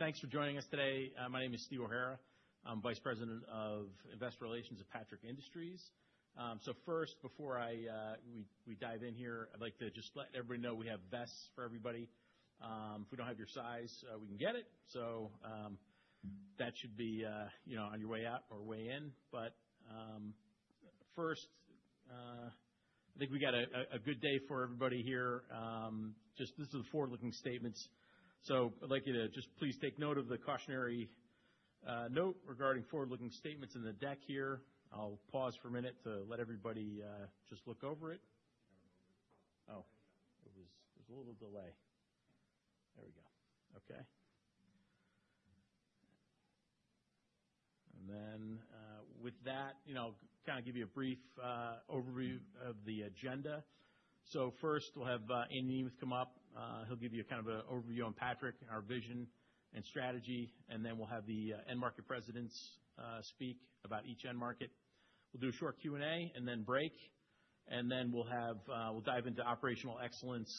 Thanks for joining us today. My name is Steve O'Hara. I'm Vice President of Investor Relations at Patrick Industries. First, before I dive in here, I'd like to just let everybody know we have vests for everybody. If we don't have your size, we can get it. That should be, you know, on your way out or way in. First, I think we got a good day for everybody here. Just this is forward-looking statements. I'd like you to just please take note of the cautionary note regarding forward-looking statements in the deck here. I'll pause for a minute to let everybody just look over it. There's a little delay. There we go. Okay. With that, you know, kind of give you a brief overview of the agenda. First, we'll have Andy Nemeth come up. He'll give you a kind of a overview on Patrick, our vision and strategy, we'll have the end market presidents speak about each end market. We'll do a short Q&A, break. We'll have, we'll dive into operational excellence,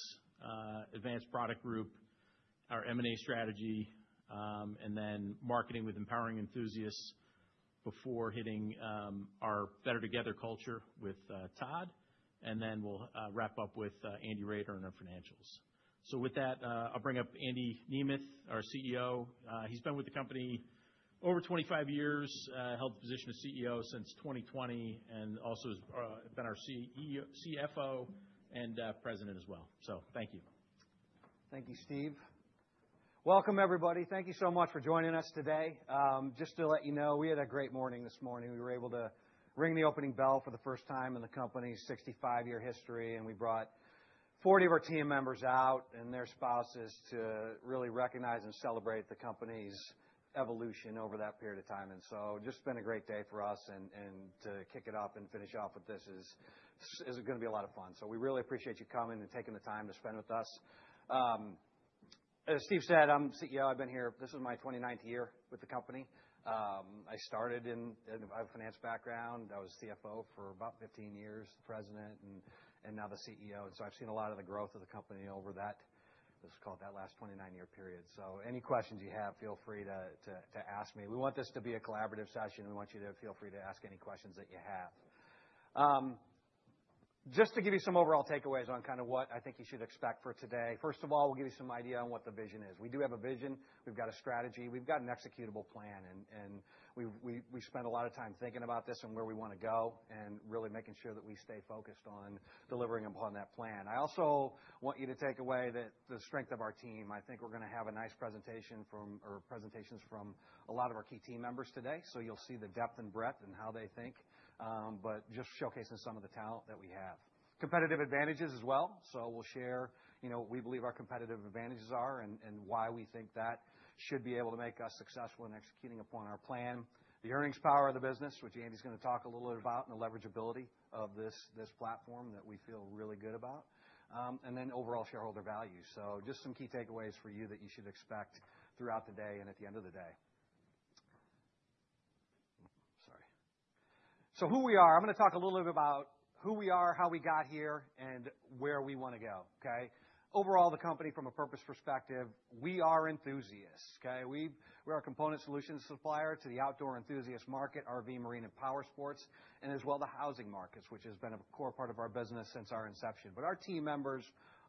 Advanced Product Group, our M&A strategy, marketing with Empowering Enthusiasts before hitting our BETTER Together culture with Todd. We'll wrap up with Andrew Roeder and our financials. With that, I'll bring up Andy Nemeth, our CEO. He's been with the company over 25 years, held the position of CEO since 2020 and also has been our CFO and President as well. Thank you. Thank you, Steve. Welcome, everybody. Thank you so much for joining us today. Just to let you know, we had a great morning this morning. We were able to ring the opening bell for the first time in the company's 65-year history. We brought 40 of our team members out and their spouses to really recognize and celebrate the company's evolution over that period of time. Just been a great day for us and to kick it off and finish off with this is going to be a lot of fun. We really appreciate you coming and taking the time to spend with us. As Steve said, I'm CEO. This is my 29th year with the company. I started. I have a finance background. I was CFO for about 15 years, President, and now the CEO. I've seen a lot of the growth of the company over that, let's call it that last 29-year period. Any questions you have, feel free to ask me. We want this to be a collaborative session. We want you to feel free to ask any questions that you have. Just to give you some overall takeaways on kind of what I think you should expect for today. First of all, we'll give you some idea on what the vision is. We do have a vision. We've got a strategy. We've got an executable plan, and we spend a lot of time thinking about this and where we wanna go and really making sure that we stay focused on delivering upon that plan. I also want you to take away the strength of our team. I think we're gonna have a nice presentation from or presentations from a lot of our key team members today. You'll see the depth and breadth and how they think, but just showcasing some of the talent that we have. Competitive advantages as well. We'll share, you know, what we believe our competitive advantages are and why we think that should be able to make us successful in executing upon our plan. The earnings power of the business, which Andy's gonna talk a little bit about, and the leverageability of this platform that we feel really good about. Overall shareholder value. Just some key takeaways for you that you should expect throughout the day and at the end of the day. Sorry. Who we are. I'm gonna talk a little bit about who we are, how we got here, and where we wanna go. Okay. Overall, the company from a purpose perspective, we are enthusiasts. Okay. We're a component solutions supplier to the outdoor enthusiast market, RV, marine, and powersports, and as well the housing markets, which has been a core part of our business since our inception. Our team members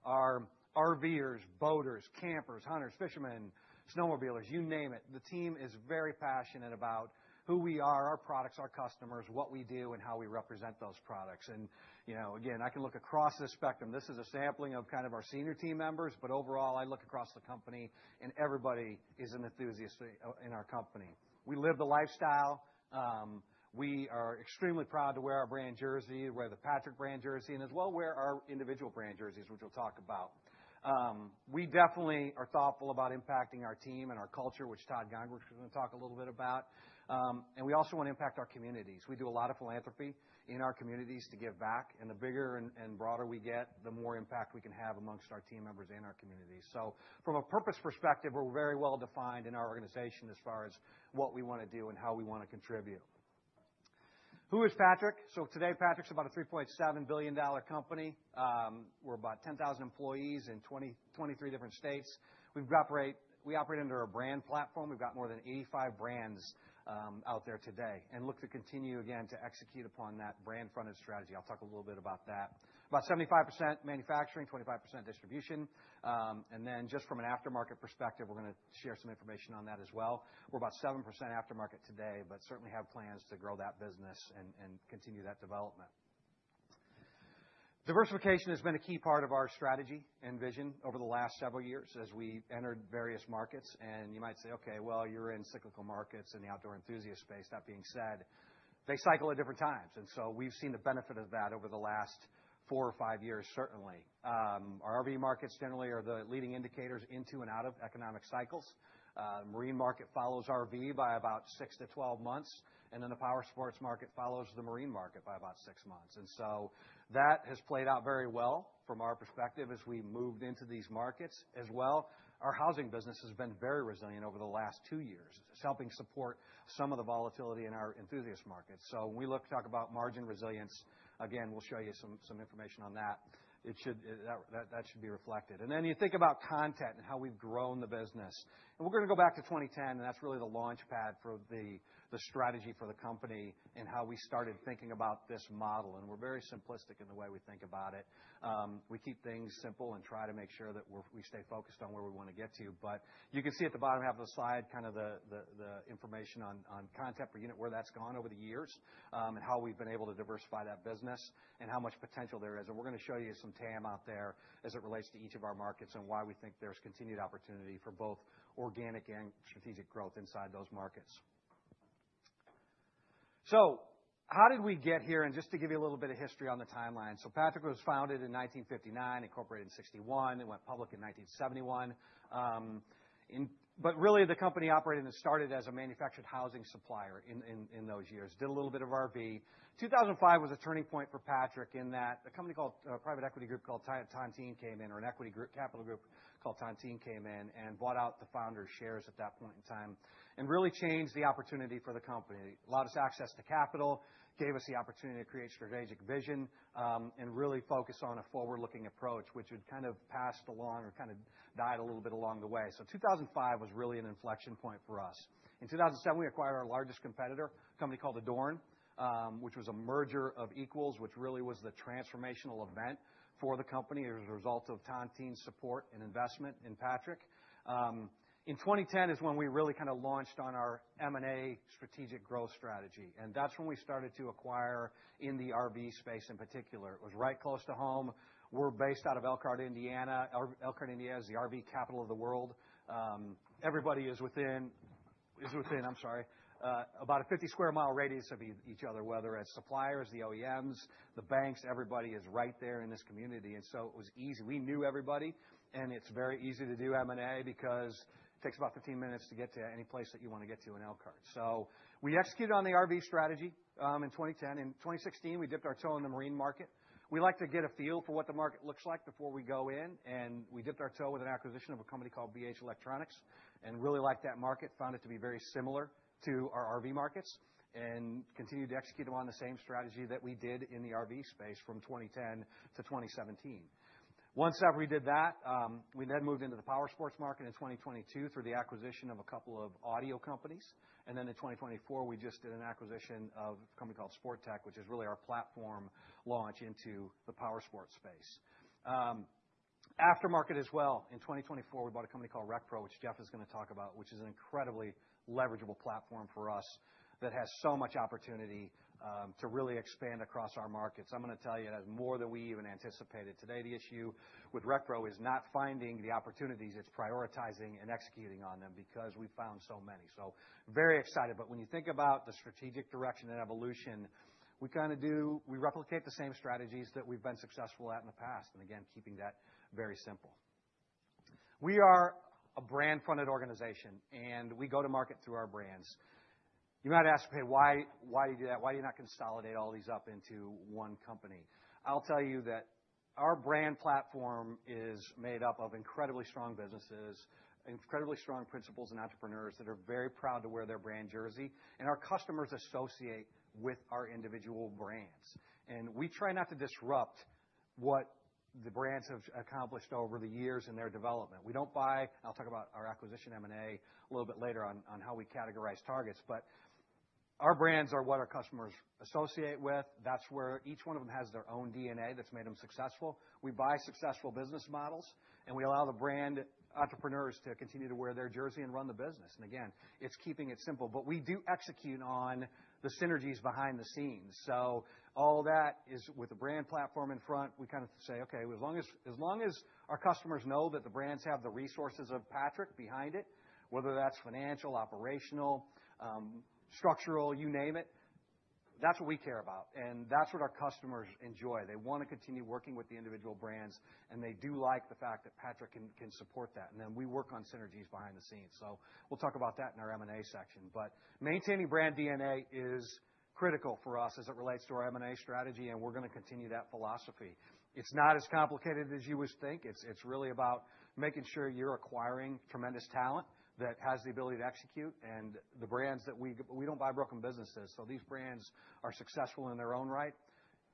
are RVers, boaters, campers, hunters, fishermen, snowmobilers, you name it. The team is very passionate about who we are, our products, our customers, what we do, and how we represent those products. You know, again, I can look across this spectrum. This is a sampling of kind of our senior team members, but overall, I look across the company and everybody is an enthusiast in our company. We live the lifestyle. We are extremely proud to wear our brand jersey, wear the Patrick brand jersey, and as well wear our individual brand jerseys, which we'll talk about. We definitely are thoughtful about impacting our team and our culture, which Todd Gongwer's gonna talk a little bit about. We also wanna impact our communities. We do a lot of philanthropy in our communities to give back, and the bigger and broader we get, the more impact we can have amongst our team members and our communities. From a purpose perspective, we're very well-defined in our organization as far as what we wanna do and how we wanna contribute. Who is Patrick? Today, Patrick's about a $3.7 billion company. We're about 10,000 employees in 23 different states. We operate under a brand platform. We've got more than 85 brands out there today and look to continue again to execute upon that brand-fronted strategy. I'll talk a little bit about that. About 75% manufacturing, 25% distribution. Just from an aftermarket perspective, we're gonna share some information on that as well. We're about 7% aftermarket today, but certainly have plans to grow that business and continue that development. Diversification has been a key part of our strategy and vision over the last several years as we entered various markets. You might say, "Okay, well, you're in cyclical markets in the outdoor enthusiast space." That being said, they cycle at different times, so we've seen the benefit of that over the last four or five years, certainly. Our RV markets generally are the leading indicators into and out of economic cycles. Marine market follows RV by about six-12 months, the powersports market follows the marine market by about six months. That has played out very well from our perspective as we moved into these markets. As well, our housing business has been very resilient over the last two years. It's helping support some of the volatility in our enthusiast markets. When we look to talk about margin resilience, again, we'll show you some information on that. That should be reflected. You think about content and how we've grown the business. We're gonna go back to 2010, that's really the launchpad for the strategy for the company and how we started thinking about this model. We're very simplistic in the way we think about it. We keep things simple and try to make sure that we stay focused on where we wanna get to. You can see at the bottom half of the slide kind of the information on content per unit, where that's gone over the years, and how we've been able to diversify that business and how much potential there is. We're gonna show you some TAM out there as it relates to each of our markets and why we think there's continued opportunity for both organic and strategic growth inside those markets. How did we get here? Just to give you a little bit of history on the timeline. Patrick was founded in 1959, incorporated in 61. It went public in 1971. Really the company operated and started as a manufactured housing supplier in those years. Did a little bit of RV. 2005 was a turning point for Patrick in that a private equity group called Tontine came in and bought out the founder's shares at that point in time and really changed the opportunity for the company. Allowed us access to capital, gave us the opportunity to create strategic vision, and really focus on a forward-looking approach, which had kind of passed along or kinda died a little bit along the way. 2005 was really an inflection point for us. In 2007, we acquired our largest competitor, a company called Adorn, which was a merger of equals, which really was the transformational event for the company. It was a result of Tontine's support and investment in Patrick. In 2010 is when we really kinda launched on our M&A strategic growth strategy, and that's when we started to acquire in the RV space in particular. It was right close to home. We're based out of Elkhart, Indiana. Elkhart, Indiana, is the RV capital of the world. Everybody is within, I'm sorry, about a 50 square mile radius of each other, whether it's suppliers, the OEMs, the banks, everybody is right there in this community. It was easy. We knew everybody, and it's very easy to do M&A because it takes about 15 minutes to get to any place that you wanna get to in Elkhart. We executed on the RV strategy in 2010. In 2016, we dipped our toe in the marine market. We like to get a feel for what the market looks like before we go in, and we dipped our toe with an acquisition of a company called BH Electronics and really liked that market, found it to be very similar to our RV markets and continued to execute on the same strategy that we did in the RV space from 2010 to 2017. Once that we did that, we then moved into the powersports market in 2022 through the acquisition of a couple of audio companies. Then in 2024, we just did an acquisition of a company called Sportech, which is really our platform launch into the powersports space. Aftermarket as well. In 2024, we bought a company called RecPro, which Jeff is gonna talk about, which is an incredibly leverageable platform for us that has so much opportunity to really expand across our markets. I'm gonna tell you it has more than we even anticipated. Today, the issue with RecPro is not finding the opportunities. It's prioritizing and executing on them because we've found so many. Very excited. When you think about the strategic direction and evolution, we replicate the same strategies that we've been successful at in the past. Again, keeping that very simple. We are a brand-funded organization. We go to market through our brands. You might ask, "Hey, why do you do that? Why are you not consolidating all these up into one company?" I'll tell you that our brand platform is made up of incredibly strong businesses, incredibly strong principals and entrepreneurs that are very proud to wear their brand jersey, and our customers associate with our individual brands. We try not to disrupt what the brands have accomplished over the years in their development. I'll talk about our acquisition M&A a little bit later on how we categorize targets. Our brands are what our customers associate with. That's where each one of them has their own DNA that's made them successful. We buy successful business models, and we allow the brand entrepreneurs to continue to wear their jersey and run the business. Again, it's keeping it simple. We do execute on the synergies behind the scenes. All that is with the brand platform in front. We kind of say, "Okay, as long as our customers know that the brands have the resources of Patrick behind it, whether that's financial, operational, structural, you name it, that's what we care about, and that's what our customers enjoy." They wanna continue working with the individual brands, and they do like the fact that Patrick can support that. Then we work on synergies behind the scenes. We'll talk about that in our M&A section. Maintaining brand DNA is critical for us as it relates to our M&A strategy, and we're gonna continue that philosophy. It's not as complicated as you would think. It's really about making sure you're acquiring tremendous talent that has the ability to execute. We don't buy broken businesses, these brands are successful in their own right.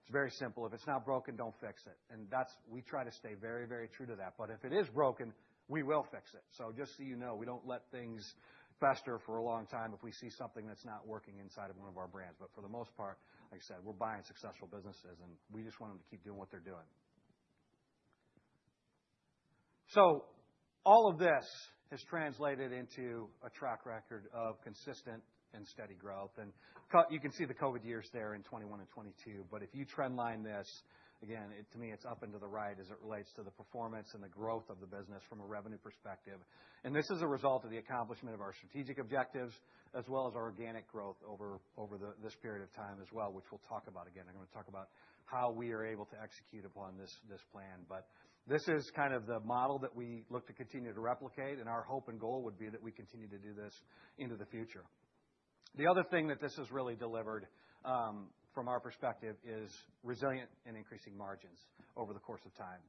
It's very simple. If it's not broken, don't fix it. We try to stay very, very true to that. If it is broken, we will fix it. Just so you know, we don't let things fester for a long time if we see something that's not working inside of one of our brands. For the most part, like I said, we're buying successful businesses, and we just want them to keep doing what they're doing. All of this has translated into a track record of consistent and steady growth. You can see the COVID years there in 21 and 22. If you trendline this, again, to me, it's up and to the right as it relates to the performance and the growth of the business from a revenue perspective. This is a result of the accomplishment of our strategic objectives as well as our organic growth over this period of time as well, which we will talk about again. I'm gonna talk about how we are able to execute upon this plan. This is kind of the model that we look to continue to replicate, and our hope and goal would be that we continue to do this into the future. The other thing that this has really delivered from our perspective is resilient and increasing margins over the course of time.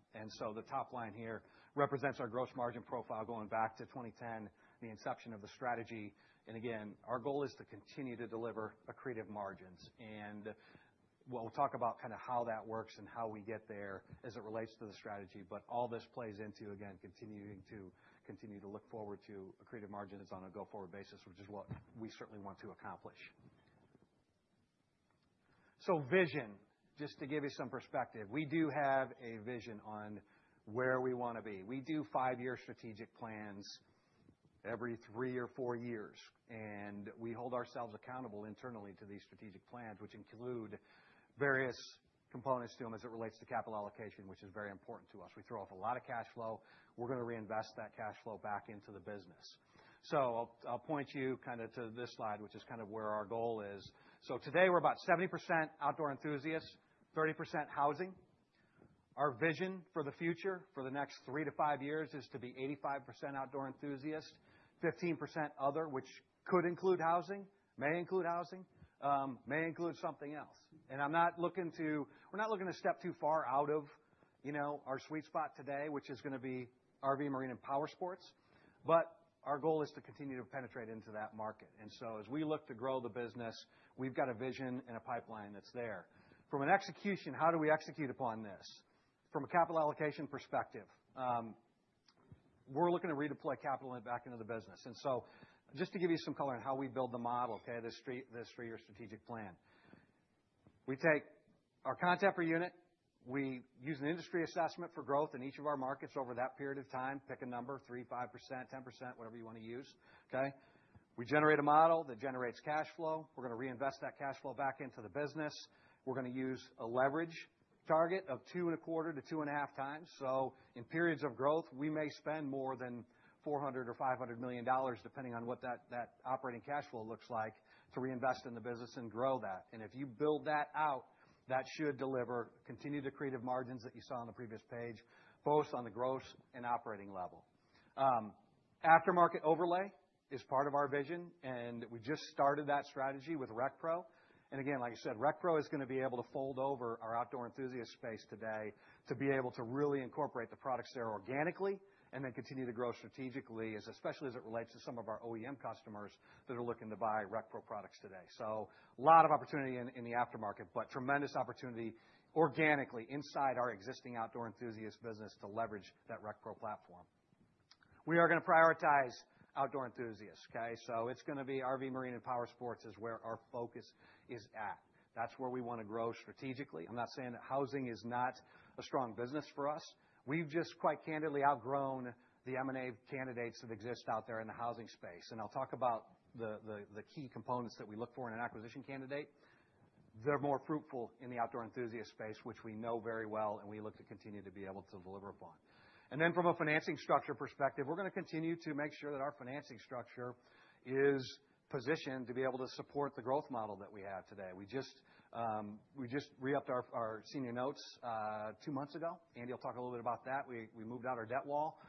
The top line here represents our gross margin profile going back to 2010, the inception of the strategy. Again, our goal is to continue to deliver accretive margins. We'll talk about kind of how that works and how we get there as it relates to the strategy. All this plays into, again, continuing to look forward to accretive margins on a go-forward basis, which is what we certainly want to accomplish. Vision, just to give you some perspective, we do have a vision on where we want to be. We do five-year strategic plans every three or four years, and we hold ourselves accountable internally to these strategic plans, which include various components to them as it relates to capital allocation, which is very important to us. We throw off a lot of cash flow. We're going to reinvest that cash flow back into the business. I'll point you kind of to this slide, which is kind of where our goal is. Today, we're about 70% outdoor enthusiasts, 30% housing. Our vision for the future, for the next three-five years, is to be 85% outdoor enthusiast, 15% other, which could include housing, may include housing, may include something else. We're not looking to step too far out of, you know, our sweet spot today, which is gonna be RV, marine, and powersports. Our goal is to continue to penetrate into that market. As we look to grow the business, we've got a vision and a pipeline that's there. From an execution perspective, how do we execute upon this? From a capital allocation perspective, we're looking to redeploy capital back into the business. Just to give you some color on how we build the model, this three-year strategic plan. We take our content per unit. We use an industry assessment for growth in each of our markets over that period of time. Pick a number, 3%, 5%, 10%, whatever you wanna use, okay. We generate a model that generates cash flow. We're gonna reinvest that cash flow back into the business. We're gonna use a leverage target of 2.25x-2.5x. In periods of growth, we may spend more than $400 million or $500 million, depending on what that operating cash flow looks like, to reinvest in the business and grow that. If you build that out, that should deliver continued accretive margins that you saw on the previous page, both on the gross and operating level. Aftermarket overlay is part of our vision, and we just started that strategy with RecPro. Again, like I said, RecPro is gonna be able to fold over our Outdoor Enthusiast space today to be able to really incorporate the products there organically and then continue to grow strategically, as, especially as it relates to some of our OEM customers that are looking to buy RecPro products today. A lot of opportunity in the aftermarket, but tremendous opportunity organically inside our existing Outdoor Enthusiast business to leverage that RecPro platform. We are gonna prioritize Outdoor Enthusiasts, okay? It's gonna be RV, Marine, and Powersports is where our focus is at. That's where we wanna grow strategically. I'm not saying that Housing is not a strong business for us. We've just quite candidly outgrown the M&A candidates that exist out there in the Housing space. I'll talk about the key components that we look for in an acquisition candidate. They're more fruitful in the outdoor enthusiast space, which we know very well, and we look to continue to be able to deliver upon. From a financing structure perspective, we're gonna continue to make sure that our financing structure is positioned to be able to support the growth model that we have today. We just, we just re-upped our senior notes two months ago. Andrew will talk a little bit about that. We moved out our debt wall,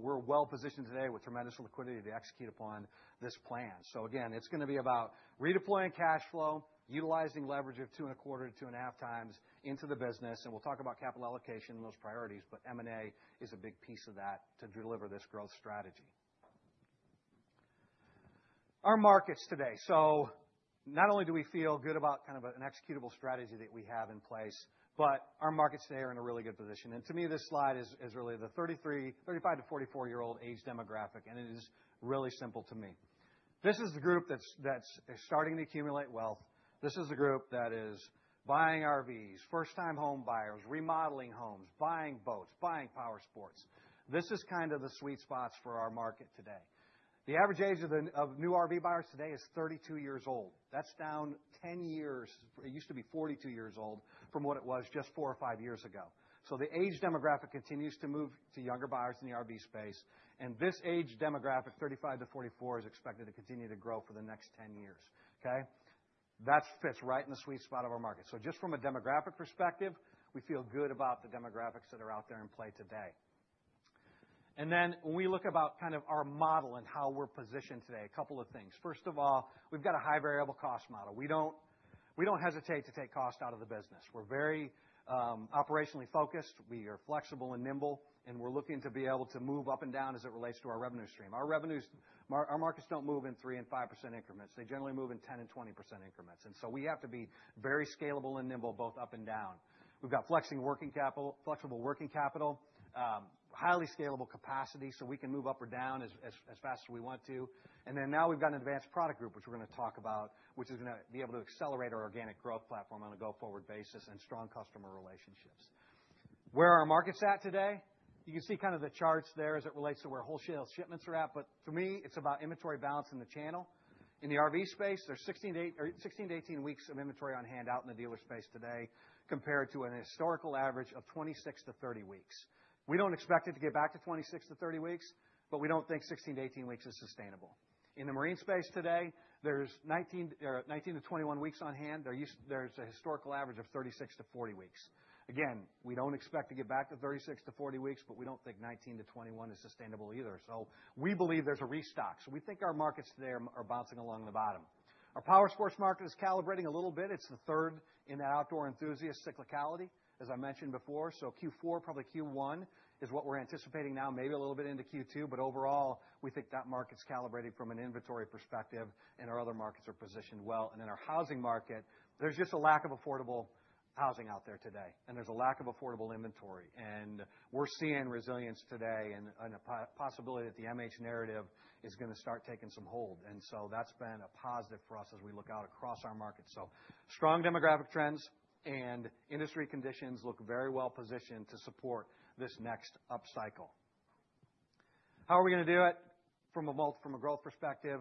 we're well-positioned today with tremendous liquidity to execute upon this plan. Again, it's gonna be about redeploying cash flow, utilizing leverage of 2.25x-2.5x into the business, and we'll talk about capital allocation and those priorities, but M&A is a big piece of that to deliver this growth strategy. Our markets today. Not only do we feel good about kind of an executable strategy that we have in place, but our markets today are in a really good position. To me, this slide is really the 33, 35-44-year-old age demographic, and it is really simple to me. This is the group that's starting to accumulate wealth. This is the group that is buying RVs, first-time home buyers, remodeling homes, buying boats, buying powersports. This is kind of the sweet spots for our market today. The average age of new RV buyers today is 32 years old. That's down 10 years. It used to be 42 years old from what it was just four or five years ago. The age demographic continues to move to younger buyers in the RV space, this age demographic, 35-44, is expected to continue to grow for the next 10 years, okay? That fits right in the sweet spot of our market. Just from a demographic perspective, we feel good about the demographics that are out there in play today. When we look about kind of our model and how we're positioned today, a couple of things. First of all, we've got a high variable cost model. We don't hesitate to take cost out of the business. We're very operationally focused. We are flexible and nimble, and we're looking to be able to move up and down as it relates to our revenue stream. Our revenues, our markets don't move in 3% and 5% increments. They generally move in 10% and 20% increments. We have to be very scalable and nimble both up and down. We've got flexing working capital, flexible working capital, highly scalable capacity, so we can move up or down as fast as we want to. Now we've got an advanced product group, which we're going to talk about, which is going to be able to accelerate our organic growth platform on a go-forward basis and strong customer relationships. Where are our markets at today? You can see kind of the charts there as it relates to where wholesale shipments are at, to me, it's about inventory balance in the channel. In the RV space, there's 16 to 18 weeks of inventory on hand out in the dealer space today, compared to an historical average of 26 to 30 weeks. We don't expect it to get back to 26-30 weeks, but we don't think 16-18 weeks is sustainable. In the marine space today, there's 19-21 weeks on hand. There's a historical average of 36-40 weeks. Again, we don't expect to get back to 36-40 weeks, but we don't think 19-21 is sustainable either. We believe there's a restock. We think our markets today are bouncing along the bottom. Our powersports market is calibrating a little bit. It's the third in that outdoor enthusiast cyclicality, as I mentioned before. Q4, probably Q1 is what we're anticipating now, maybe a little bit into Q2. Overall, we think that market's calibrating from an inventory perspective, and our other markets are positioned well. In our housing market, there's just a lack of affordable housing out there today, and there's a lack of affordable inventory. We're seeing resilience today and a possibility that the MH narrative is going to start taking some hold. That's been a positive for us as we look out across our markets. Strong demographic trends and industry conditions look very well positioned to support this next upcycle. How are we going to do it from a growth perspective?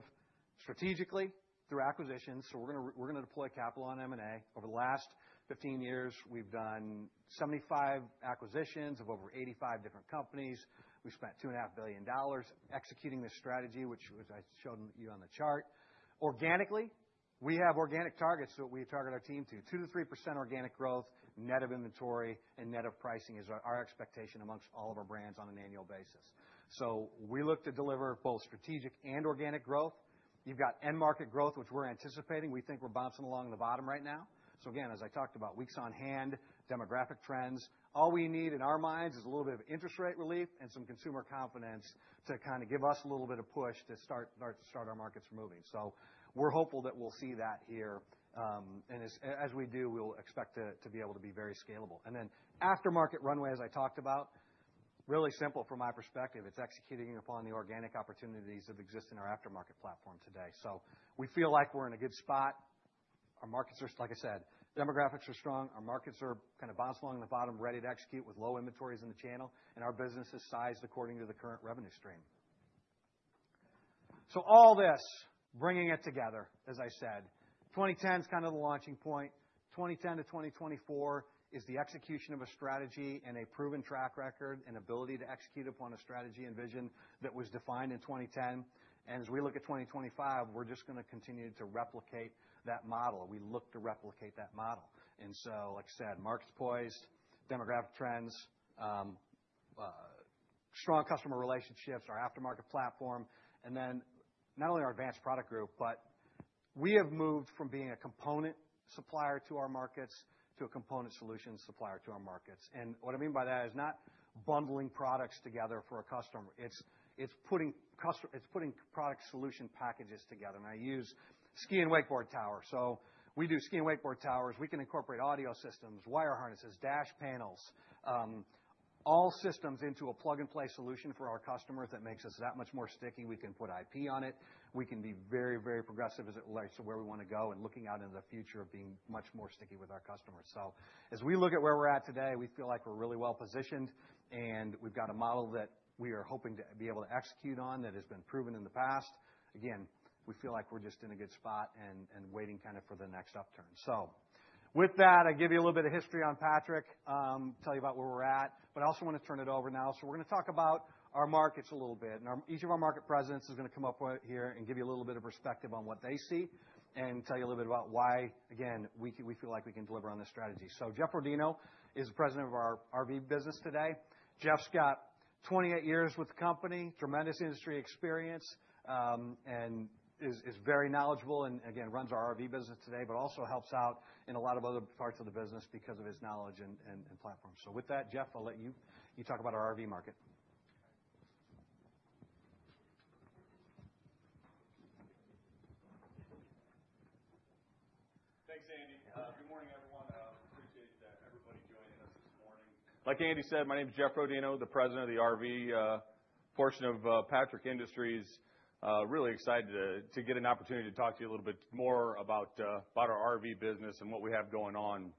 Strategically, through acquisitions. We're going to deploy capital on M&A. Over the last 15 years, we've done 75 acquisitions of over 85 different companies. We've spent $2.5 billion Executing this strategy, which I showed you on the chart. Organically, we have organic targets that we target our team to. 2%-3% organic growth, net of inventory and net of pricing is our expectation amongst all of our brands on an annual basis. We look to deliver both strategic and organic growth. You've got end market growth, which we're anticipating. We think we're bouncing along the bottom right now. Again, as I talked about, weeks on hand, demographic trends, all we need in our minds is a little bit of interest rate relief and some consumer confidence to kind of give us a little bit of push to start our markets moving. We're hopeful that we'll see that here. As we do, we'll expect to be able to be very scalable. Aftermarket runway, as I talked about, really simple from my perspective. It's executing upon the organic opportunities that exist in our aftermarket platform today. We feel like we're in a good spot. Our markets are, like I said, demographics are strong. Our markets are kind of bouncing along the bottom, ready to execute with low inventories in the channel, and our business is sized according to the current revenue stream. All this, bringing it together, as I said, 2010 is kind of the launching point. 2010 to 2024 is the execution of a strategy and a proven track record and ability to execute upon a strategy and vision that was defined in 2010. As we look at 2025, we're just gonna continue to replicate that model. We look to replicate that model. Like I said, market's poised, demographic trends, strong customer relationships, our aftermarket platform, then not only our advanced product group, but we have moved from being a component supplier to our markets to a component solution supplier to our markets. What I mean by that is not bundling products together for a customer. It's putting product solution packages together. I use ski and wakeboard tower. We do ski and wakeboard towers. We can incorporate audio systems, wire harnesses, dash panels, all systems into a plug-and-play solution for our customers that makes us that much more sticky. We can put IP on it. We can be very progressive as it relates to where we wanna go and looking out into the future of being much more sticky with our customers. As we look at where we're at today, we feel like we're really well positioned, and we've got a model that we are hoping to be able to execute on that has been proven in the past. Again, we feel like we're just in a good spot and waiting kind of for the next upturn. With that, I gave you a little bit of history on Patrick, tell you about where we're at, but I also wanna turn it over now. We're gonna talk about our markets a little bit. Each of our market presidents is gonna come up here and give you a little bit of perspective on what they see and tell you a little bit about why, again, we feel like we can deliver on this strategy. Jeff Rodino is the President of our RV Business today. Jeff's got 28 years with the company, tremendous industry experience, and is very knowledgeable and, again, runs our RV Business today, but also helps out in a lot of other parts of the business because of his knowledge and platform. With that, Jeff, I'll let you talk about our RV market. Thanks, Andy. Good morning, everyone. Appreciate everybody joining us this morning. Like Andy said, my name's Jeff Rodino, the President of the RV portion of Patrick Industries. Really excited to get an opportunity to talk to you a little bit more about our RV business and what we have going on.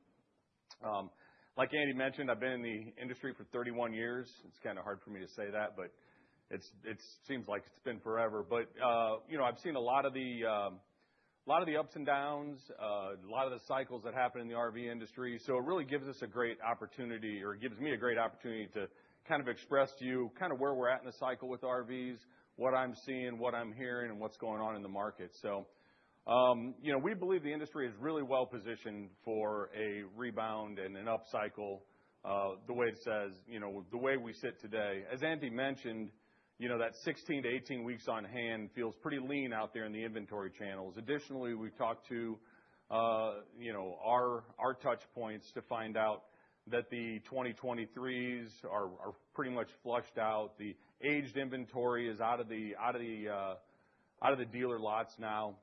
Like Andy mentioned, I've been in the industry for 31 years. It's kind of hard for me to say that, but it seems like it's been forever. You know, I've seen a lot of the ups and downs, a lot of the cycles that happen in the RV industry. It really gives us a great opportunity or gives me a great opportunity to kind of express to you kind of where we're at in the cycle with RVs, what I'm seeing, what I'm hearing, and what's going on in the market. You know, we believe the industry is really well positioned for a rebound and an upcycle, the way it says, you know, the way we sit today. As Andy mentioned, you know, that 16 to 18 weeks on hand feels pretty lean out there in the inventory channels. Additionally, we've talked to, you know, our touch points to find out that the 2023s are pretty much flushed out. The aged inventory is out of the dealer lots now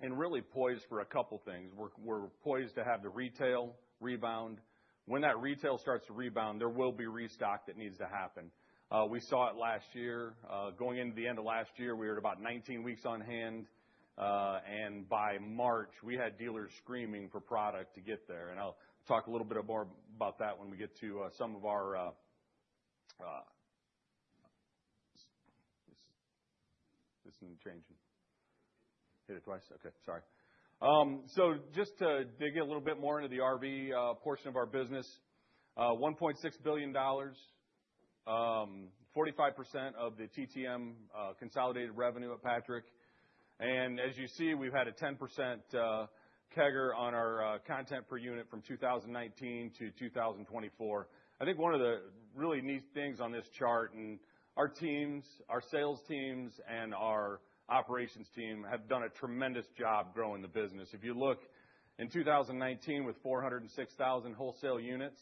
and really poised for a couple things. We're poised to have the retail rebound. When that retail starts to rebound, there will be restock that needs to happen. We saw it last year. Going into the end of last year, we were at about 19 weeks on hand. By March, we had dealers screaming for product to get there. I'll talk a little bit more about that when we get to. This isn't changing. Hit it twice? Okay, sorry. Just to dig a little bit more into the RV portion of our business, $1.6 billion, 45% of the TTM consolidated revenue at Patrick. As you see, we've had a 10% CAGR on our content per unit from 2019 to 2024. I think one of the really neat things on this chart and our teams, our sales teams and our operations team have done a tremendous job growing the business. If you look in 2019 with 406,000 wholesale units,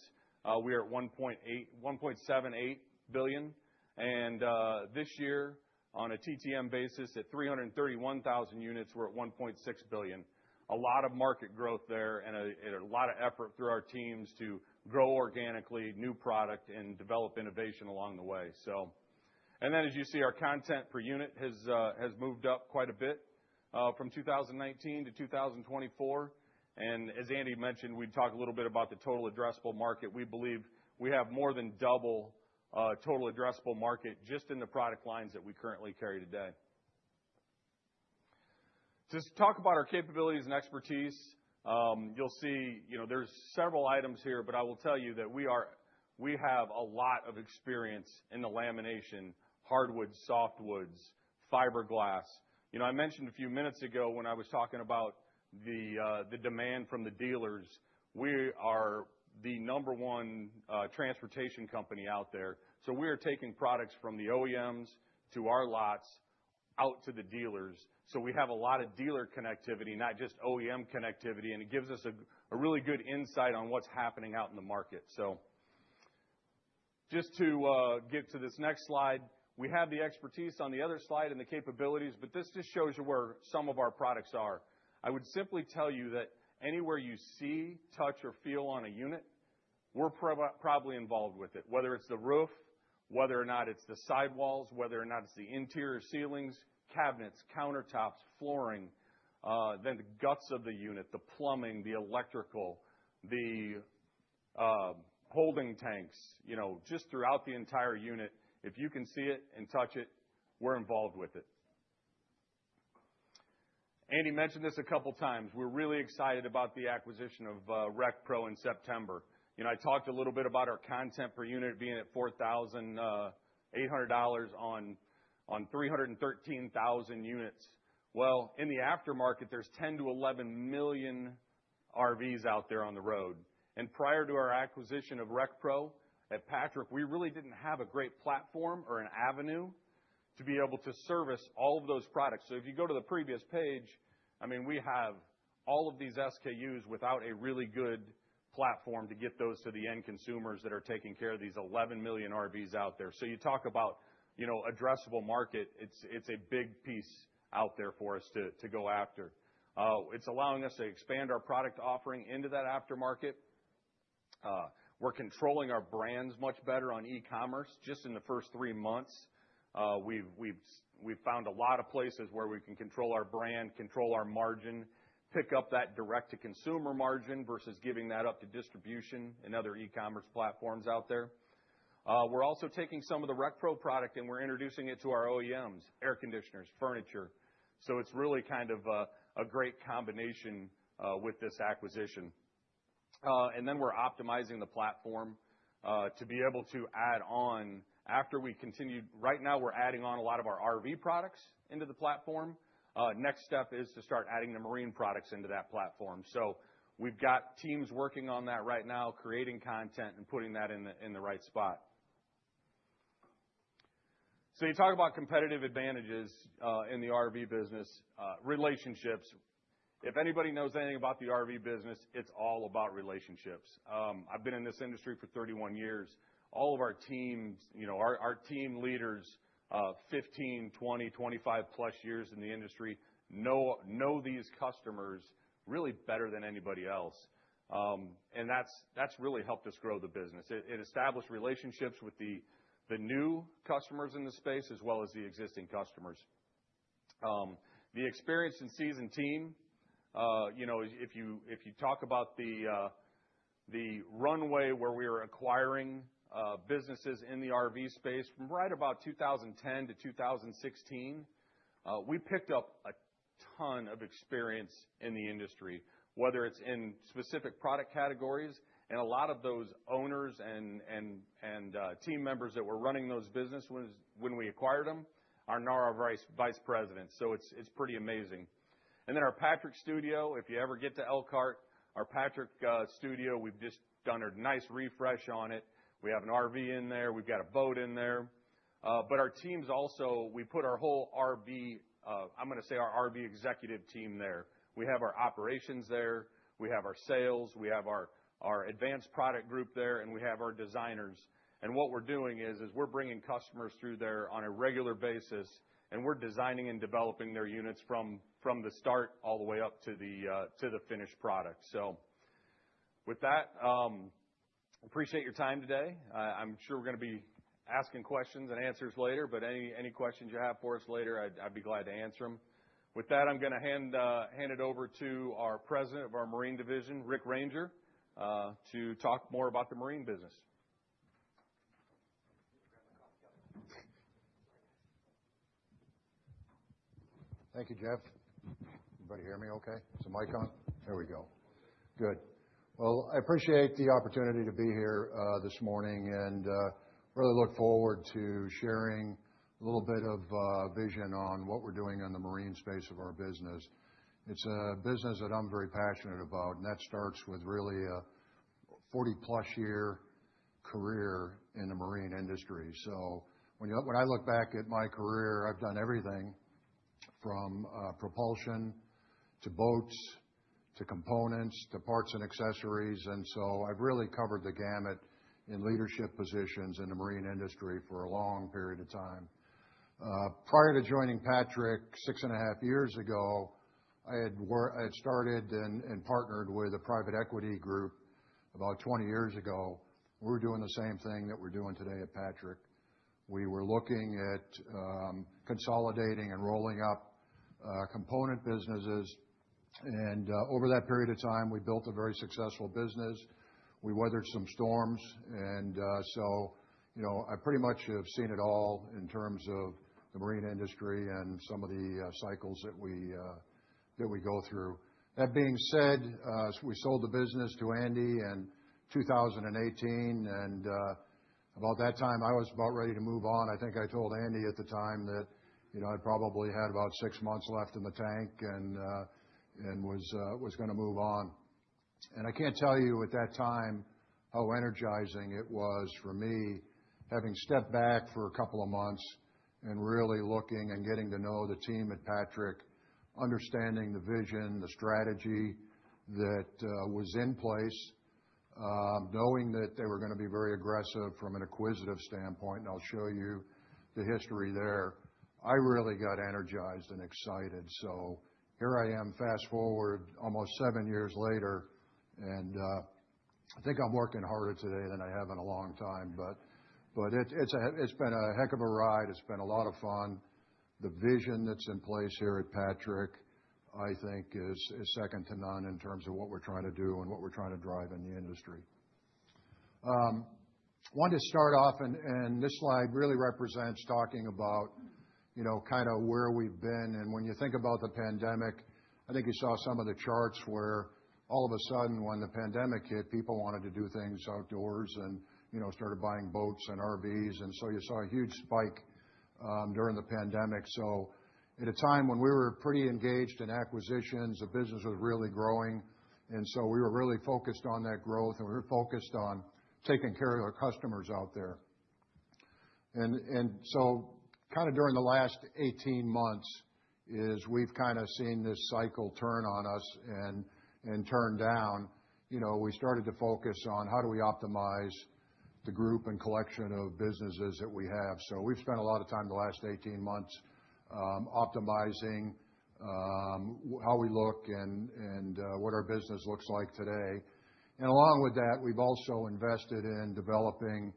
we are at $1.78 billion. This year on a TTM basis at 331,000 units, we're at $1.6 billion. A lot of market growth there and a lot of effort through our teams to grow organically new product and develop innovation along the way. As you see, our content per unit has moved up quite a bit. From 2019 to 2024, as Andy mentioned, we'd talk a little bit about the total addressable market. We believe we have more than double total addressable market just in the product lines that we currently carry today. Just to talk about our capabilities and expertise, you'll see, you know, there's several items here, but I will tell you that we have a lot of experience in the lamination, hardwood, softwoods, fiberglass. You know, I mentioned a few minutes ago when I was talking about the demand from the dealers, we are the number one transportation company out there. We are taking products from the OEMs to our lots out to the dealers. We have a lot of dealer connectivity, not just OEM connectivity, and it gives us a really good insight on what's happening out in the market. Just to get to this next slide, we have the expertise on the other slide and the capabilities. This just shows you where some of our products are. I would simply tell you that anywhere you see, touch, or feel on a unit, we're probably involved with it, whether it's the roof, whether or not it's the sidewalls, whether or not it's the interior ceilings, cabinets, countertops, flooring, then the guts of the unit, the plumbing, the electrical, the holding tanks, you know, just throughout the entire unit. If you can see it and touch it, we're involved with it. Andy mentioned this a couple times. We're really excited about the acquisition of RecPro in September. You know, I talked a little bit about our content per unit being at $4,800 on 313,000 units. Well, in the aftermarket, there's 10 million-11 million RVs out there on the road. Prior to our acquisition of RecPro, at Patrick, we really didn't have a great platform or an avenue to be able to service all of those products. If you go to the previous page, I mean, we have all of these SKUs without a really good platform to get those to the end consumers that are taking care of these 11 million RVs out there. You talk about, you know, addressable market, it's a big piece out there for us to go after. It's allowing us to expand our product offering into that aftermarket. We're controlling our brands much better on e-commerce just in the first three months. We've found a lot of places where we can control our brand, control our margin, pick up that direct-to-consumer margin versus giving that up to distribution and other e-commerce platforms out there. We're also taking some of the RecPro product, and we're introducing it to our OEMs, air conditioners, furniture. It's really kind of a great combination with this acquisition. Then we're optimizing the platform to be able to add on after we continue. Right now we're adding on a lot of our RV products into the platform. Next step is to start adding the marine products into that platform. We've got teams working on that right now, creating content and putting that in the right spot. You talk about competitive advantages in the RV business, relationships. If anybody knows anything about the RV business, it's all about relationships. I've been in this industry for 31 years. All of our teams, you know, our team leaders, 15, 20, 25+ years in the industry, know these customers really better than anybody else. That's really helped us grow the business. It established relationships with the new customers in the space as well as the existing customers. The experienced and seasoned team, you know, if you, if you talk about the runway where we are acquiring businesses in the RV space from right about 2010-2016, we picked up a ton of experience in the industry, whether it's in specific product categories and a lot of those owners and team members that were running those businesses when we acquired them are now our vice presidents. It's pretty amazing. Then our Patrick Studio, if you ever get to Elkhart, our Patrick Studio, we've just done a nice refresh on it. We have an RV in there. We've got a boat in there. Our teams also, we put our whole RV, I'm gonna say our RV executive team there. We have our operations there. We have our sales. We have our advanced product group there, we have our designers. What we're doing is we're bringing customers through there on a regular basis, we're designing and developing their units from the start all the way up to the finished product. With that, appreciate your time today. I'm sure we're gonna be asking questions and answers later, any questions you have for us later, I'd be glad to answer them. With that, I'm gonna hand it over to our President of our marine division, Rick Runger, to talk more about the marine business. Thank you, Jeff. Everybody hear me okay? Is the mic on? There we go. Good. I appreciate the opportunity to be here this morning and really look forward to sharing a little bit of vision on what we're doing in the marine space of our business. It's a business that I'm very passionate about, and that starts with really a 40+ year career in the marine industry. When I look back at my career, I've done everything from propulsion to boats to components to parts and accessories. I've really covered the gamut in leadership positions in the marine industry for a long period of time. Prior to joining Patrick 6.5 years ago, I had started and partnered with a private equity group about 20 years ago. We were doing the same thing that we're doing today at Patrick. We were looking at consolidating and rolling up component businesses. Over that period of time, we built a very successful business. We weathered some storms. So, you know, I pretty much have seen it all in terms of the marine industry and some of the cycles that we go through. That being said, we sold the business to Andy in 2018. About that time, I was about ready to move on. I think I told Andy at the time that, you know, I probably had about six months left in the tank and was gonna move on. I can't tell you at that time how energizing it was for me, having stepped back for a couple of months and really looking and getting to know the team at Patrick, understanding the vision, the strategy that was in place, knowing that they were gonna be very aggressive from an acquisitive standpoint, and I'll show you the history there. I really got energized and excited. Here I am, fast-forward almost seven years later, and I think I'm working harder today than I have in a long time. It's been a heck of a ride. It's been a lot of fun. The vision that's in place here at Patrick, I think, is second to none in terms of what we're trying to do and what we're trying to drive in the industry. Wanted to start off, and this slide really represents talking about, you know, kinda where we've been. When you think about the pandemic, I think you saw some of the charts where all of a sudden, when the pandemic hit, people wanted to do things outdoors and, you know, started buying boats and RVs, and so you saw a huge spike during the pandemic. At a time when we were pretty engaged in acquisitions, the business was really growing, and so we were really focused on that growth, and we were focused on taking care of our customers out there. Kinda during the last 18 months is we've kinda seen this cycle turn on us and turn down. You know, we started to focus on how do we optimize the group and collection of businesses that we have. We've spent a lot of time the last 18 months optimizing how we look and what our business looks like today. Along with that, we've also invested in developing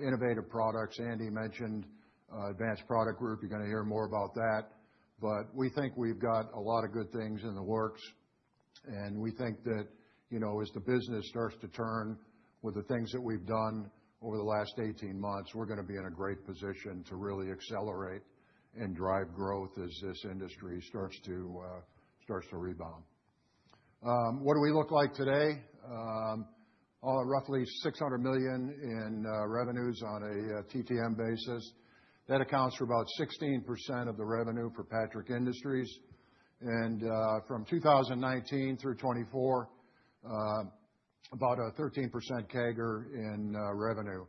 innovative products. Andy mentioned Advanced Product Group. You're gonna hear more about that. We think we've got a lot of good things in the works, and we think that, you know, as the business starts to turn with the things that we've done over the last 18 months, we're gonna be in a great position to really accelerate and drive growth as this industry starts to rebound. What do we look like today? Roughly $600 million in revenues on a TTM basis. That accounts for about 16% of the revenue for Patrick Industries. From 2019 through 2024, about a 13% CAGR in revenue.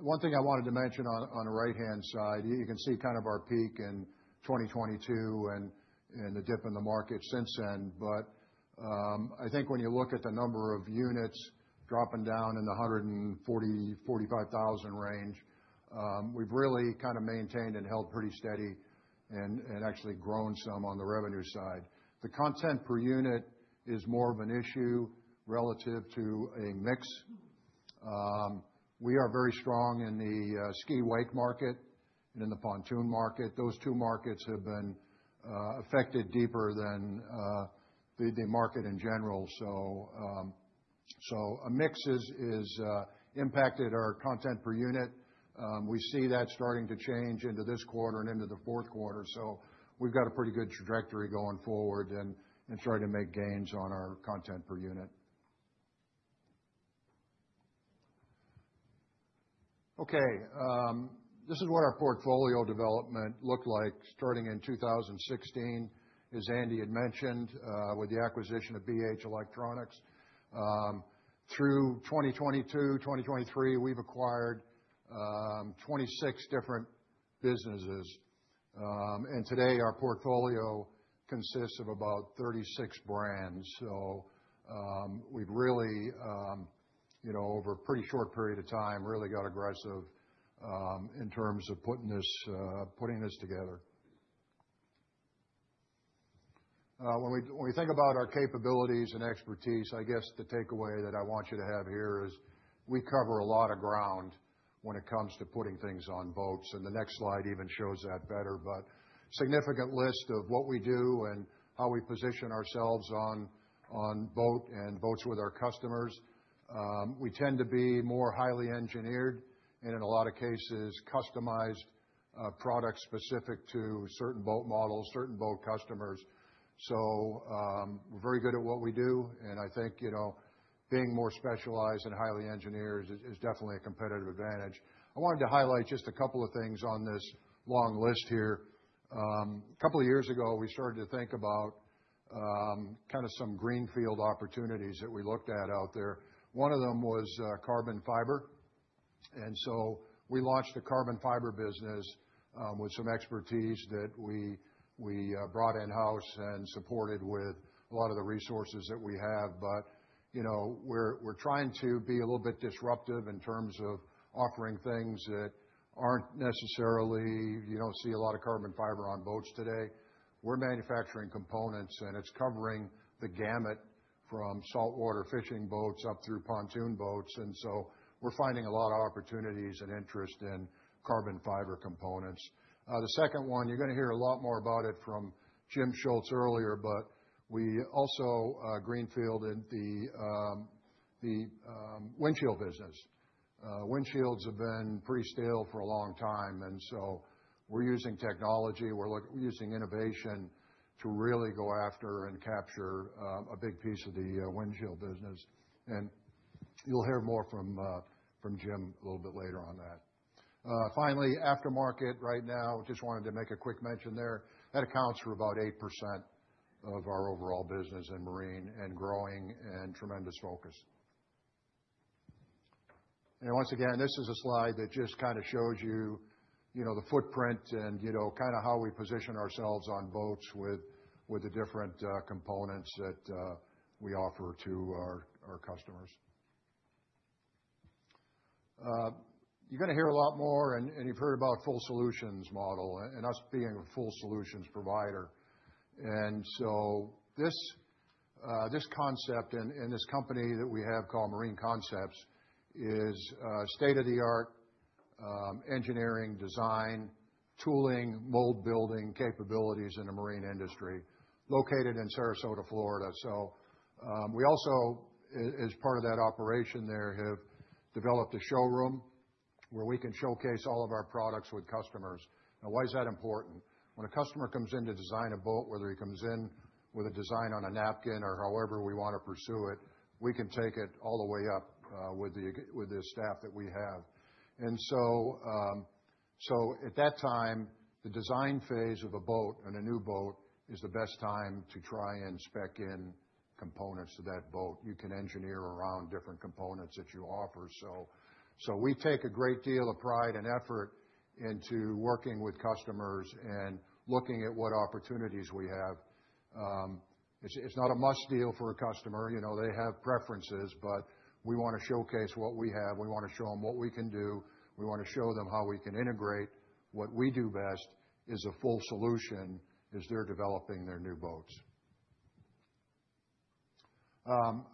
One thing I wanted to mention on the right-hand side, you can see kind of our peak in 2022 and the dip in the market since then. I think when you look at the number of units dropping down in the 140,000-145,000 range, we've really kinda maintained and held pretty steady and actually grown some on the revenue side. The content per unit is more of an issue relative to a mix. We are very strong in the ski/wake market and in the pontoon market. Those two markets have been affected deeper than the market in general. A mix is impacted our content per unit. We see that starting to change into this quarter and into the fourth quarter. We've got a pretty good trajectory going forward and starting to make gains on our content per unit. Okay, this is what our portfolio development looked like starting in 2016, as Andy had mentioned, with the acquisition of BH Electronics. Through 2022, 2023, we've acquired 26 different businesses. Today our portfolio consists of about 36 brands. We've really, you know, over a pretty short period of time, really got aggressive in terms of putting this together. When we think about our capabilities and expertise, I guess the takeaway that I want you to have here is we cover a lot of ground when it comes to putting things on boats, and the next slide even shows that better. Significant list of what we do and how we position ourselves on boats with our customers. We tend to be more highly engineered and in a lot of cases, customized products specific to certain boat models, certain boat customers. We're very good at what we do, and I think, you know, being more specialized and highly engineered is definitely a competitive advantage. I wanted to highlight just a couple of things on this long list here. A couple of years ago, we started to think about kinda some greenfield opportunities that we looked at out there. One of them was carbon fiber. We launched the carbon fiber business with some expertise that we brought in-house and supported with a lot of the resources that we have. You know, we're trying to be a little bit disruptive in terms of offering things that aren't necessarily. You don't see a lot of carbon fiber on boats today. We're manufacturing components, and it's covering the gamut from saltwater fishing boats up through pontoon boats. We're finding a lot of opportunities and interest in carbon fiber components. The second one, you're gonna hear a lot more about it from Jim Schultz earlier, but we also greenfielded the windshield business. Windshields have been pretty stale for a long time, we're using technology, using innovation to really go after and capture a big piece of the windshield business. You'll hear more from Jim a little bit later on that. Finally, aftermarket right now, just wanted to make a quick mention there. That accounts for about 8% of our overall business in marine and growing and tremendous focus. Once again, this is a slide that just kind of shows you know, the footprint and, you know, kind of how we position ourselves on boats with the different components that we offer to our customers. You're gonna hear a lot more, and you've heard about full solutions model and us being a full solutions provider. This, this concept and this company that we have called Marine Concepts is state-of-the-art engineering, design, tooling, mold building capabilities in the marine industry, located in Sarasota, Florida. We also, as part of that operation there, have developed a showroom where we can showcase all of our products with customers. Now, why is that important? When a customer comes in to design a boat, whether he comes in with a design on a napkin or however we want to pursue it, we can take it all the way up with the, with the staff that we have. So at that time, the design phase of a boat and a new boat is the best time to try and spec in components to that boat. You can engineer around different components that you offer. We take a great deal of pride and effort into working with customers and looking at what opportunities we have. It's not a must deal for a customer. You know, they have preferences, but we wanna showcase what we have. We wanna show them what we can do. We wanna show them how we can integrate. What we do best is a full solution as they're developing their new boats.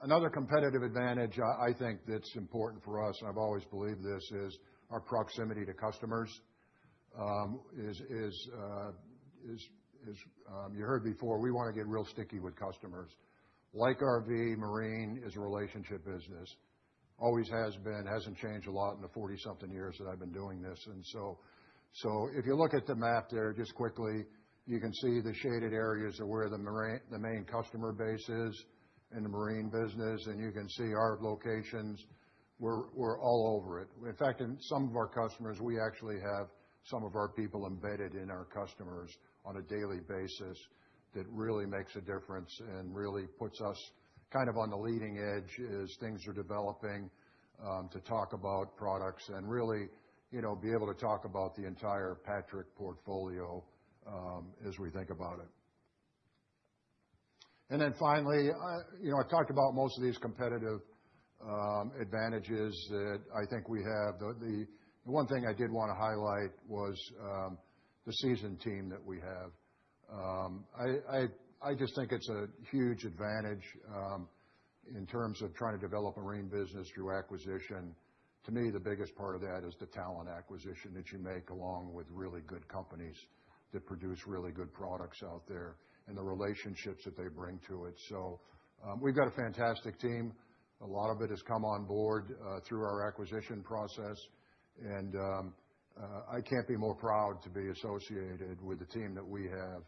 Another competitive advantage I think that's important for us, and I've always believed this, is our proximity to customers, is, you heard before, we wanna get real sticky with customers. Like RV, marine is a relationship business. Always has been. Hasn't changed a lot in the 40-something years that I've been doing this. If you look at the map there just quickly, you can see the shaded areas of where the main customer base is in the marine business, and you can see our locations. We're all over it. In fact, in some of our customers, we actually have some of our people embedded in our customers on a daily basis that really makes a difference and really puts us kind of on the leading edge as things are developing, to talk about products and really, you know, be able to talk about the entire Patrick portfolio, as we think about it. Finally, you know, I talked about most of these competitive advantages that I think we have. The one thing I did wanna highlight was the seasoned team that we have. I just think it's a huge advantage in terms of trying to develop a marine business through acquisition. To me, the biggest part of that is the talent acquisition that you make, along with really good companies that produce really good products out there and the relationships that they bring to it. We've got a fantastic team. A lot of it has come on board through our acquisition process, and I can't be more proud to be associated with the team that we have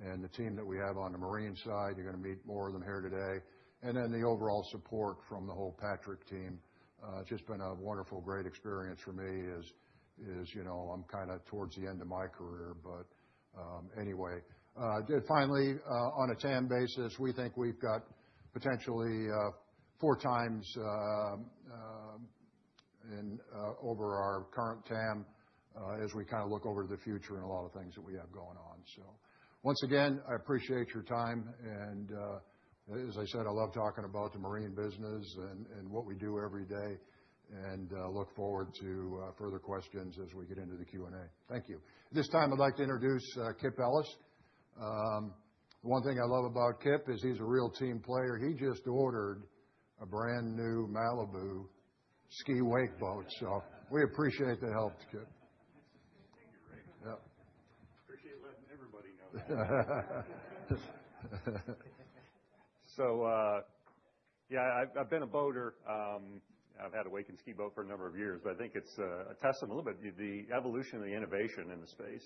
and the team that we have on the marine side. You're gonna meet more of them here today. The overall support from the whole Patrick team, it's just been a wonderful, great experience for me as you know, I'm kind of towards the end of my career. Anyway. Just finally, on a TAM basis, we think we've got potentially, 4x in over our current TAM, as we kind of look over the future and a lot of things that we have going on. Once again, I appreciate your time, as I said, I love talking about the marine business and what we do every day and look forward to further questions as we get into the Q&A. Thank you. At this time, I'd like to introduce Kip Ellis. One thing I love about Kip is he's a real team player. He just ordered a brand-new Malibu ski/wake boat. We appreciate the help, Kip. Thank you, Rick. Yep. Appreciate letting everybody know that. Yeah, I've been a boater. I've had a wake and ski boat for a number of years. I think it's a testament a little bit to the evolution and the innovation in the space.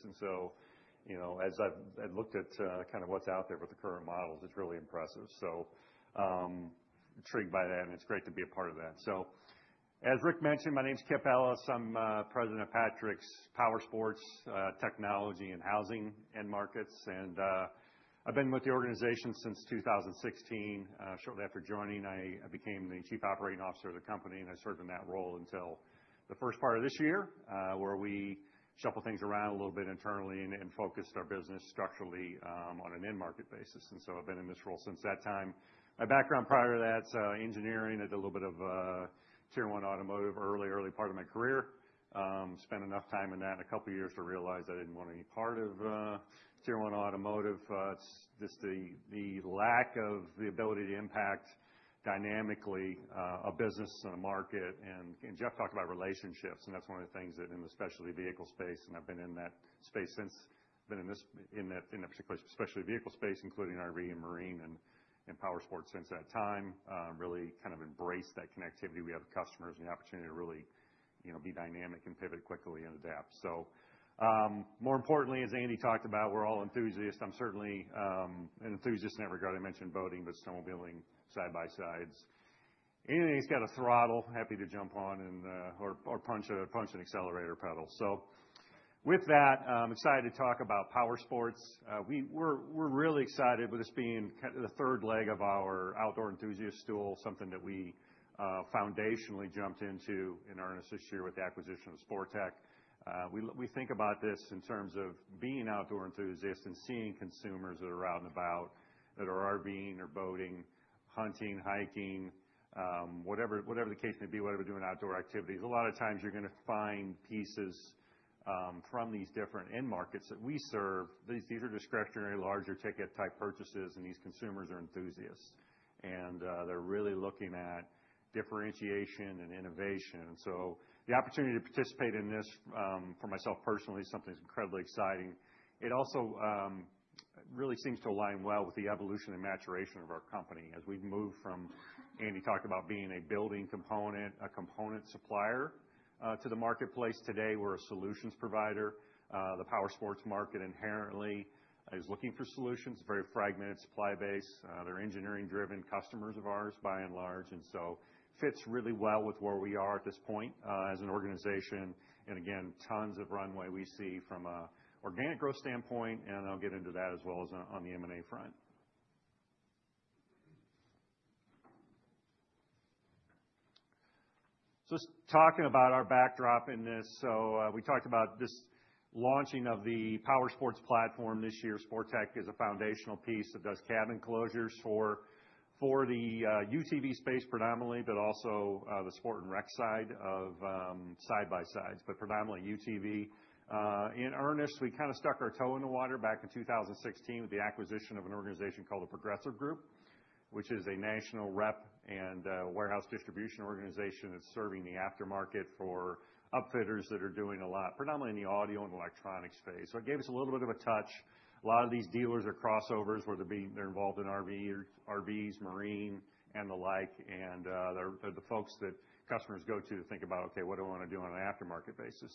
You know, as I've looked at, kind of what's out there with the current models, it's really impressive. Intrigued by that, and it's great to be a part of that. As Rick mentioned, my name's Kip Ellis. I'm President of Patrick's Powersports, Technology and Housing End Markets. I've been with the organization since 2016. Shortly after joining, I became the Chief Operating Officer of the company, and I served in that role until the first part of this year, where we shuffled things around a little bit internally and focused our business structurally on an end market basis. I've been in this role since that time. My background prior to that's engineering. I did a little bit of Tier 1 automotive early part of my career. Spent enough time in that and a couple years to realize I didn't want any part of Tier 1 automotive. It's just the lack of the ability to impact dynamically a business and a market. Jeff talked about relationships, and that's one of the things that in the specialty vehicle space, I've been in that particular specialty vehicle space, including RV and Marine and Powersports since that time, really kind of embraced that connectivity we have with customers and the opportunity to really be dynamic and pivot quickly and adapt. More importantly, as Andy Nemeth talked about, we're all enthusiasts. I'm certainly an enthusiast in every category. I mentioned boating, but snowmobiling, side-by-sides. Anything that's got a throttle, happy to jump on and punch an accelerator pedal. With that, I'm excited to talk about Powersports. We're really excited with this being the third leg of our outdoor enthusiast stool, something that we foundationally jumped into in earnest this year with the acquisition of Sportech. We think about this in terms of being outdoor enthusiasts and seeing consumers that are out and about, that are RVing or boating, hunting, hiking, whatever the case may be, whatever doing outdoor activities. A lot of times you're gonna find pieces from these different end markets that we serve. These are discretionary, larger ticket type purchases, and these consumers are enthusiasts. They're really looking at differentiation and innovation. The opportunity to participate in this for myself personally, is something that's incredibly exciting. It also really seems to align well with the evolution and maturation of our company as we've moved from, Andy talked about being a building component, a component supplier to the marketplace. Today, we're a solutions provider. The Powersports market inherently is looking for solutions. It's a very fragmented supply base. They're engineering-driven customers of ours by and large. It fits really well with where we are at this point as an organization. Again, tons of runway we see from an organic growth standpoint, and I'll get into that as well as on the M&A front. Just talking about our backdrop in this. We talked about this launching of the Powersports platform this year. Sportech is a foundational piece that does cabin closures for the UTV space predominantly, but also the sport and rec side of side-by-sides, but predominantly UTV. In earnest, we kind of stuck our toe in the water back in 2016 with the acquisition of an organization called The Progressive Group, which is a national rep and warehouse distribution organization that is serving the aftermarket for upfitters that are doing a lot, predominantly in the audio and electronic space. It gave us a little bit of a touch. A lot of these dealers are crossovers, whether it be they are involved in RVs, Marine, and the like. They are the folks that customers go to to think about, okay, what do I want to do on an aftermarket basis?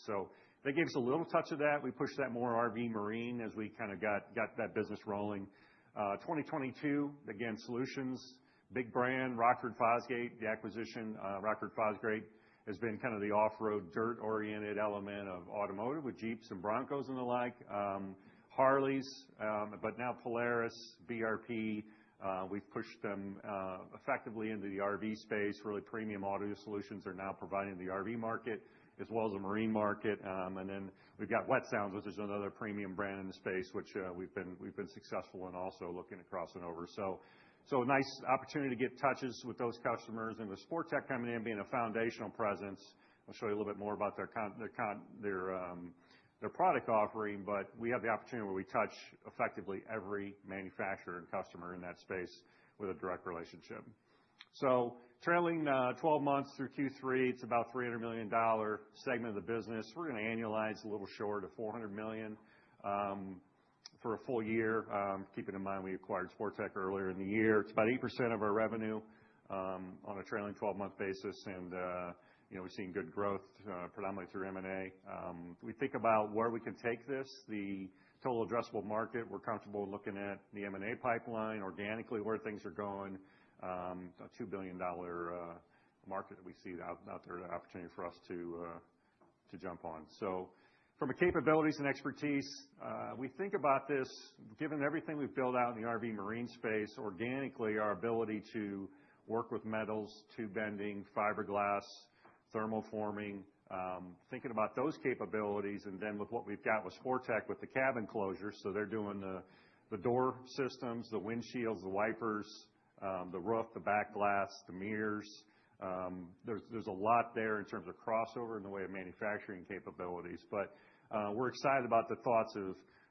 That gave us a little touch of that. We pushed that more RV/Marine as we kind of got that business rolling. 2022, again, solutions. Big brand, Rockford Fosgate. The acquisition, Rockford Fosgate has been kind of the off-road, dirt-oriented element of automotive with Jeeps and Broncos and the like. Harleys, now Polaris, BRP. We've pushed them effectively into the RV space. Really premium audio solutions they're now providing the RV market as well as the Marine market. We've got Wet Sounds, which is another premium brand in the space, which we've been successful in also looking across and over. A nice opportunity to get touches with those customers. With Sportech coming in being a foundational presence, I'll show you a little bit more about their product offering, but we have the opportunity where we touch effectively every manufacturer and customer in that space with a direct relationship. Trailing 12 months through Q3, it's about a $300 million segment of the business. We're gonna annualize a little short of $400 million for a full year. Keeping in mind we acquired Sportech earlier in the year. It's about 8% of our revenue on a trailing 12-month basis. You know, we've seen good growth predominantly through M&A. We think about where we can take this, the total addressable market. We're comfortable looking at the M&A pipeline organically, where things are going. A $2 billion market that we see out there, an opportunity for us to jump on. From a capabilities and expertise, we think about this, given everything we've built out in the RV/Marine space organically, our ability to work with metals, tube bending, fiberglass, thermal forming, thinking about those capabilities and then with what we've got with Sportech with the cabin closures. They're doing the door systems, the windshields, the wipers, the roof, the back glass, the mirrors. There's a lot there in terms of crossover in the way of manufacturing capabilities. We're excited about the thoughts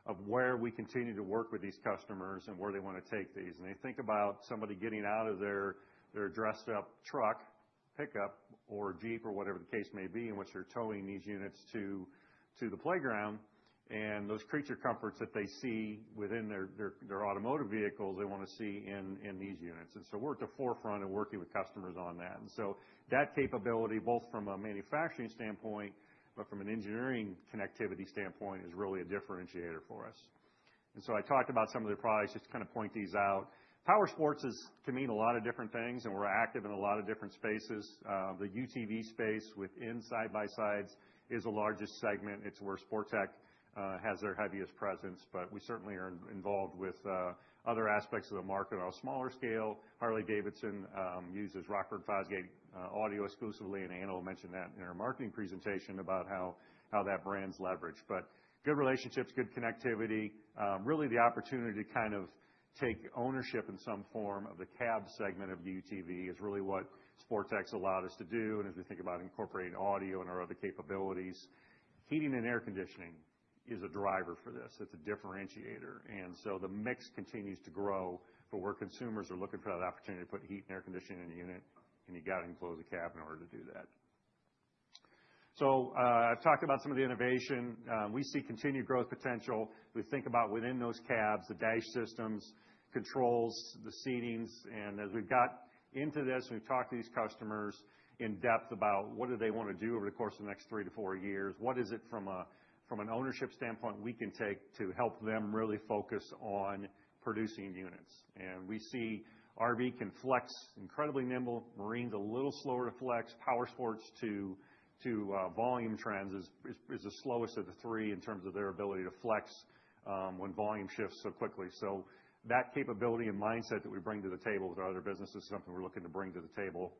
of where we continue to work with these customers and where they wanna take these. They think about somebody getting out of their dressed up truck, pickup or Jeep or whatever the case may be, in which they're towing these units to the playground. Those creature comforts that they see within their automotive vehicles, they want to see in these units. We're at the forefront of working with customers on that. That capability, both from a manufacturing standpoint, but from an engineering connectivity standpoint, is really a differentiator for us. I talked about some of their products just to kind of point these out. Powersports can mean a lot of different things, and we're active in a lot of different spaces. The UTV space within side-by-sides is the largest segment. It's where Sportech has their heaviest presence. We certainly are involved with other aspects of the market on a smaller scale. Harley-Davidson uses Rockford Fosgate audio exclusively, and Anna will mention that in our marketing presentation about how that brand's leveraged. Good relationships, good connectivity, really the opportunity to kind of take ownership in some form of the cab segment of UTV is really what Sportech's allowed us to do, and as we think about incorporating audio and our other capabilities. Heating and air conditioning is a driver for this. It's a differentiator. The mix continues to grow, but where consumers are looking for that opportunity to put heat and air conditioning in a unit, and you gotta enclose a cab in order to do that. I've talked about some of the innovation. We see continued growth potential. We think about within those cabs, the dash systems, controls, the seatings, as we've got into this, we've talked to these customers in depth about what do they want to do over the course of the next three to four years? What is it from an ownership standpoint we can take to help them really focus on producing units? We see RV can flex incredibly nimble. Marine's a little slower to flex. Powersports to volume trends is the slowest of the three in terms of their ability to flex when volume shifts so quickly. That capability and mindset that we bring to the table with our other businesses is something we're looking to bring to the table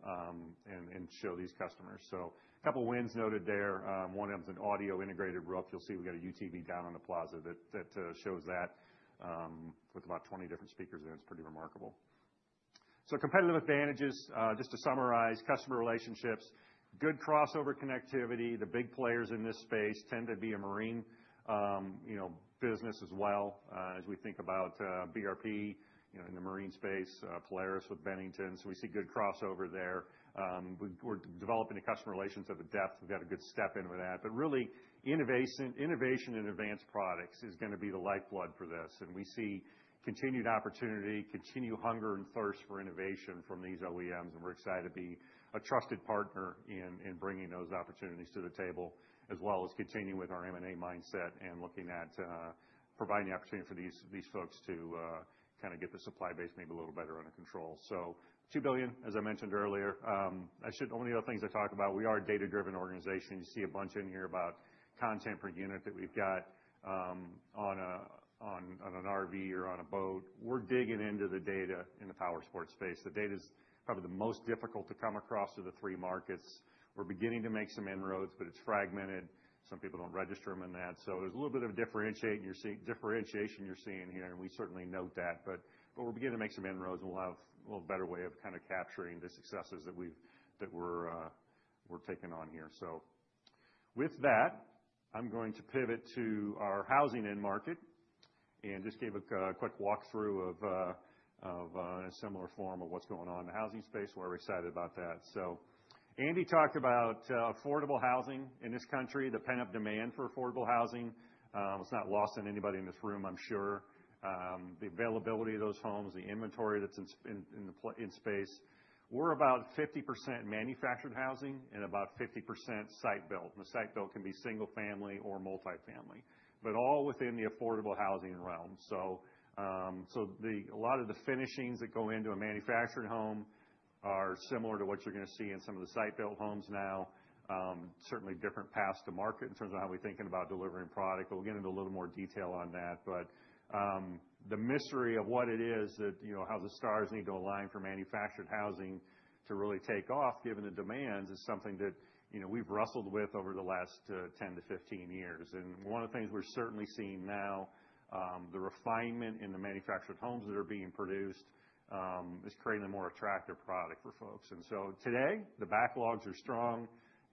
and show these customers. A couple wins noted there. One of them is an audio integrated roof. You'll see we've got a UTV down on the plaza that shows that, with about 20 different speakers in it. It's pretty remarkable. Competitive advantages, just to summarize, customer relationships, good crossover connectivity. The big players in this space tend to be a marine, you know, business as well, as we think about BRP, you know, in the marine space, Polaris with Bennington. We see good crossover there. We're developing the customer relations at the depth. We've got a good step in with that. Really, innovation in advanced products is gonna be the lifeblood for this. We see continued opportunity, continued hunger and thirst for innovation from these OEMs. We're excited to be a trusted partner in bringing those opportunities to the table, as well as continuing with our M&A mindset and looking at providing the opportunity for these folks to kinda get the supply base maybe a little better under control. $2 billion, as I mentioned earlier. One of the other things I talk about, we are a data-driven organization. You see a bunch in here about content per unit that we've got on an RV or on a boat. We're digging into the data in the powersports space. The data's probably the most difficult to come across of the three markets. We're beginning to make some inroads, but it's fragmented. Some people don't register them in that. There's a little bit of differentiation you're seeing here, and we certainly note that. We're beginning to make some inroads, and we'll have a little better way of capturing the successes that we're taking on here. With that, I'm going to pivot to our housing end market and just give a quick walkthrough of a similar form of what's going on in the housing space. We're excited about that. Andy talked about affordable housing in this country, the pent-up demand for affordable housing. It's not lost on anybody in this room, I'm sure. The availability of those homes, the inventory that's in space. We're about 50% manufactured housing and about 50% site-built, and the site-built can be single-family or multifamily, but all within the affordable housing realm. A lot of the finishings that go into a manufactured home are similar to what you're gonna see in some of the site-built homes now. Certainly different paths to market in terms of how we're thinking about delivering product, but we'll get into a little more detail on that. The mystery of what it is that, you know, how the stars need to align for manufactured housing to really take off, given the demands, is something that, you know, we've wrestled with over the last 10-15 years. One of the things we're certainly seeing now, the refinement in the manufactured homes that are being produced, is creating a more attractive product for folks. Today, the backlogs are strong,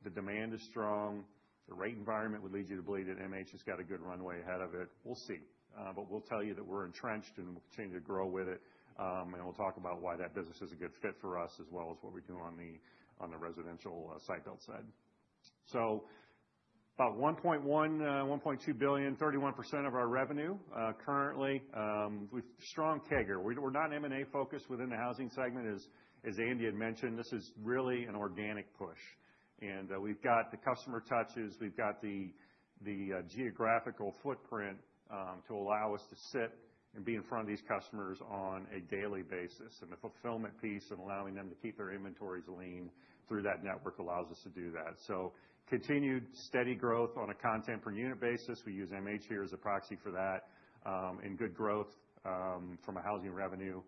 the demand is strong. The rate environment would lead you to believe that MH has got a good runway ahead of it. We'll see. We'll tell you that we're entrenched, and we'll continue to grow with it. We'll talk about why that business is a good fit for us, as well as what we do on the, on the residential, site build side. About $1.1 billion-$1.2 billion, 31% of our revenue, currently, with strong CAGR. We're not M&A focused within the housing segment. As Andy had mentioned, this is really an organic push. We've got the customer touches, we've got the geographical footprint to allow us to sit and be in front of these customers on a daily basis. The fulfillment piece and allowing them to keep their inventories lean through that network allows us to do that. Continued steady growth on a content per unit basis. We use MH here as a proxy for that, and good growth from a housing revenue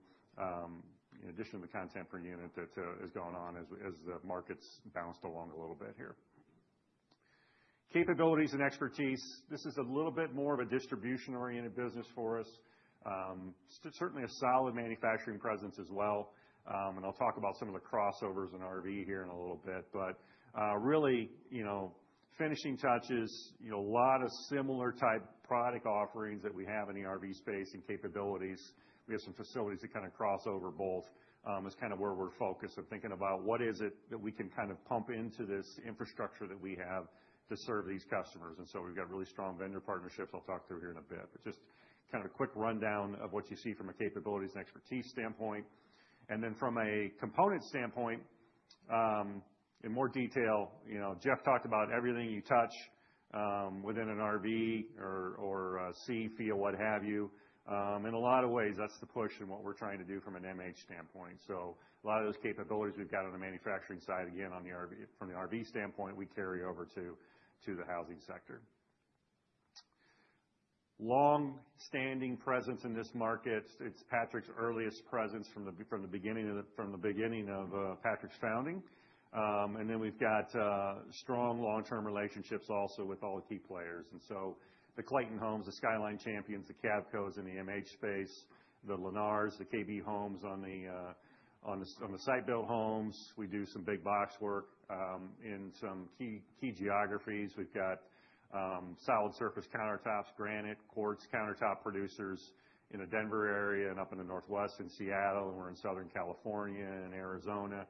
in addition to the content per unit that is going on as the market's bounced along a little bit here. Capabilities and expertise. This is a little bit more of a distribution-oriented business for us. Certainly a solid manufacturing presence as well, and I'll talk about some of the crossovers in RV here in a little bit. Really, you know, finishing touches, you know, a lot of similar type product offerings that we have in the RV space and capabilities. We have some facilities that kind of cross over both, is kind of where we're focused and thinking about what is it that we can kind of pump into this infrastructure that we have to serve these customers. We've got really strong vendor partnerships I'll talk through here in a bit. Just kind of a quick rundown of what you see from a capabilities and expertise standpoint. From a component standpoint, in more detail, you know, Jeff talked about everything you touch, within an RV or, see, feel, what have you. In a lot of ways, that's the push in what we're trying to do from an MH standpoint. A lot of those capabilities we've got on the manufacturing side, again, from the RV standpoint, we carry over to the housing sector. Long-standing presence in this market. It's Patrick's earliest presence from the beginning of Patrick's founding. We've got strong long-term relationships also with all the key players. The Clayton Homes, the Skyline Champions, the Cavcos in the MH space, the Lennars, the KB Homes on the site-built homes. We do some big box work in some key geographies. We've got solid surface countertops, granite, quartz countertop producers in the Denver area and up in the Northwest, in Seattle, and we're in Southern California and Arizona.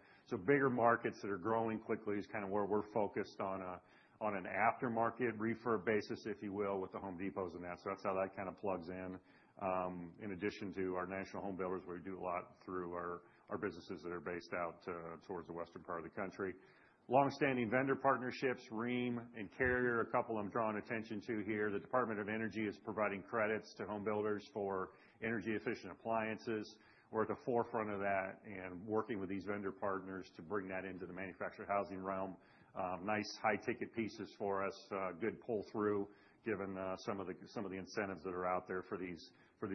Bigger markets that are growing quickly is kind of where we're focused on a, on an aftermarket refurb basis, if you will, with the Home Depots and that. That's how that kind of plugs in addition to our national home builders, where we do a lot through our businesses that are based out towards the western part of the country. Long-standing vendor partnerships, Rheem and Carrier, a couple I'm drawing attention to here. The Department of Energy is providing credits to home builders for energy-efficient appliances. We're at the forefront of that and working with these vendor partners to bring that into the manufactured housing realm. Nice high-ticket pieces for us. Good pull-through given some of the incentives that are out there for these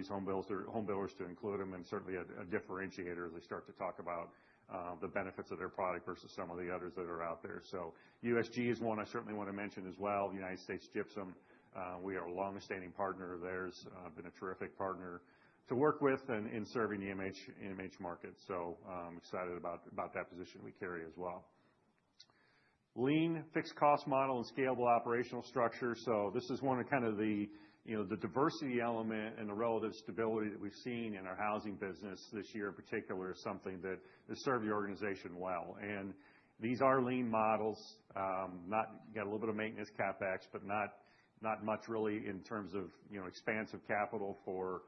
home builders to include them, and certainly a differentiator as they start to talk about the benefits of their product versus some of the others that are out there. USG is one I certainly want to mention as well, United States Gypsum. We are a long-standing partner of theirs. Been a terrific partner to work with in serving the MH market. excited about that position we carry as well. Lean fixed cost model and scalable operational structure. This is one of kind of the, you know, the diversity element and the relative stability that we've seen in our housing business this year in particular is something that has served the organization well. These are lean models. Not got a little bit of maintenance CapEx, but not much really in terms of, you know, expansive capital for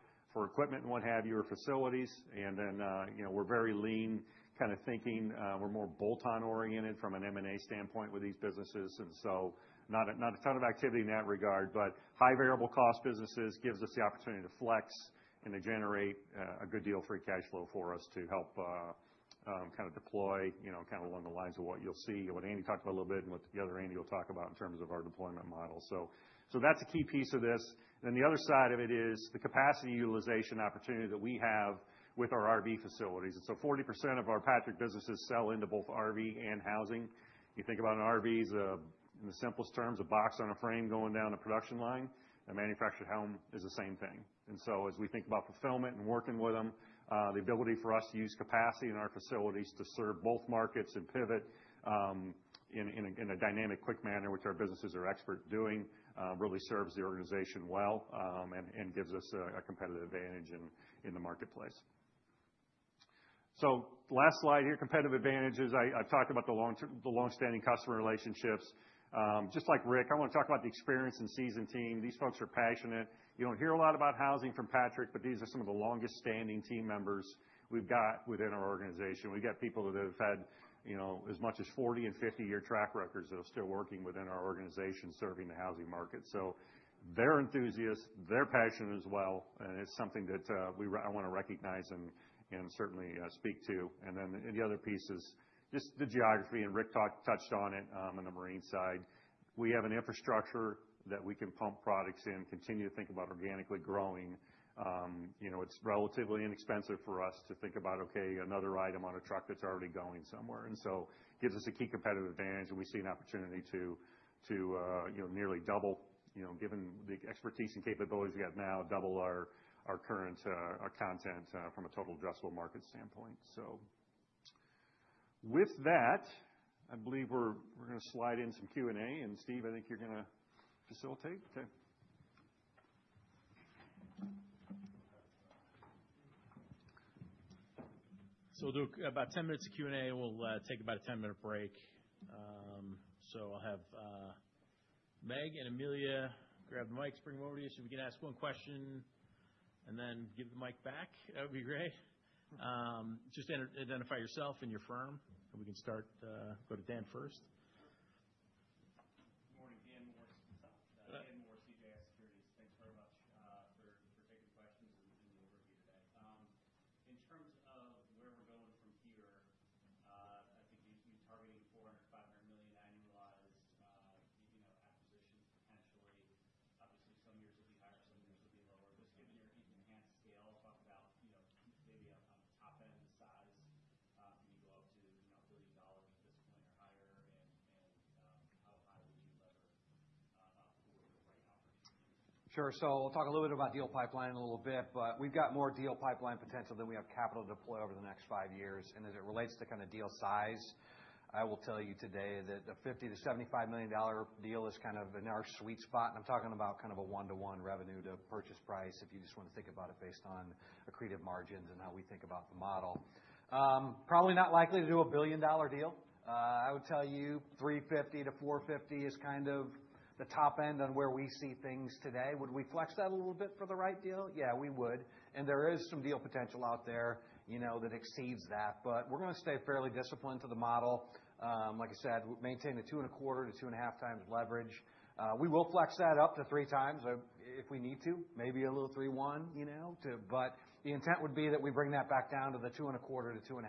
equipment and what have you or facilities. Then, you know, we're very lean kind of thinking. We're more bolt-on oriented from an M&A standpoint with these businesses. So not a ton of activity in that regard, but high variable cost businesses gives us the opportunity to flex and to generate a good deal of free cash flow for us to help kind of deploy, you know, kind of along the lines of what you'll see, what Andy talked about a little bit and what the other Andy will talk about in terms of our deployment model. That's a key piece of this. The other side of it is the capacity utilization opportunity that we have with our RV facilities. 40% of our Patrick businesses sell into both RV and housing. You think about an RV as a, in the simplest terms, a box on a frame going down a production line. A manufactured home is the same thing. As we think about fulfillment and working with them, the ability for us to use capacity in our facilities to serve both markets and pivot in a dynamic, quick manner, which our businesses are expert doing, really serves the organization well and gives us a competitive advantage in the marketplace. Last slide here, competitive advantages. I talked about the long-standing customer relationships. Just like Rick, I wanna talk about the experienced and seasoned team. These folks are passionate. You don't hear a lot about housing from Patrick Industries, these are some of the longest standing team members we've got within our organization. We've got people that have had, you know, as much as 40 and 50-year track records that are still working within our organization serving the housing market. They're enthusiasts. They're passionate as well. It's something that I wanna recognize and certainly speak to. The other piece is just the geography, Rick touched on it on the marine side. We have an infrastructure that we can pump products in, continue to think about organically growing. You know, it's relatively inexpensive for us to think about, okay, another item on a truck that's already going somewhere. Gives us a key competitive advantage, and we see an opportunity to, you know, nearly double, you know, given the expertise and capabilities we got now, double our current, our content from a total addressable market standpoint. With that, I believe we're gonna slide in some Q&A. Steve, I think you're gonna facilitate. Okay. We'll do about 10 minutes of Q&A, and we'll take about a 10-minute break. I'll have Meg and Amelia grab the mics, bring them over to you so we can ask 1 question and then give the mic back. That would be great. Just identify yourself and your firm, and we can start, go to Dan first. the top end on where we see things today. Would we flex that a little bit for the right deal? Yeah, we would. There is some deal potential out there, you know, that exceeds that. We're gonna stay fairly disciplined to the model. Like I said, maintain the two and a quarter to 2.5x leverage. We will flex that up to 3x if we need to, maybe a little 3.1x, you know. The intent would be that we bring that back down to the 2x and a quarter to 2x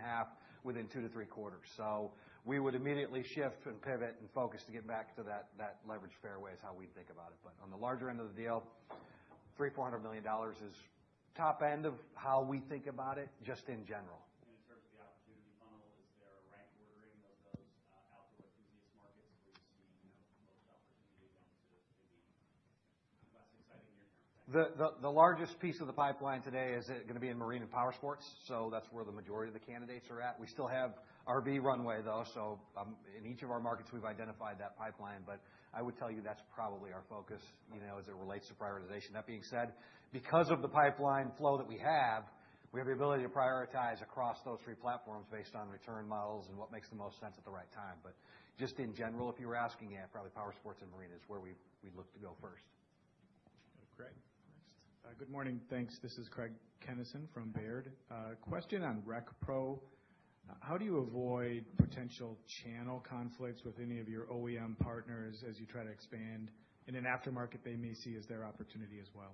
within two to three quarters. We would immediately shift and pivot and focus to get back to that leverage fairway is how we think about it. On the larger end of the deal- $300 million-$400 million is top end of how we think about it, just in general. In terms of the opportunity funnel, is there a rank ordering of those outdoor enthusiast markets where you see, you know, most opportunity down to maybe less exciting near-term things? The largest piece of the pipeline today is gonna be in marine and powersports, so that's where the majority of the candidates are at. We still have RV runway, though, so in each of our markets, we've identified that pipeline. I would tell you that's probably our focus, you know, as it relates to prioritization. That being said, because of the pipeline flow that we have, we have the ability to prioritize across those three platforms based on return models and what makes the most sense at the right time. Just in general, if you were asking, probably powersports and marine is where we look to go first. Craig next. Good morning. Thanks. This is Craig Kennison from Baird. Question on RecPro. How do you avoid potential channel conflicts with any of your OEM partners as you try to expand in an aftermarket they may see as their opportunity as well?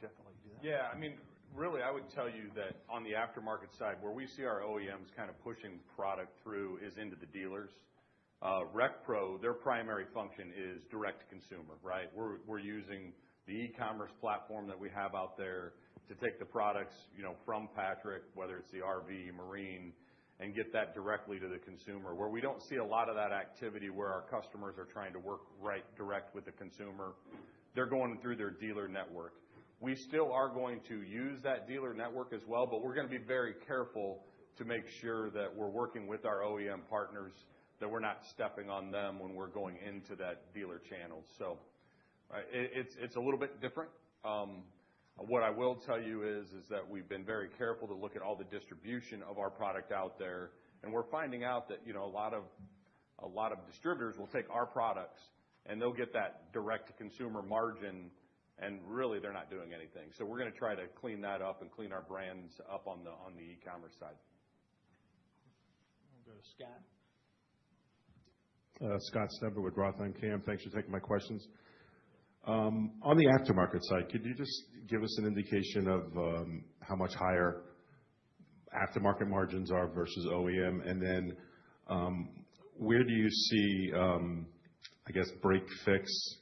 Jeff, why don't you do that? Yeah. I mean, really, I would tell you that on the aftermarket side, where we see our OEMs kind of pushing product through is into the dealers. RecPro, their primary function is direct to consumer, right? We're using the e-commerce platform that we have out there to take the products, you know, from Patrick, whether it's the RV, marine, and get that directly to the consumer. Where we don't see a lot of that activity where our customers are trying to work right direct with the consumer, they're going through their dealer network. We still are going to use that dealer network as well, we're gonna be very careful to make sure that we're working with our OEM partners, that we're not stepping on them when we're going into that dealer channel. It's a little bit different. What I will tell you is that we've been very careful to look at all the distribution of our product out there, and we're finding out that, you know, a lot of distributors will take our products, and they'll get that direct-to-consumer margin, and really, they're not doing anything. We're gonna try to clean that up and clean our brands up on the e-commerce side. We'll go to Scott. Scott Stember with ROTH MKM. Thanks for taking my questions. On the aftermarket side, could you just give us an indication of how much higher aftermarket margins are versus OEM? Where do you see, I guess, break-fix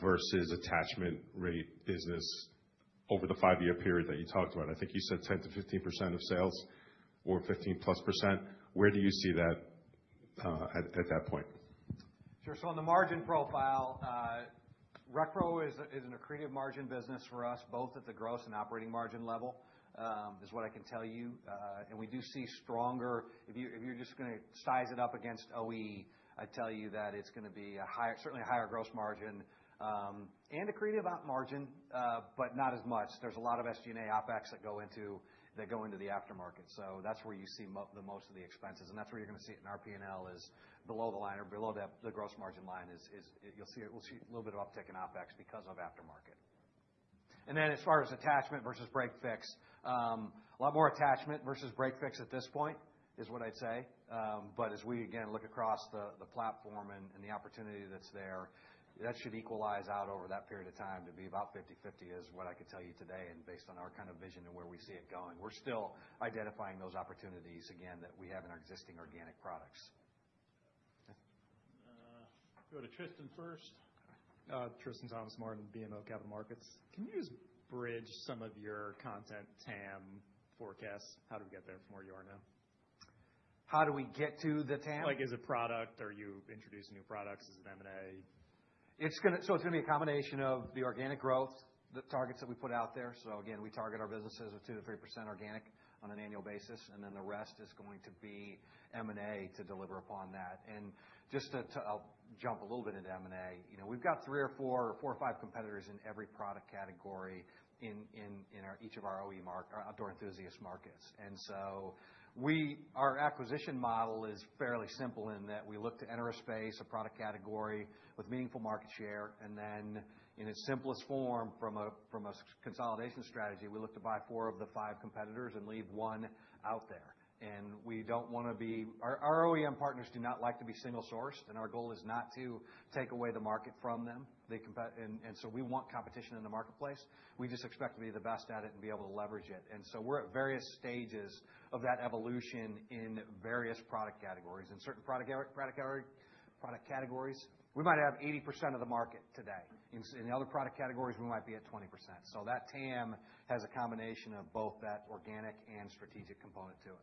versus attachment rate business over the five-year period that you talked about? I think you said 10%-15% of sales or 15%+ percent. Where do you see that at that point? Sure. On the margin profile, RecPro is an accretive margin business for us, both at the gross and operating margin level, is what I can tell you. We do see If you're just gonna size it up against OE, I'd tell you that it's gonna be a certainly a higher gross margin, and accretive op margin, but not as much. There's a lot of SG&A OpEx that go into the aftermarket. That's where you see the most of the expenses, and that's where you're gonna see it in our P&L is below the line or below the gross margin line is you'll see it. We'll see a little bit of uptick in OpEx because of aftermarket. As far as attachment versus break-fix, a lot more attachment versus break-fix at this point is what I'd say. As we again look across the platform and the opportunity that's there, that should equalize out over that period of time to be about 50/50 is what I could tell you today and based on our kind of vision and where we see it going. We're still identifying those opportunities again that we have in our existing organic products. Go to Tristan first. Tristan Thomas-Martin, BMO Capital Markets. Can you just bridge some of your content TAM forecasts? How do we get there from where you are now? How do we get to the TAM? Like, is it product? Are you introducing new products? Is it M&A? It's gonna be a combination of the organic growth, the targets that we put out there. Again, we target our businesses with 2%-3% organic on an annual basis, and then the rest is going to be M&A to deliver upon that. Just to jump a little bit into M&A. You know, we've got three or four or five competitors in every product category in each of our outdoor enthusiast markets. Our acquisition model is fairly simple in that we look to enter a space, a product category with meaningful market share, and then in its simplest form from a consolidation strategy, we look to buy four of the five competitors and leave one out there. We don't wanna be. Our OEM partners do not like to be single-sourced. Our goal is not to take away the market from them. We want competition in the marketplace. We just expect to be the best at it and be able to leverage it. We're at various stages of that evolution in various product categories. In certain product categories, we might have 80% of the market today. In other product categories, we might be at 20%. That TAM has a combination of both that organic and strategic component to it.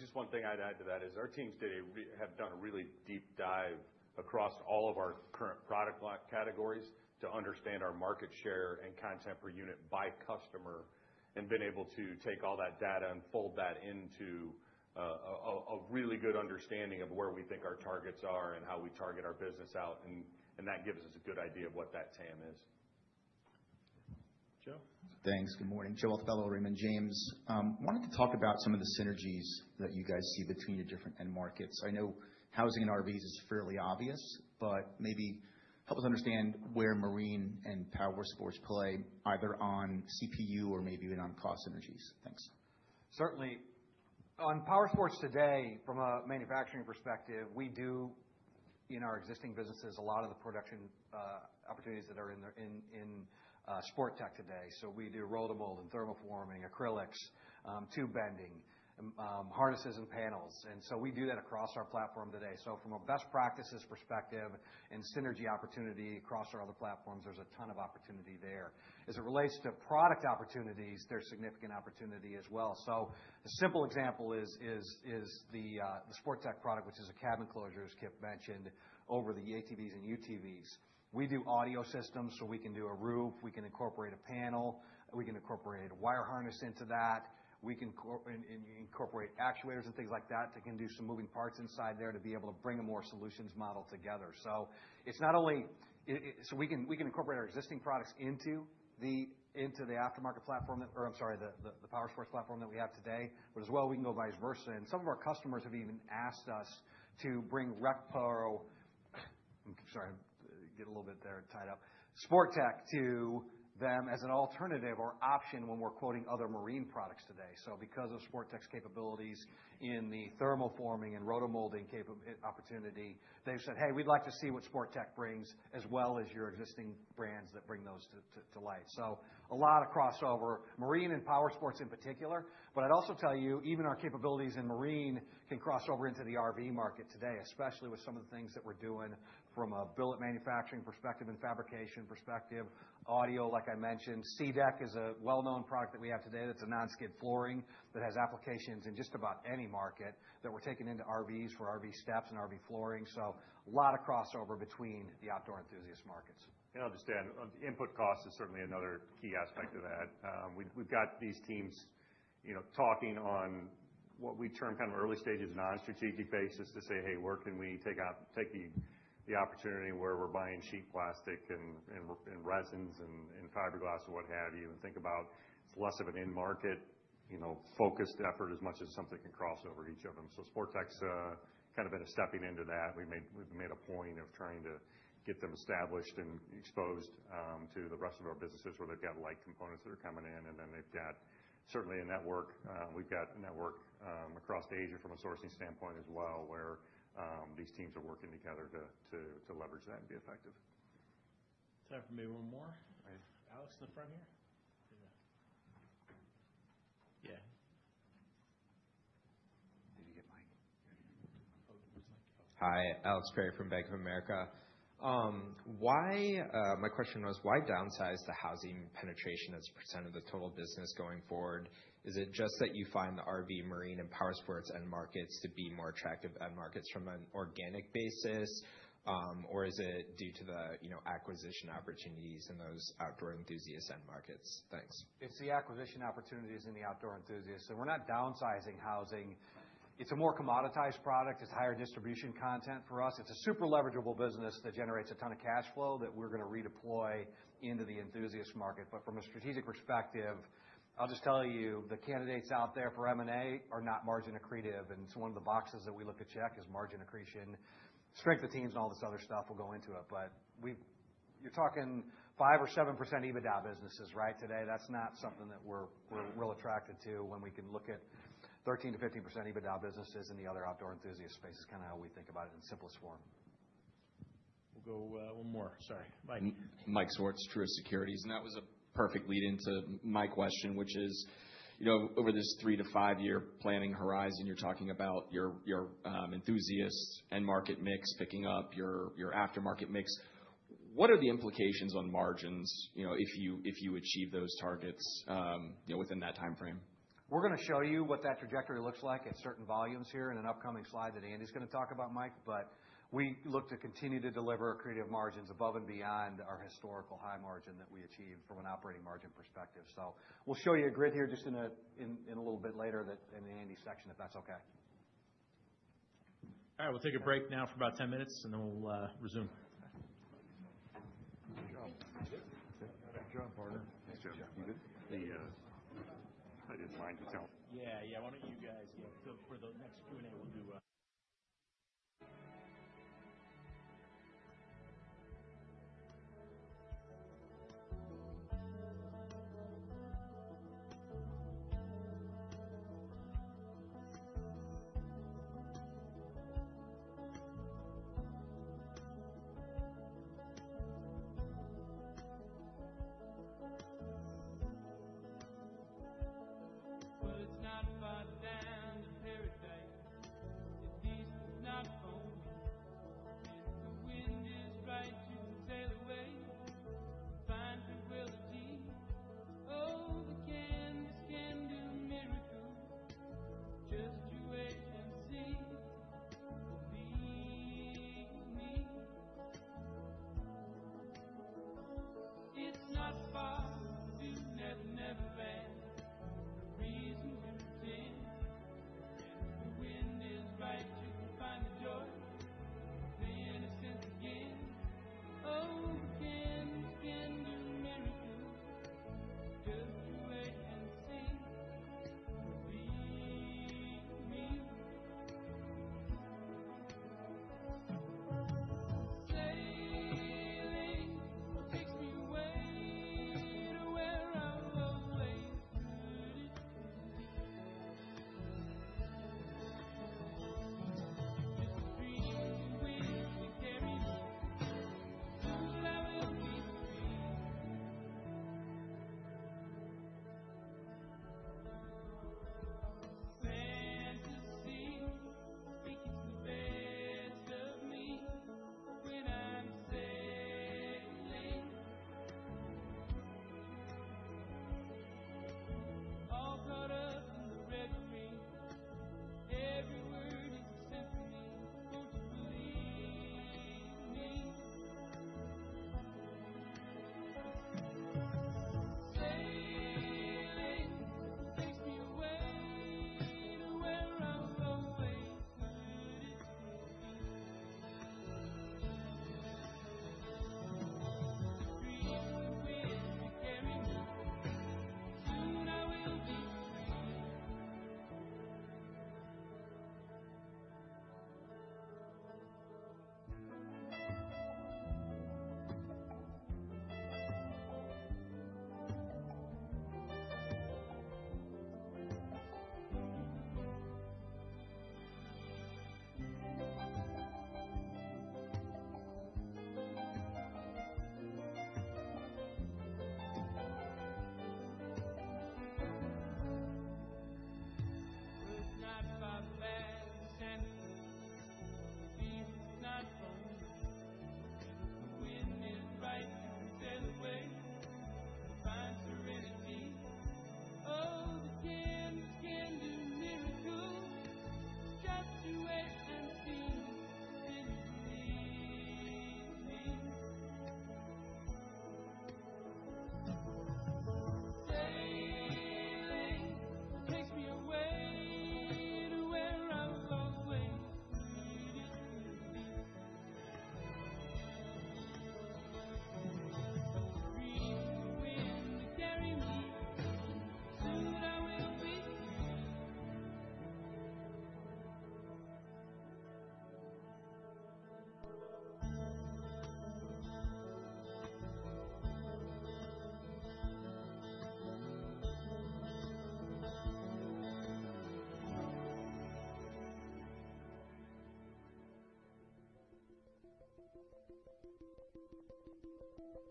Just one thing I'd add to that is our teams today have done a really deep dive across all of our current product line categories to understand our market share and content per unit by customer and been able to take all that data and fold that into a really good understanding of where we think our targets are and how we target our business out, and that gives us a good idea of what that TAM is. Joe? Thanks. Good morning. Joe Altobello, Raymond James. I wanted to talk about some of the synergies that you guys see between your different end markets. I know housing and RVs is fairly obvious, but maybe help us understand where marine and powersports play either on CPU or maybe even on cost synergies. Thanks. Certainly. On powersports today, from a manufacturing perspective, we do, in our existing businesses, a lot of the production opportunities that are in Sportech, LLC today. We do rotomold and thermoforming, acrylics, tube bending, harnesses and panels. We do that across our platform today. From a best practices perspective and synergy opportunity across our other platforms, there's a ton of opportunity there. As it relates to product opportunities, there's significant opportunity as well. A simple example is the Sportech, LLC product, which is a cabin closure, as Kip mentioned, over the ATVs and UTVs. We do audio systems, so we can do a roof, we can incorporate a panel, we can incorporate a wire harness into that. We can incorporate actuators and things like that can do some moving parts inside there to be able to bring a more solutions model together. We can incorporate our existing products into the aftermarket platform or I'm sorry, the powersports platform that we have today. As well, we can go vice versa. Some of our customers have even asked us to bring RecPro, I'm sorry, I get a little bit there tied up, Sportech, LLC to them as an alternative or option when we're quoting other marine products today. Because of Sportech, LLC's capabilities in the thermoforming and rotomolding opportunity, they've said, "Hey, we'd like to see what Sportech, LLC brings, as well as your existing brands that bring those to life." A lot of crossover, marine and powersports in particular. I'd also tell you, even our capabilities in marine can cross over into the RV market today, especially with some of the things that we're doing from a billet manufacturing perspective and fabrication perspective, audio, like I mentioned. SeaDek is a well-known product that we have today that's a non-skid flooring that has applications in just about any market that we're taking into RVs for RV steps and RV flooring. A lot of crossover between the outdoor enthusiast markets. Understand, input cost is certainly another key aspect of that. We've got these teams, you know, talking on what we term kind of early stages non-strategic basis to say, "Hey, where can we take the opportunity where we're buying sheet plastic and resins and fiberglass and what have you?" Think about it's less of an end market, you know, focused effort as much as something can cross over each of them. Sportech, LLC's kind of been stepping into that. We've made a point of trying to get them established and exposed to the rest of our businesses where they've got light components that are coming in, and then they've got certainly a network. We've got network across Asia from a sourcing standpoint as well, where these teams are working together to leverage that and be effective. Time for maybe one more. All right. Alex Perry, in the front here. Yeah. Did he get mic? Oh, there's Mike. Hi, Alex Perry from Bank of America. My question was why downsize the housing penetration as a percent of the total business going forward? Is it just that you find the RV, marine, and powersports end markets to be more attractive end markets from an organic basis? Is it due to the, you know, acquisition opportunities in those outdoor enthusiast end markets? Thanks. It's the acquisition opportunities in the outdoor enthusiast. We're not downsizing housing. It's a more commoditized product. It's higher distribution content for us. It's a super leverageable business that generates a ton of cash flow that we're gonna redeploy into the enthusiast market. From a strategic perspective, I'll just tell you, the candidates out there for M&A are not margin accretive, and it's one of the boxes that we look to check is margin accretion. Strength of teams and all this other stuff, we'll go into it. You're talking 5% or 7% EBITDA businesses, right? Today, that's not something that we're real attracted to when we can look at 13%-15% EBITDA businesses in the other outdoor enthusiast space is kinda how we think about it in simplest form. We'll go, one more. Sorry. Mike. Mike Swartz, Truist Securities. That was a perfect lead-in to my question, which is, you know, over this three to five-year planning horizon, you're talking about your enthusiast end market mix picking up, your aftermarket mix. What are the implications on margins, you know, if you, if you achieve those targets, you know, within that timeframe? We're gonna show you what that trajectory looks like at certain volumes here in an upcoming slide that Andrew's gonna talk about, Mike. We look to continue to deliver accretive margins above and beyond our historical high margin that we achieve from an operating margin perspective. We'll show you a grid here just in a little bit later in the Andy section, if that's okay. All right, we'll take a break now for about 10 minutes, and then we'll resume. Good job. Thanks. Good job, partner. Thanks, Jeff. You good? I didn't sign the talent. Yeah, yeah. Why don't you guys, you know, go for the next Q&A. I have to speculate that God himself did make us into corresponding shapes like puzzle pieces on the way. True, it may seem like a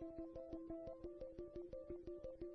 stretch but it's thoughts like this that catch my troubled head when you're away. When I am missing you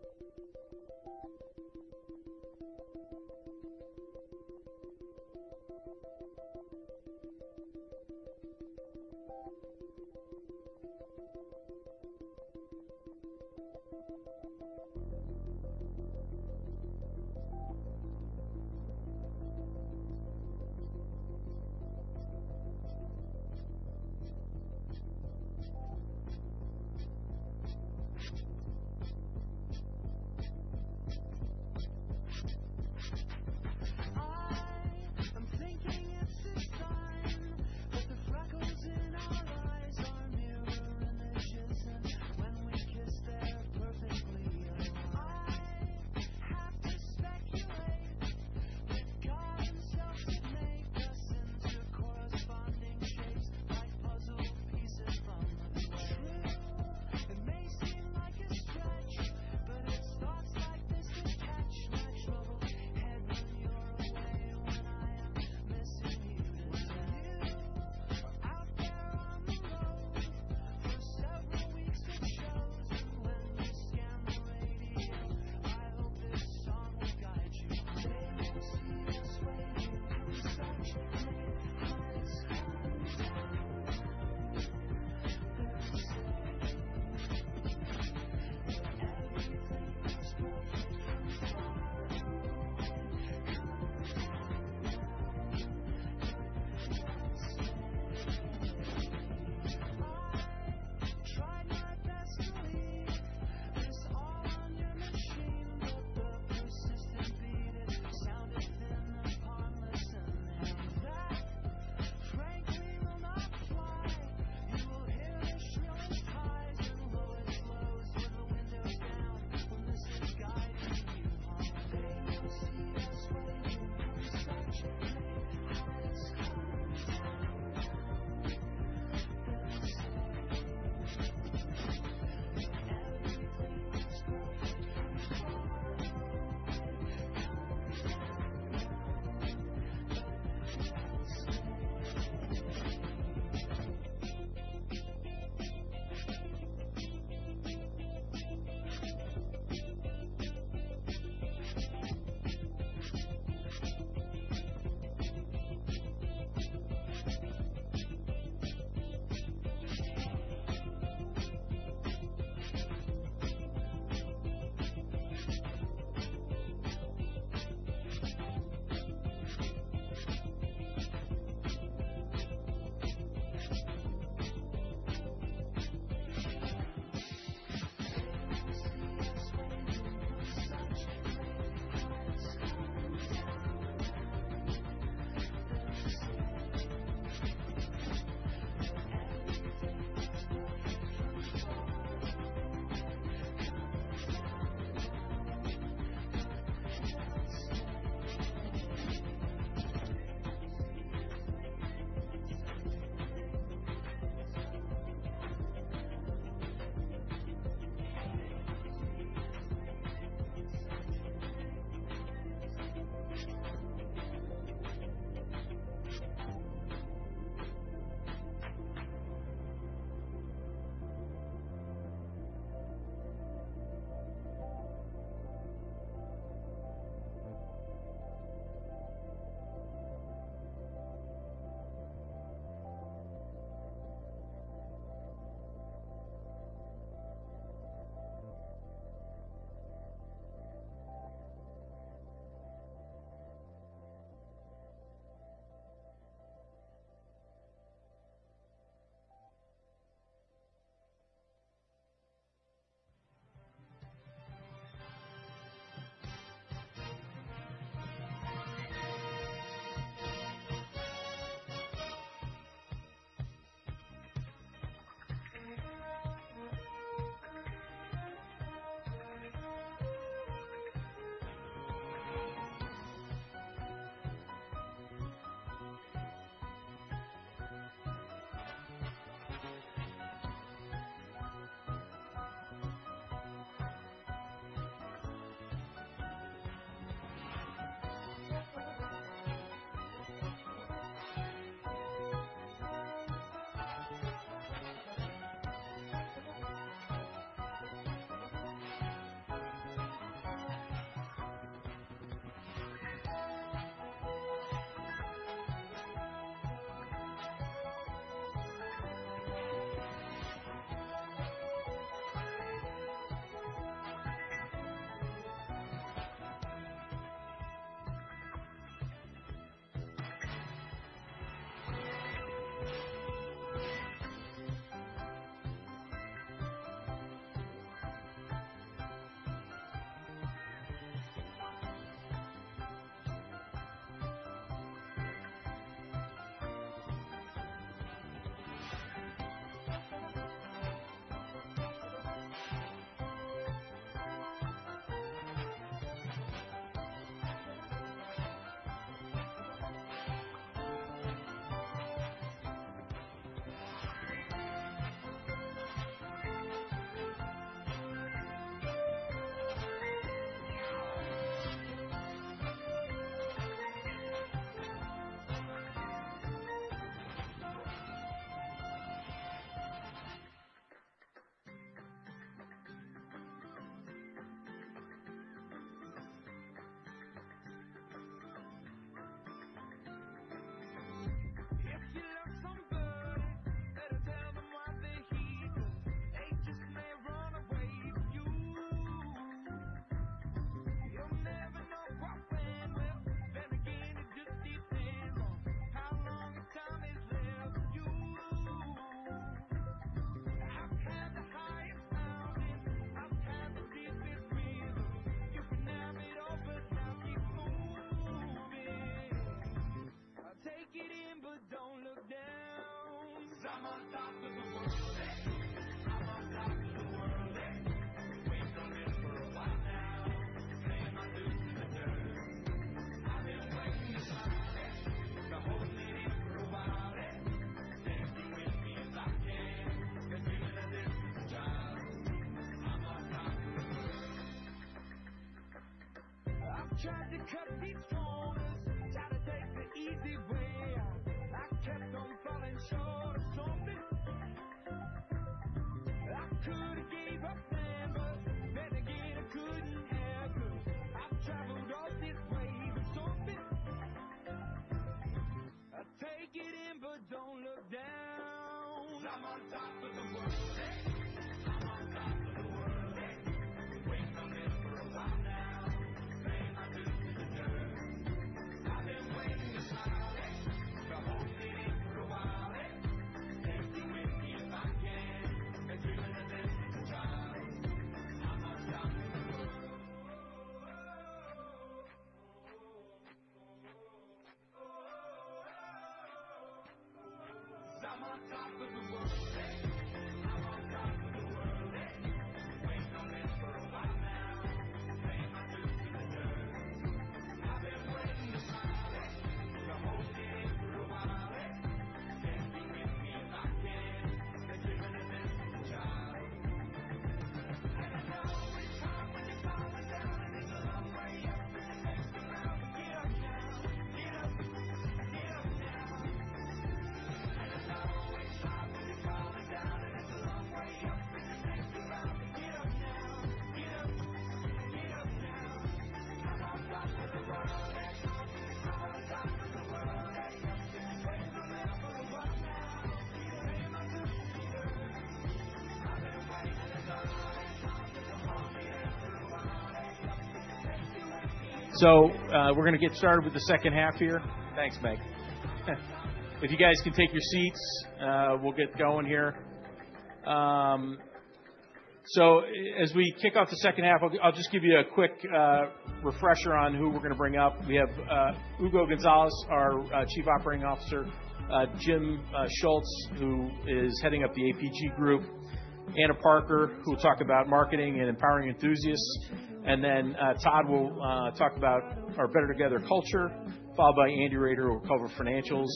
Todd will talk about our BETTER Together culture, followed by Andrew Roeder who will cover financials.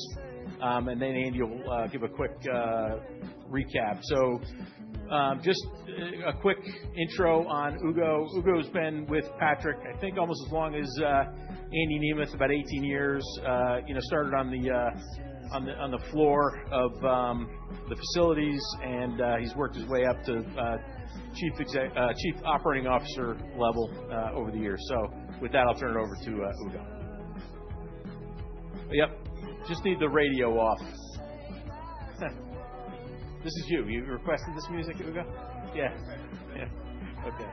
Andy will give a quick recap. Just a quick intro on Hugo. Hugo's been with Patrick Industries, I think almost as long as Andy Nemeth, about 18 years. You know, started on the floor of the facilities and he's worked his way up to Chief Operating Officer level over the years. With that, I'll turn it over to Hugo. Yep. Just need the radio off. This is you. You requested this music, Hugo? Yeah. Right. Yeah. Okay.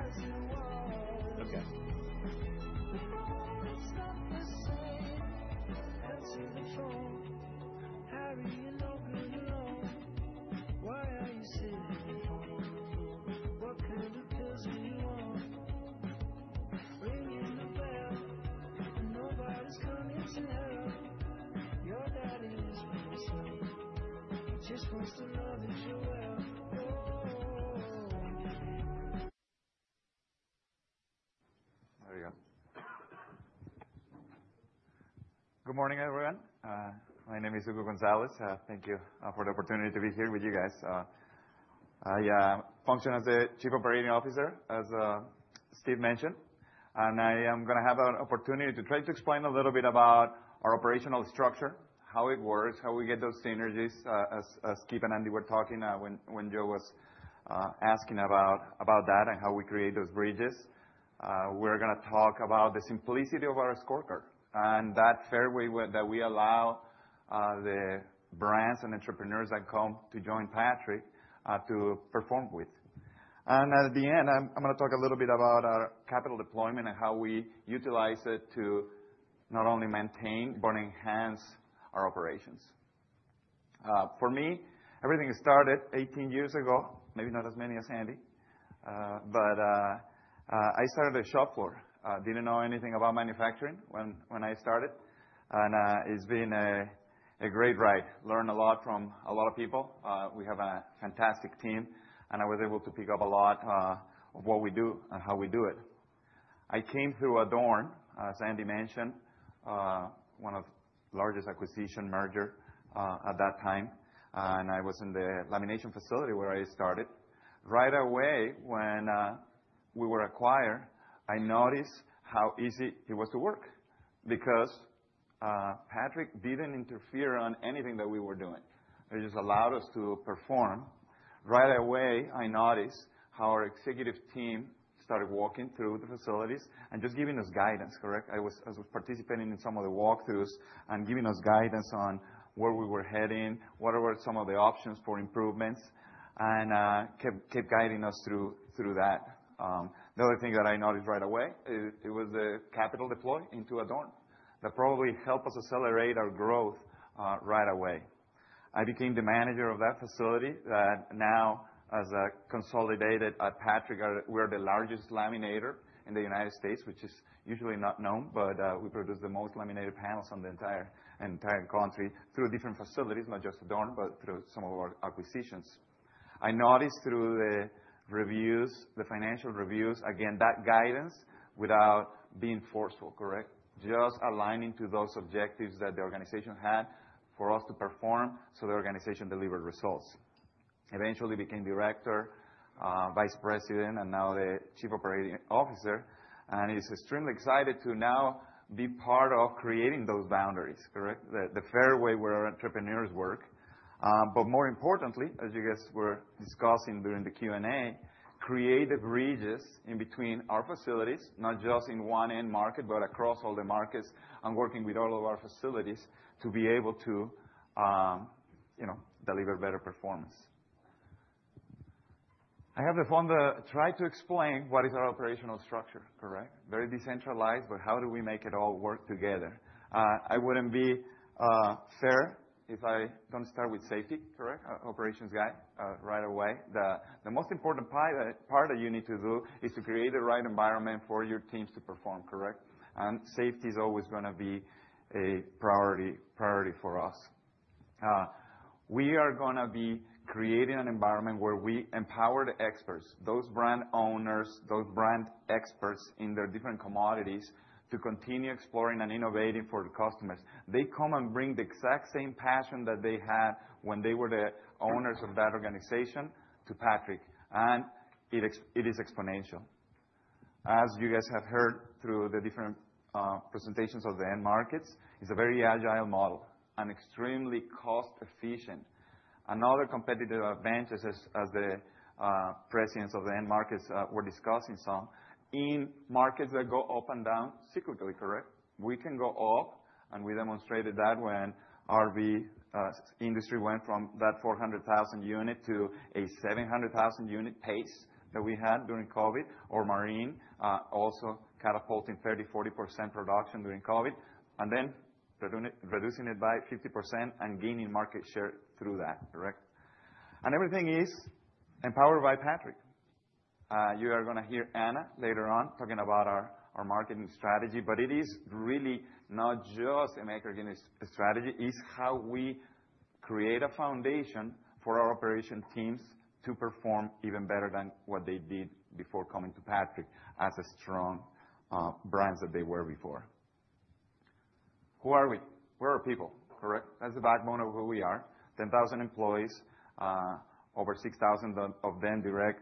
Okay. There we go. Good morning, everyone. My name is Hugo Gonzalez. Thank you for the opportunity to be here with you guys. I function as a Chief Operating Officer, as Steve mentioned, and I am gonna have an opportunity to try to explain a little bit about our operational structure, how it works, how we get those synergies, as Steve and Andy were talking, when Joe was asking about that and how we create those bridges. We're gonna talk about the simplicity of our scorecard and that fairway that we allow the brands and entrepreneurs that come to join Patrick to perform with. And at the end, I'm gonna talk a little bit about our capital deployment and how we utilize it to not only maintain but enhance our operations. For me, everything started 18 years ago, maybe not as many as Andy. I started at shop floor. Didn't know anything about manufacturing when I started. It's been a great ride. Learned a lot from a lot of people. We have a fantastic team, and I was able to pick up a lot of what we do and how we do it. I came through Adorn, as Andy mentioned, one of largest acquisition merger at that time, and I was in the lamination facility where I started. Right away, when we were acquired, I noticed how easy it was to work because Patrick didn't interfere on anything that we were doing. They just allowed us to perform. Right away, I noticed how our executive team started walking through the facilities and just giving us guidance. Correct? As I was participating in some of the walkthroughs and giving us guidance on where we were heading, what were some of the options for improvements, and kept guiding us through that. The other thing that I noticed right away, it was the capital deployed into Adorn. That probably helped us accelerate our growth right away. I became the manager of that facility. Now as a consolidated at Patrick, we're the largest laminator in the United States, which is usually not known, but we produce the most laminated panels on the entire country through different facilities, not just Adorn, but through some of our acquisitions. I noticed through the reviews, the financial reviews, again, that guidance without being forceful. Correct? Just aligning to those objectives that the organization had for us to perform so the organization delivered results. Eventually became Director, Vice President, and now the Chief Operating Officer, it's extremely excited to now be part of creating those boundaries. Correct? The fairway where our entrepreneurs work. More importantly, as you guys were discussing during the Q&A, create the bridges in between our facilities, not just in one end market, but across all the markets and working with all of our facilities to be able to, you know, deliver better performance. I have the fun to try to explain what is our operational structure. Correct? Very decentralized, but how do we make it all work together? I wouldn't be fair if I don't start with safety. Correct? Operations guy, right away. The most important part that you need to do is to create the right environment for your teams to perform. Correct? Safety is always gonna be a priority for us. We are gonna be creating an environment where we empower the experts, those brand owners, those brand experts in their different commodities to continue exploring and innovating for the customers. They come and bring the exact same passion that they had when they were the owners of that organization to Patrick, and it is exponential. As you guys have heard through the different presentations of the end markets, it's a very agile model and extremely cost-efficient. Another competitive advantage as the presidents of the end markets were discussing markets that go up and down cyclically. Correct? We can go up, and we demonstrated that when RV industry went from that 400,000 unit to a 700,000 unit pace that we had during COVID, or marine, also catapulting 30%, 40% production during COVID, and then reducing it by 50% and gaining market share through that. Correct? Everything is Empowered by Patrick. You are gonna hear Anna later on talking about our marketing strategy, but it is really not just a marketing strategy, is how we create a foundation for our operation teams to perform even better than what they did before coming to Patrick as a strong, brands that they were before. Who are we? We are people, correct? That's the backbone of who we are. 10,000 employees, over 6,000 of them direct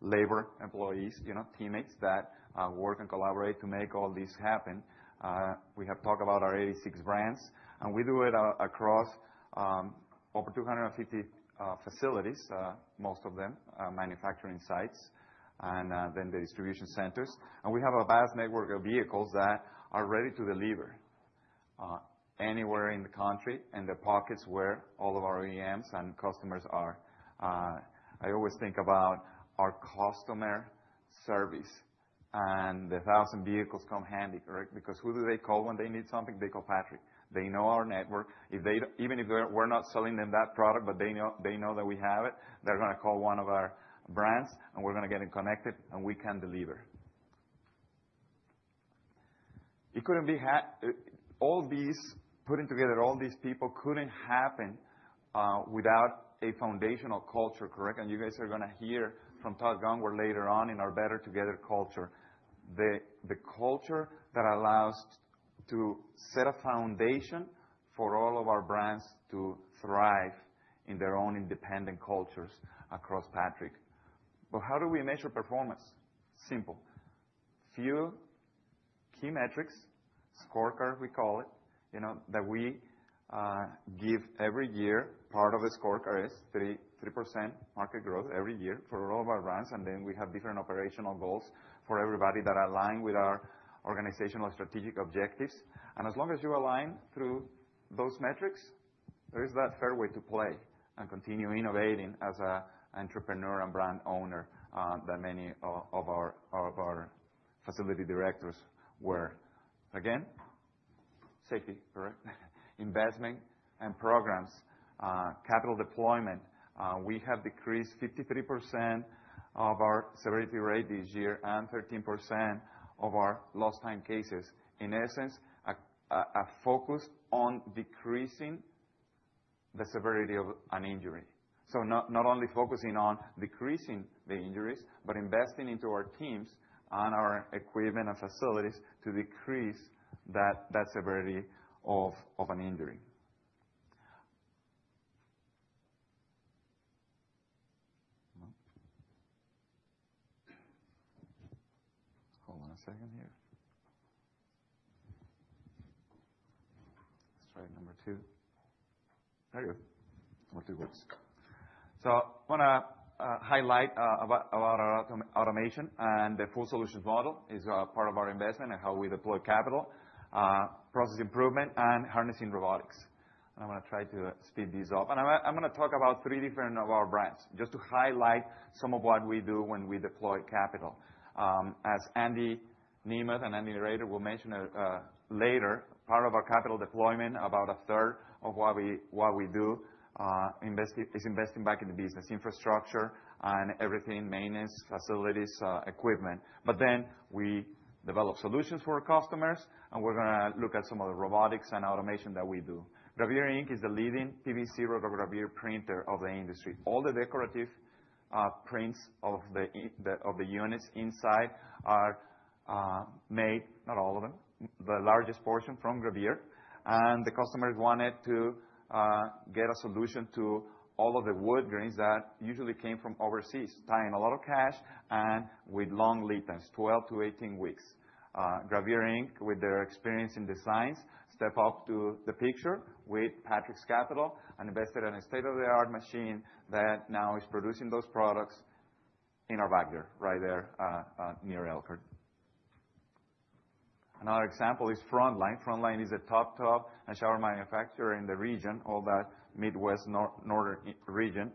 labor employees, you know, teammates that work and collaborate to make all this happen. We have talked about our 86 brands, and we do it across over 250 facilities, most of them are manufacturing sites and then the distribution centers. We have a vast network of vehicles that are ready to deliver anywhere in the country, in the pockets where all of our OEMs and customers are. I always think about our customer service and the 1,000 vehicles come handy, correct? Who do they call when they need something? They call Patrick. They know our network. Even if we're not selling them that product, they know that we have it, they're going to call one of our brands, and we're going to get them connected, and we can deliver. It couldn't happen without a foundational culture, correct? You guys are going to hear from Todd Gongwer later on in our BETTER Together culture. The culture that allows to set a foundation for all of our brands to thrive in their own independent cultures across Patrick. How do we measure performance? Simple. Few key metrics, scorecard, we call it, you know, that we give every year. Part of the scorecard is 3% market growth every year for all of our brands, and then we have different operational goals for everybody that align with our organizational strategic objectives. As long as you align through those metrics, there is that fair way to play and continue innovating as a entrepreneur and brand owner, that many of our facility directors were. Again, safety, correct. Investment and programs, capital deployment. We have decreased 53% of our severity rate this year and 13% of our lost time cases. In essence, a focus on decreasing the severity of an injury. Not only focusing on decreasing the injuries, but investing into our teams and our equipment and facilities to decrease that severity of an injury. Hold on a second here. Let's try number two. There you go. Number two works. I wanna highlight about our auto-automation and the full solutions model is part of our investment and how we deploy capital, process improvement and harnessing robotics. I'm gonna try to speed these up. I'm gonna talk about three different of our brands, just to highlight some of what we do when we deploy capital. As Andy Nemeth and Andrew Roeder will mention later, part of our capital deployment, about a third of what we do, is investing back in the business, infrastructure and everything, maintenance, facilities, equipment. We develop solutions for our customers, and we're gonna look at some of the robotics and automation that we do. Gravure Ink is the leading PVC rotary gravure printer of the industry. All the decorative prints of the units inside are made, not all of them, the largest portion from Gravure. The customers wanted to get a solution to all of the wood grains that usually came from overseas, tying a lot of cash and with long lead times, 12 to 18 weeks. Gravure Ink, with their experience in designs, step up to the picture with Patrick's capital and invested in a state-of-the-art machine that now is producing those products in our backyard, right there near Elkhart. Another example is Frontline. Frontline is a top tub and shower manufacturer in the region, all that Midwest, Northern region.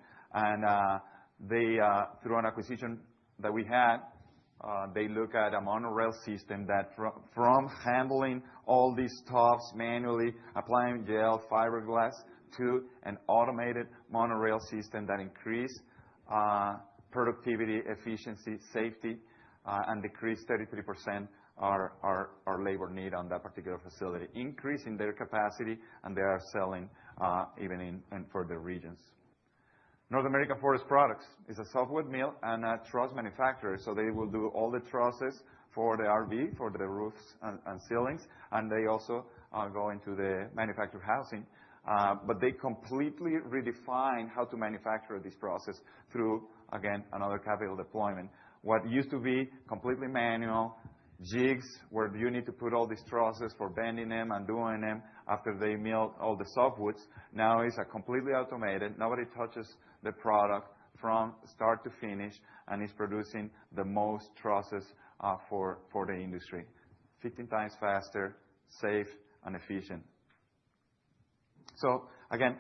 They, through an acquisition that we had, they look at a monorail system that from handling all these tubs manually, applying gel, fiberglass, to an automated monorail system that increased productivity, efficiency, safety, and decreased 33% our labor need on that particular facility, increasing their capacity, and they are selling even in and further regions. North American Forest Products is a softwood mill and a truss manufacturer, they will do all the trusses for the RV, for the roofs and ceilings, and they also go into the manufactured housing. They completely redefined how to manufacture this process through, again, another capital deployment. What used to be completely manual, jigs, where you need to put all these trusses for bending them and doing them after they mill all the softwoods, now is completely automated. Nobody touches the product from start to finish. It's producing the most trusses for the industry. 15x faster, safe and efficient. Again,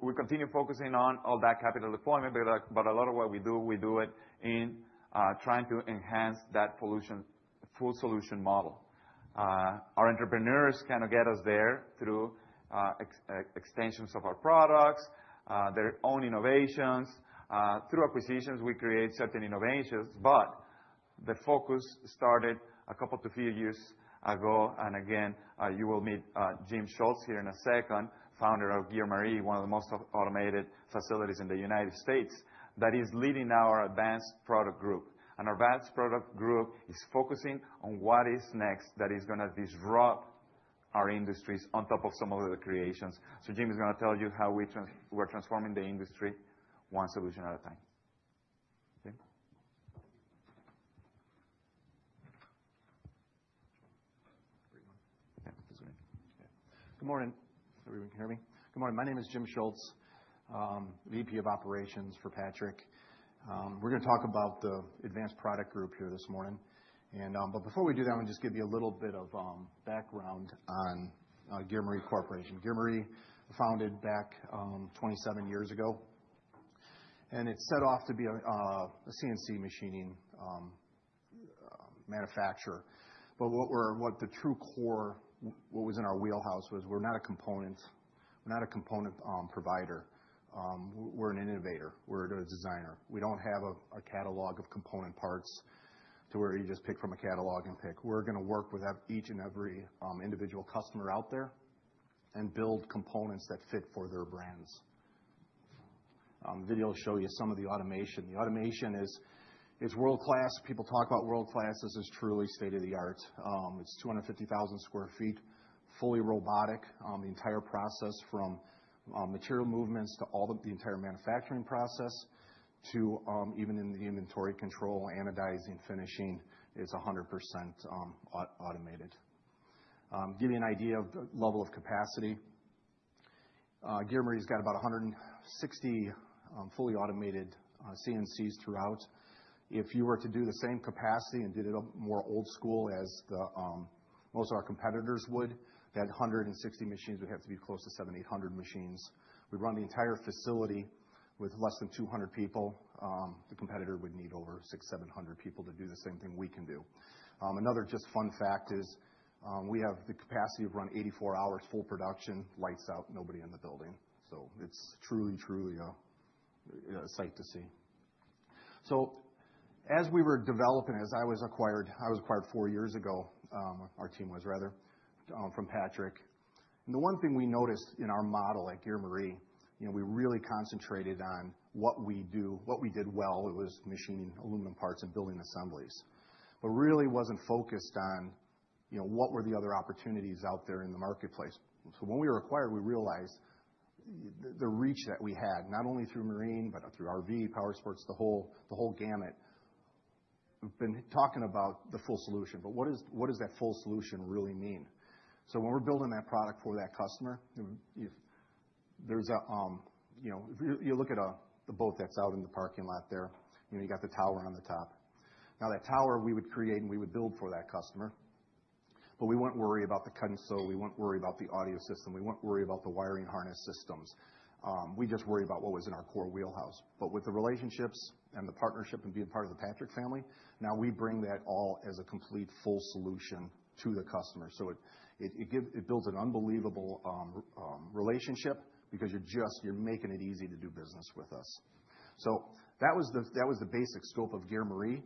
we continue focusing on all that capital deployment, but a lot of what we do, we do it in trying to enhance that full solution model. Our entrepreneurs kind of get us there through extensions of our products, their own innovations. Through acquisitions, we create certain innovations. The focus started a couple to a few years ago. Again, you will meet Jim Schultz here in a second, founder of Geremarie, one of the most automated facilities in the U.S. that is leading our advanced product group. Our advanced product group is focusing on what is next that is going to disrupt our industries on top of some of the creations. Jim is going to tell you how we're transforming the industry one solution at a time. Jim. Good morning. Everyone can hear me? Good morning. My name is Jim Schultz, VP of operations for Patrick. We're gonna talk about the advanced product group here this morning. Before we do that, I'm gonna just give you a little bit of background on Geremarie Corporation. Geremarie founded back 27 years ago, and it set off to be a CNC machining manufacturer. What the true core, what was in our wheelhouse was we're not a component provider. We're an innovator. We're a designer. We don't have a catalog of component parts to where you just pick from a catalog and pick. We're gonna work with each and every individual customer out there and build components that fit for their brands. The video will show you some of the automation. The automation is world-class. People talk about world-class. This is truly state-of-the-art. It's 250,000 square feet, fully robotic. The entire process from material movements to all of the entire manufacturing process to even in the inventory control, anodizing, finishing is 100% automated. Give you an idea of the level of capacity. Geremarie's got about 160 fully automated CNCs throughout. If you were to do the same capacity and did it a more old school as the most of our competitors would, that 160 machines would have to be close to 700-800 machines. We run the entire facility with less than 200 people. The competitor would need over 600-700 people to do the same thing we can do. Another just fun fact is, we have the capacity to run 84 hours full production, lights out, nobody in the building. It's truly a sight to see. As we were developing, as I was acquired, I was acquired four years ago, our team was rather from Patrick. The one thing we noticed in our model at Geremarie, you know, we really concentrated on what we do, what we did well. It was machining aluminum parts and building assemblies. Really wasn't focused on, you know, what were the other opportunities out there in the marketplace. When we were acquired, we realized the reach that we had, not only through Marine, but through RV, Powersports, the whole gamut. We've been talking about the full solution, what does that full solution really mean? When we're building that product for that customer, you know, if there's a, you know, if you look at the boat that's out in the parking lot there, you know, you got the tower on the top. Now, that tower we would create, and we would build for that customer, but we wouldn't worry about the console, we wouldn't worry about the audio system, we wouldn't worry about the wiring harness systems. We just worry about what was in our core wheelhouse. With the relationships and the partnership and being part of the Patrick family, now we bring that all as a complete full solution to the customer. It builds an unbelievable relationship because you're making it easy to do business with us. That was the, that was the basic scope of Geremarie.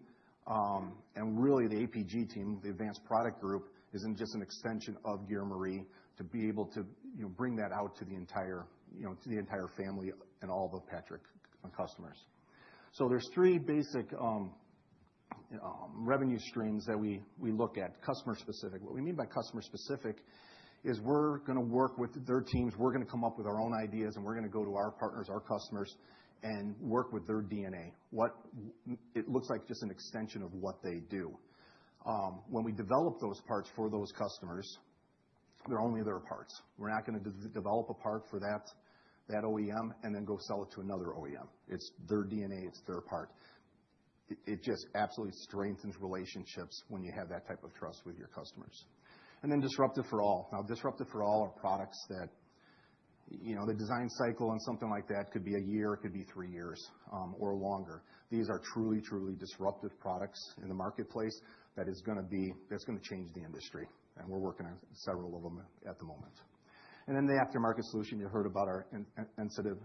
And really the APG team, the advanced product group, is just an extension of Geremarie to be able to, you know, bring that out to the entire, you know, to the entire family and all the Patrick customers. There's three basic revenue streams that we look at. Customer specific. What we mean by customer specific is we're gonna work with their teams, we're gonna come up with our own ideas, and we're gonna go to our partners, our customers, and work with their DNA. It looks like just an extension of what they do. When we develop those parts for those customers, they're only their parts. We're not gonna de-develop a part for that OEM and then go sell it to another OEM. It's their DNA, it's their part. It just absolutely strengthens relationships when you have that type of trust with your customers. Disruptive for all. Now, disruptive for all are products that, you know, the design cycle and something like that could be a year, it could be three years or longer. These are truly disruptive products in the marketplace that's gonna change the industry, and we're working on several of them at the moment. The aftermarket solution, you heard about our incentive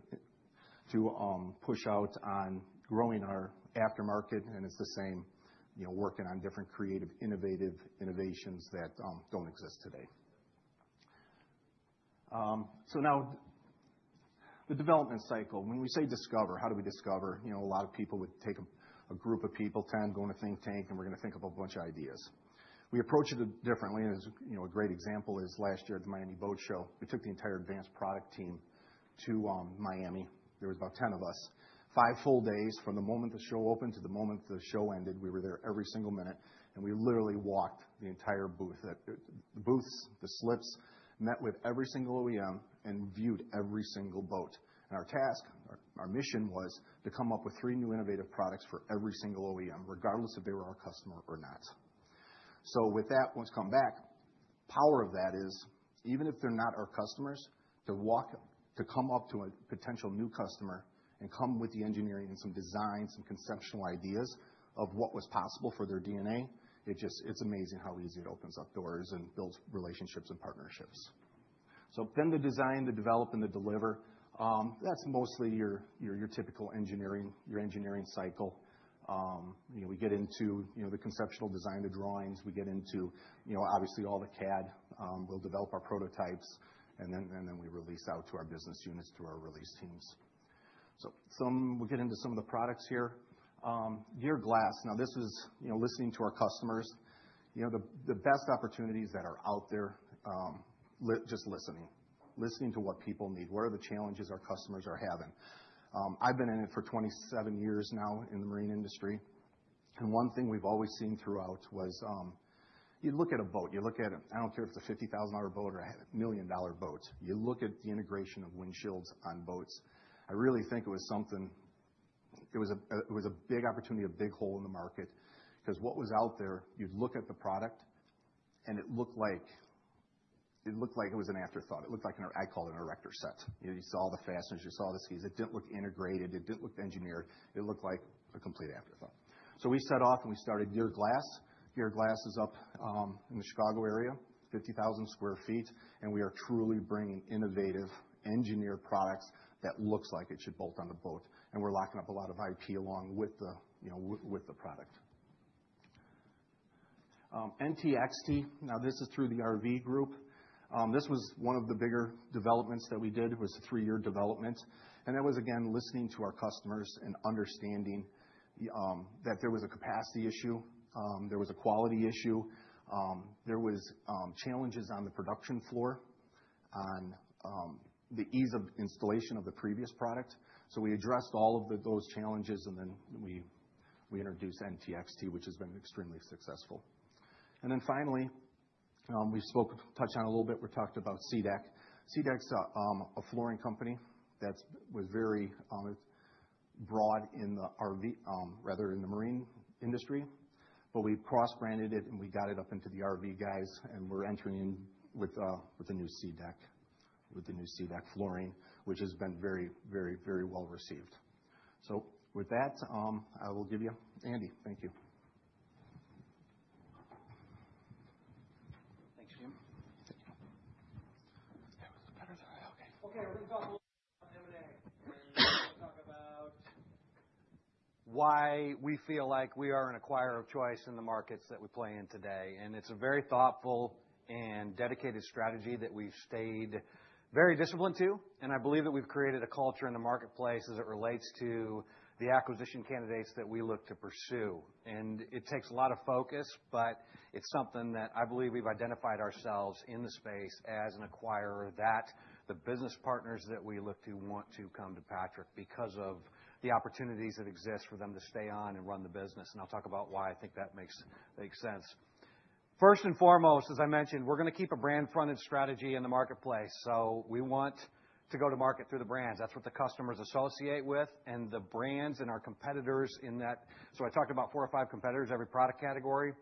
to push out on growing our aftermarket, and it's the same, you know, working on different creative, innovative innovations that don't exist today. Now the development cycle. When we say discover, how do we discover? You know, a lot of people would take a group of people, 10, go in a think tank, and we're gonna think of a bunch of ideas. We approach it differently, and as, you know, a great example is last year at the Miami Boat Show, we took the entire advanced product team to Miami. There was about 10 of us. Five full days from the moment the show opened to the moment the show ended, we were there every single minute, and we literally walked the entire booth. The booths, the slips, met with every single OEM and viewed every single boat. Our task, our mission was to come up with three new innovative products for every single OEM, regardless if they were our customer or not. With that, once come backPower of that is even if they're not our customers, to come up to a potential new customer and come with the engineering and some design, some conceptual ideas of what was possible for their D&A, it just. It's amazing how easy it opens up doors and builds relationships and partnerships. The design, the develop, and the deliver, that's mostly your typical engineering, your engineering cycle. You know, we get into, you know, the conceptual design, the drawings. We get into, you know, obviously all the CAD. We'll develop our prototypes and then we release out to our business units through our release teams. We'll get into some of the products here. GereGlass. Now this is, you know, listening to our customers. You know, the best opportunities that are out there, just listening. Listening to what people need. What are the challenges our customers are having? I've been in it for 27 years now in the marine industry, and one thing we've always seen throughout was, you look at a boat, you look at a. I don't care if it's a $50,000 boat or a $1 million boat. You look at the integration of windshields on boats. I really think it was something. It was a big opportunity, a big hole in the market, because what was out there, you'd look at the product, and it looked like it was an afterthought. It looked like an. I call it an erector set. You know, you saw the fasteners, you saw the screws. It didn't look integrated. It didn't look engineered. It looked like a complete afterthought. We set off, and we started GereGlass. GereGlass is up in the Chicago area, 50,000 square feet, and we are truly bringing innovative engineered products that looks like it should bolt on the boat, and we're locking up a lot of IP along with the, you know, with the product. NTXT. This is through the RV group. This was one of the bigger developments that we did. It was a three-year development, and it was again listening to our customers and understanding that there was a capacity issue. There was a quality issue. There was challenges on the production floor on the ease of installation of the previous product. We addressed all of those challenges, and then we introduced NTXT, which has been extremely successful. Finally, we touched on a little bit. We talked about SeaDek. SeaDek's a flooring company that was very broad in the RV, rather in the marine industry. We cross-branded it, and we got it up into the RV guys, and we're entering in with the new SeaDek flooring, which has been very well received. With that, I will give you Andy. Thank you. Thanks, Jim. Thank you. Stay with us. Better? Sorry. Okay. Okay, we're gonna talk a little bit about M&A. We're gonna talk about why we feel like we are an acquirer of choice in the markets that we play in today, and it's a very thoughtful and dedicated strategy that we've stayed very disciplined to. I believe that we've created a culture in the marketplace as it relates to the acquisition candidates that we look to pursue. It takes a lot of focus, but it's something that I believe we've identified ourselves in the space as an acquirer that the business partners that we look to want to come to Patrick because of the opportunities that exist for them to stay on and run the business. I'll talk about why I think that makes sense. First and foremost, as I mentioned, we're gonna keep a brand-fronted strategy in the marketplace. We want to go to market through the brands. That's what the customers associate with and the brands and our competitors in that. I talked about four or five competitors, every product category.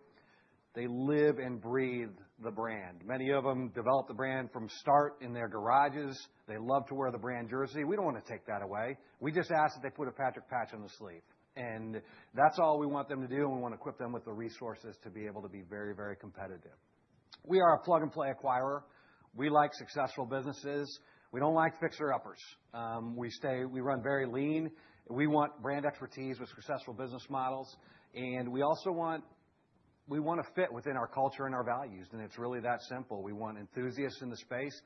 They live and breathe the brand. Many of them develop the brand from start in their garages. They love to wear the brand jersey. We don't wanna take that away. We just ask that they put a Patrick patch on the sleeve. That's all we want them to do, and we wanna equip them with the resources to be able to be very, very competitive. We are a plug-and-play acquirer. We like successful businesses. We don't like fixer-uppers. We run very lean. We want brand expertise with successful business models, and we also want to fit within our culture and our values, and it's really that simple. We want enthusiasts in the space,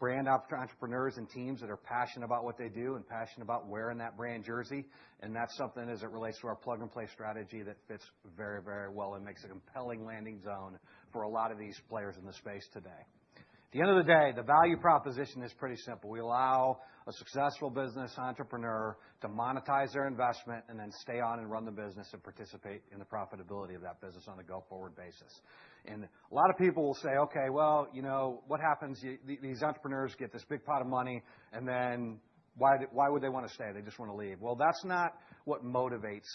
brand entrepreneurs and teams that are passionate about what they do and passionate about wearing that brand jersey. That's something as it relates to our plug-and-play strategy that fits very, very well and makes a compelling landing zone for a lot of these players in the space today. At the end of the day, the value proposition is pretty simple. We allow a successful business entrepreneur to monetize their investment and then stay on and run the business and participate in the profitability of that business on a go-forward basis. A lot of people will say, "Okay, well, you know, what happens? These entrepreneurs get this big pot of money, and then why would they wanna stay? They just wanna leave." That's not what motivates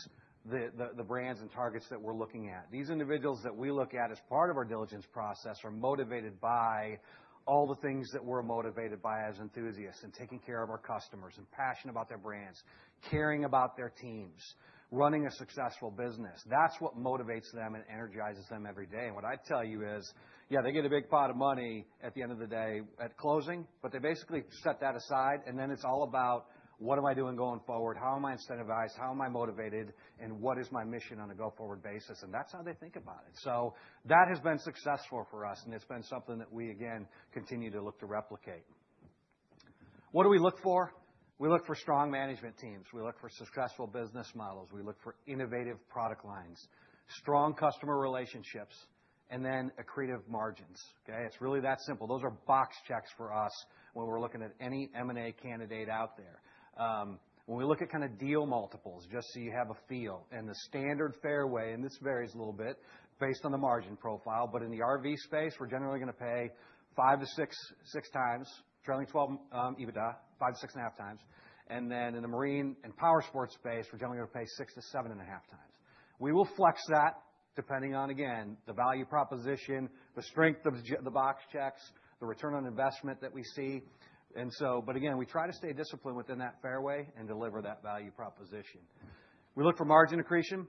the brands and targets that we're looking at. These individuals that we look at as part of our diligence process are motivated by all the things that we're motivated by as enthusiasts and taking care of our customers and passionate about their brands, caring about their teams, running a successful business. That's what motivates them and energizes them every day. What I tell you is, yeah, they get a big pot of money at the end of the day at closing, but they basically set that aside, and then it's all about, what am I doing going forward? How am I incentivized? How am I motivated? What is my mission on a go-forward basis? That's how they think about it. That has been successful for us, and it's been something that we again continue to look to replicate. What do we look for? We look for strong management teams. We look for successful business models. We look for innovative product lines, strong customer relationships, and then accretive margins, okay? It's really that simple. Those are box checks for us when we're looking at any M&A candidate out there. When we look at kind of deal multiples, just so you have a feel, and the standard fairway, and this varies a little bit based on the margin profile, but in the RV space, we're generally gonna pay 5x-6x trailing 12 EBITDA, 5x-6.5x. Then in the marine and powersports space, we're generally gonna pay 6x-7.5x. We will flex that depending on, again, the value proposition, the strength of the box checks, the return on investment that we see. Again, we try to stay disciplined within that fairway and deliver that value proposition. We look for margin accretion.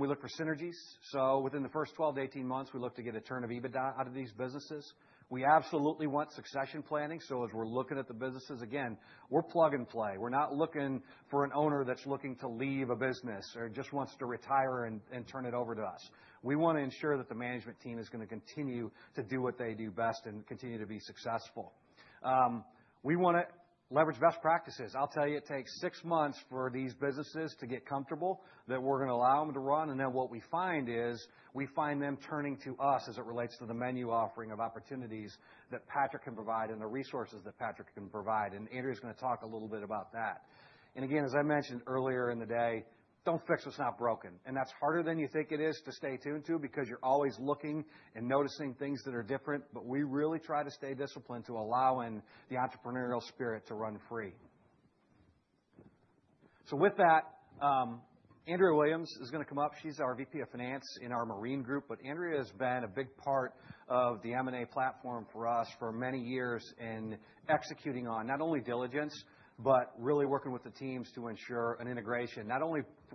We look for synergies. Within the first 12 to 18 months, we look to get a turn of EBITDA out of these businesses. We absolutely want succession planning. As we're looking at the businesses, again, we're plug-and-play. We're not looking for an owner that's looking to leave a business or just wants to retire and turn it over to us. We wanna ensure that the management team is gonna continue to do what they do best and continue to be successful. We wanna leverage best practices. I'll tell you, it takes six months for these businesses to get comfortable that we're gonna allow them to run. What we find is we find them turning to us as it relates to the menu offering of opportunities that Patrick can provide and the resources that Patrick can provide. Andrea is going to talk a little bit about that. Again, as I mentioned earlier in the day, don't fix what's not broken. That's harder than you think it is to stay tuned to because you're always looking and noticing things that are different. We really try to stay disciplined to allowing the entrepreneurial spirit to run free. With that, Andrea Williams is going to come up. She is our Vice President of Finance in our Marine Group. Andrea has been a big part of the M&A platform for us for many years in executing on not only diligence, but really working with the teams to ensure an integration.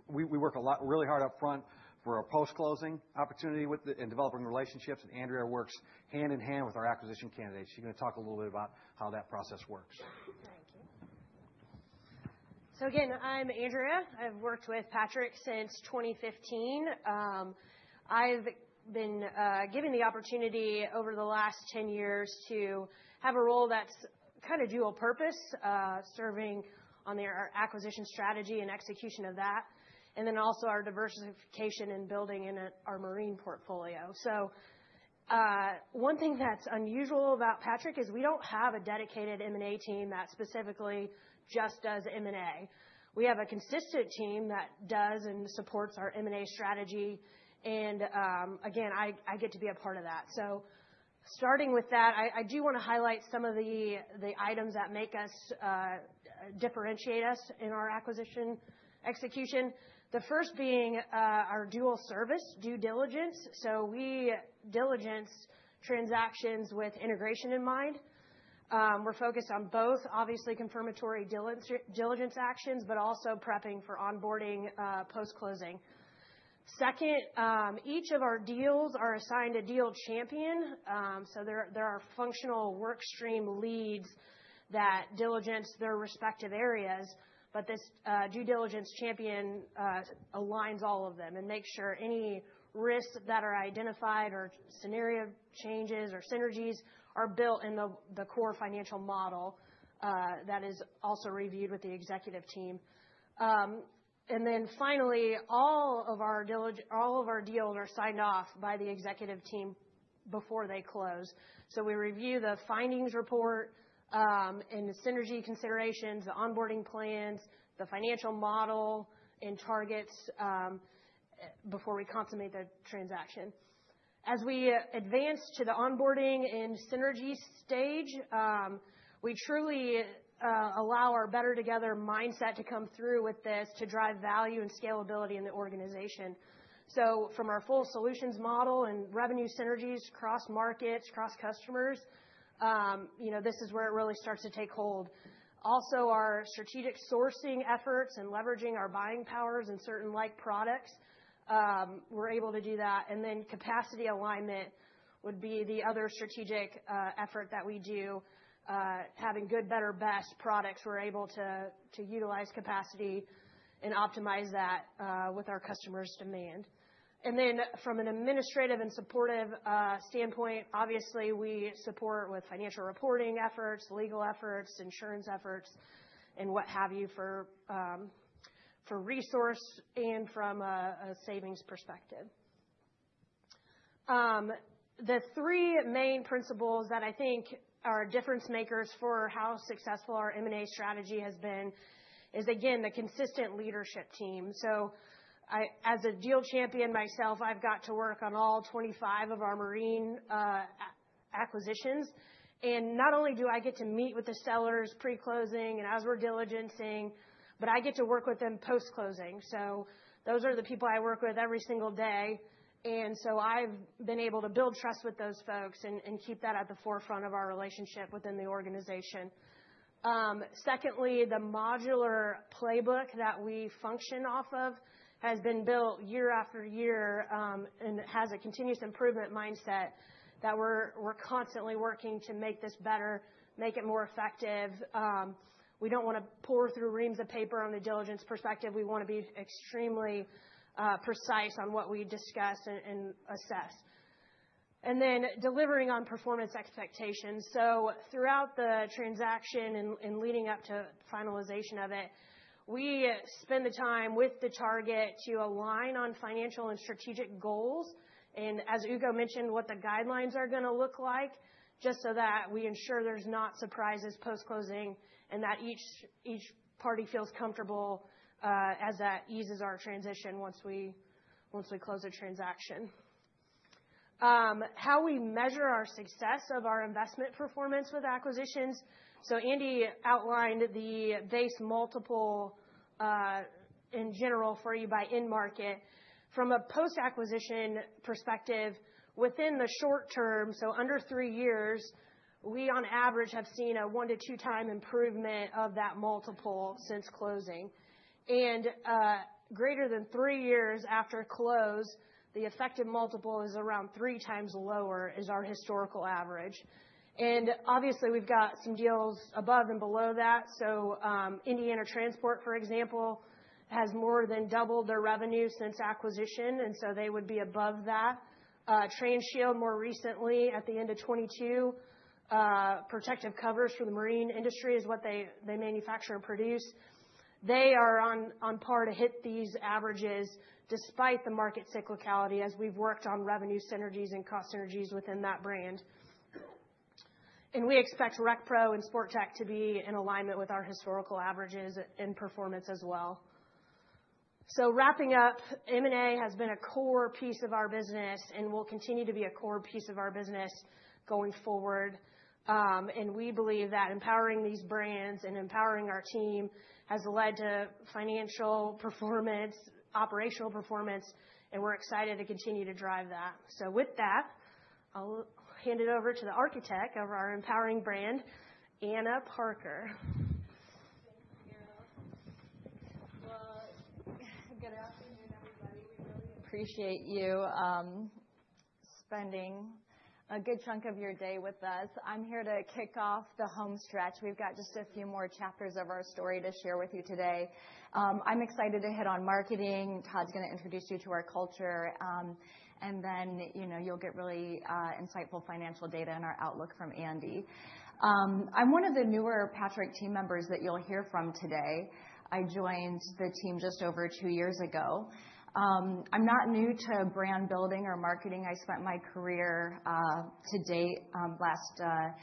We work really hard up front for a post-closing opportunity in developing relationships, and Andrea works hand in hand with our acquisition candidates. She's gonna talk a little bit about how that process works. Thank you. Again, I'm Andrea. I've been given the opportunity over the last 10 years to have a role that's kind of dual purpose, serving on their acquisition strategy and execution of that, and then also our diversification and building in our marine portfolio. One thing that's unusual about Patrick is we don't have a dedicated M&A team that specifically just does M&A. We have a consistent team that does and supports our M&A strategy. Again, I get to be a part of that. Starting with that, I do wanna highlight some of the items that make us differentiate us in our acquisition execution. The first being our dual service due diligence. We diligence transactions with integration in mind. We're focused on both, obviously, confirmatory diligence actions, but also prepping for onboarding post-closing. Second, each of our deals are assigned a deal champion, there are functional work stream leads that diligence their respective areas, but this due diligence champion aligns all of them and makes sure any risks that are identified or scenario changes or synergies are built in the core financial model that is also reviewed with the executive team. Finally, all of our deals are signed off by the executive team before they close. We review the findings report and the synergy considerations, the onboarding plans, the financial model and targets before we consummate the transaction. As we advance to the onboarding and synergy stage, we truly allow our BETTER Together mindset to come through with this to drive value and scalability in the organization. From our full solutions model and revenue synergies across markets, across customers, you know, this is where it really starts to take hold. Our strategic sourcing efforts and leveraging our buying powers in certain like products, we're able to do that. Capacity alignment would be the other strategic effort that we do. Having good, better, best products, we're able to utilize capacity and optimize that with our customers' demand. From an administrative and supportive standpoint, obviously, we support with financial reporting efforts, legal efforts, insurance efforts, and what have you for resource and from a savings perspective. The three main principles that I think are difference makers for how successful our M&A strategy has been is again, the consistent leadership team. As a deal champion myself, I've got to work on all 25 of our marine acquisitions. Not only do I get to meet with the sellers pre-closing and as we're diligencing, but I get to work with them post-closing. Those are the people I work with every single day. I've been able to build trust with those folks and keep that at the forefront of our relationship within the organization. Secondly, the modular playbook that we function off of has been built year after year, and it has a continuous improvement mindset that we're constantly working to make this better, make it more effective. We don't wanna pore through reams of paper on the diligence perspective. We don't wanna be extremely precise on what we discuss and assess. Delivering on performance expectations. Throughout the transaction and leading up to finalization of it, we spend the time with the target to align on financial and strategic goals. As Hugo mentioned, what the guidelines are gonna look like, just so that we ensure there's no surprises post-closing and that each party feels comfortable as that eases our transition once we close a transaction. How we measure our success of our investment performance with acquisitions. Andy outlined the base multiple in general for you by end market. From a post-acquisition perspective, within the short term, under three years, we on average have seen a 1x-2x improvement of that multiple since closing. Greater than three years after close, the effective multiple is around 3x lower is our historical average. Obviously, we've got some deals above and below that. Indiana Transport, for example, has more than doubled their revenue since acquisition, they would be above that. Transhield, more recently at the end of 2022, protective covers for the marine industry is what they manufacture and produce. They are on par to hit these averages despite the market cyclicality as we've worked on revenue synergies and cost synergies within that brand. We expect RecPro and Sportech to be in alignment with our historical averages in performance as well. Wrapping up, M&A has been a core piece of our business and will continue to be a core piece of our business going forward. We believe that empowering these brands and empowering our team has led to financial performance, operational performance, and we're excited to continue to drive that. With that, I'll hand it over to the architect of our empowering brand, Anna Parker. Thank you, Andrea. Good afternoon, everybody. We really appreciate you spending a good chunk of your day with us. I'm here to kick off the home stretch. We've got just a few more chapters of our story to share with you today. I'm excited to hit on marketing. Todd's gonna introduce you to our culture, then, you know, you'll get really insightful financial data and our outlook from Andy. I'm one of the newer Patrick team members that you'll hear from today. I joined the team just over two years ago. I'm not new to brand building or marketing. I spent my career to date, last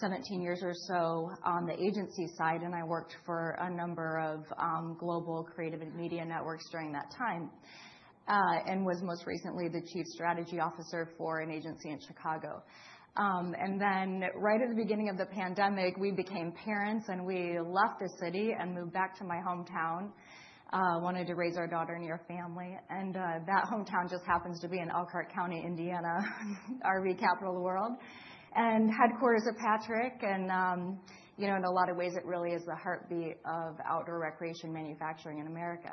17 years or so on the agency side, and I worked for a number of global creative and media networks during that time, and was most recently the Chief Strategy Officer for an agency in Chicago. Right at the beginning of the pandemic, we became parents, and we left the city and moved back to my hometown, wanted to raise our daughter near family. That hometown just happens to be in Elkhart County, Indiana, RV capital of the world, and headquarters of Patrick. You know, in a lot of ways it really is the heartbeat of outdoor recreation manufacturing in America.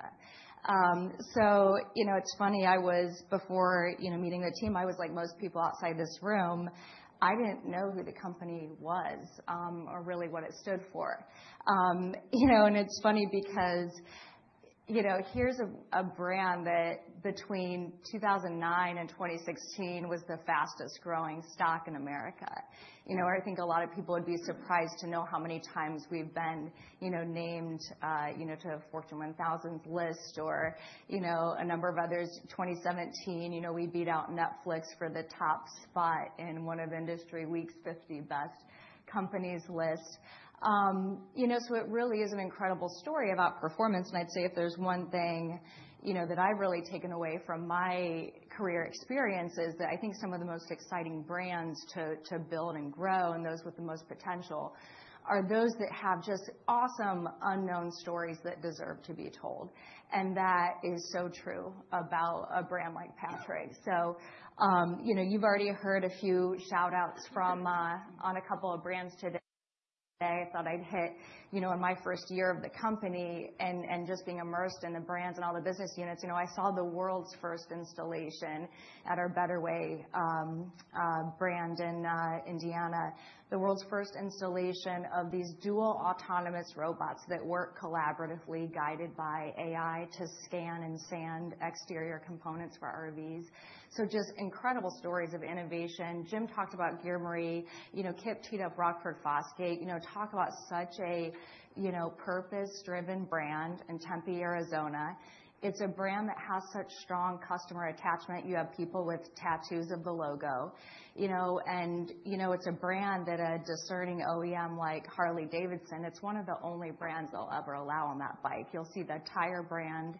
It's funny, I was before meeting the team, I was like most people outside this room, I didn't know who the company was or really what it stood for. It's funny because here's a brand that between 2009 and 2016 was the fastest growing stock in America. I think a lot of people would be surprised to know how many times we've been named to Fortune 1000 list or a number of others. 2017, we beat out Netflix for the top spot in one of IndustryWeek's 50 best companies list. You know, it really is an incredible story about performance, and I'd say if there's one thing, you know, that I've really taken away from my career experience is that I think some of the most exciting brands to build and grow and those with the most potential are those that have just awesome unknown stories that deserve to be told. That is so true about a brand like Patrick. You know, you've already heard a few shout-outs from on a couple of brands today. I thought I'd hit, you know, in my first year of the company and just being immersed in the brands and all the business units, you know, I saw the world's first installation at our BetterWay brand in Indiana. The world's first installation of these dual autonomous robots that work collaboratively, guided by AI to scan and sand exterior components for RVs. Just incredible stories of innovation. Jim talked about Geremarie. You know, Kip teed up Rockford Fosgate. You know, talk about such a, you know, purpose-driven brand in Tempe, Arizona. It's a brand that has such strong customer attachment. You have people with tattoos of the logo. You know, it's a brand that a discerning OEM like Harley-Davidson, it's one of the only brands they'll ever allow on that bike. You'll see the tire brand,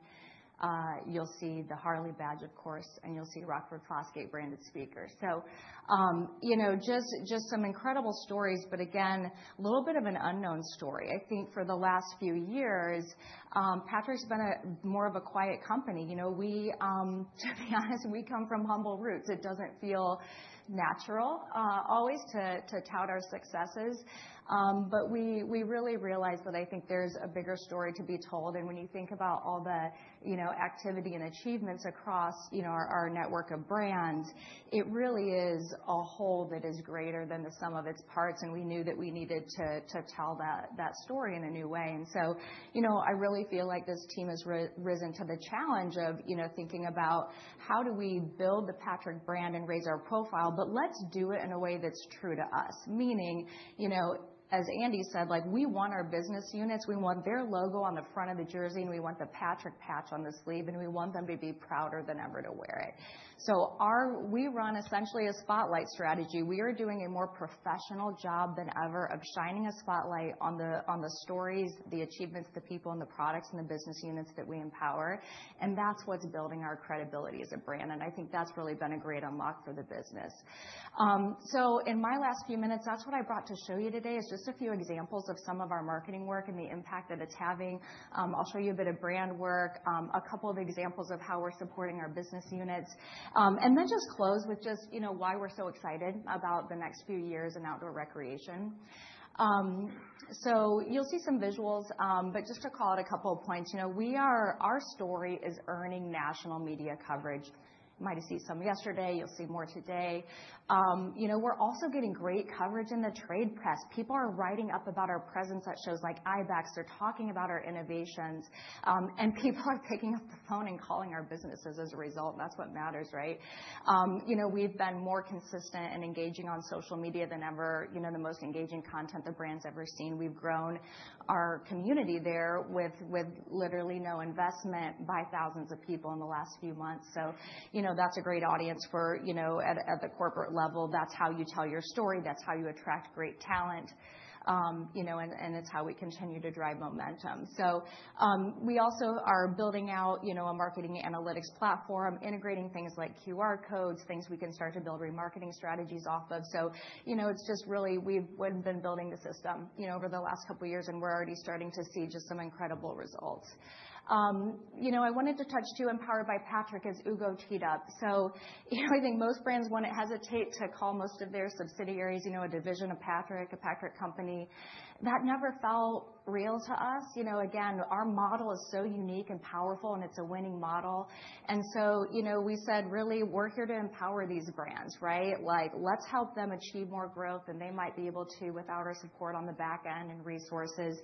you'll see the Harley badge, of course, you'll see Rockford Fosgate branded speakers. You know, just some incredible stories, again, a little bit of an unknown story. I think for the last few years, Patrick's been a more of a quiet company. You know, we, to be honest, we come from humble roots. It doesn't feel natural, always to tout our successes. We really realize that I think there's a bigger story to be told. When you think about all the, you know, activity and achievements across our network of brands, it really is a whole that is greater than the sum of its parts, and we knew that we needed to tell that story in a new way. You know, I really feel like this team has risen to the challenge of, you know, thinking about how do we build the Patrick brand and raise our profile, let's do it in a way that's true to us. Meaning, you know, as Andy said, like we want our business units, we want their logo on the front of the jersey, and we want the Patrick patch on the sleeve, and we want them to be prouder than ever to wear it. We run essentially a spotlight strategy. We are doing a more professional job than ever of shining a spotlight on the stories, the achievements, the people, and the products and the business units that we empower. That's what's building our credibility as a brand. I think that's really been a great unlock for the business. In my last few minutes, that's what I brought to show you today, is just a few examples of some of our marketing work and the impact that it's having. I'll show you a bit of brand work, a couple of examples of how we're supporting our business units, and then just close with just, you know, why we're so excited about the next few years in outdoor recreation. You'll see some visuals, but just to call out a couple of points. You know, our story is earning national media coverage. Might have seen some yesterday, you'll see more today. You know, we're also getting great coverage in the trade press. People are writing up about our presence at shows like IBEX. They're talking about our innovations, and people are picking up the phone and calling our businesses as a result. That's what matters, right? You know, we've been more consistent in engaging on social media than ever. You know, the most engaging content the brand's ever seen. We've grown our community there with literally no investment by thousands of people in the last few months. You know, that's a great audience for, you know, at the corporate level, that's how you tell your story, that's how you attract great talent, you know, and it's how we continue to drive momentum. We also are building out, you know, a marketing analytics platform, integrating things like QR codes, things we can start to build remarketing strategies off of. You know, it's just really we've been building the system, you know, over the last couple of years, and we're already starting to see just some incredible results. You know, I wanted to touch too on Powered by Patrick as Hugo Gonzalez teed up. You know, I think most brands wouldn't hesitate to call most of their subsidiaries, you know, a division of Patrick, a Patrick company. That never felt real to us. You know, again, our model is so unique and powerful, and it's a winning model. You know, we said, "Really, we're here to empower these brands," right? Like, let's help them achieve more growth than they might be able to without our support on the back end and resources.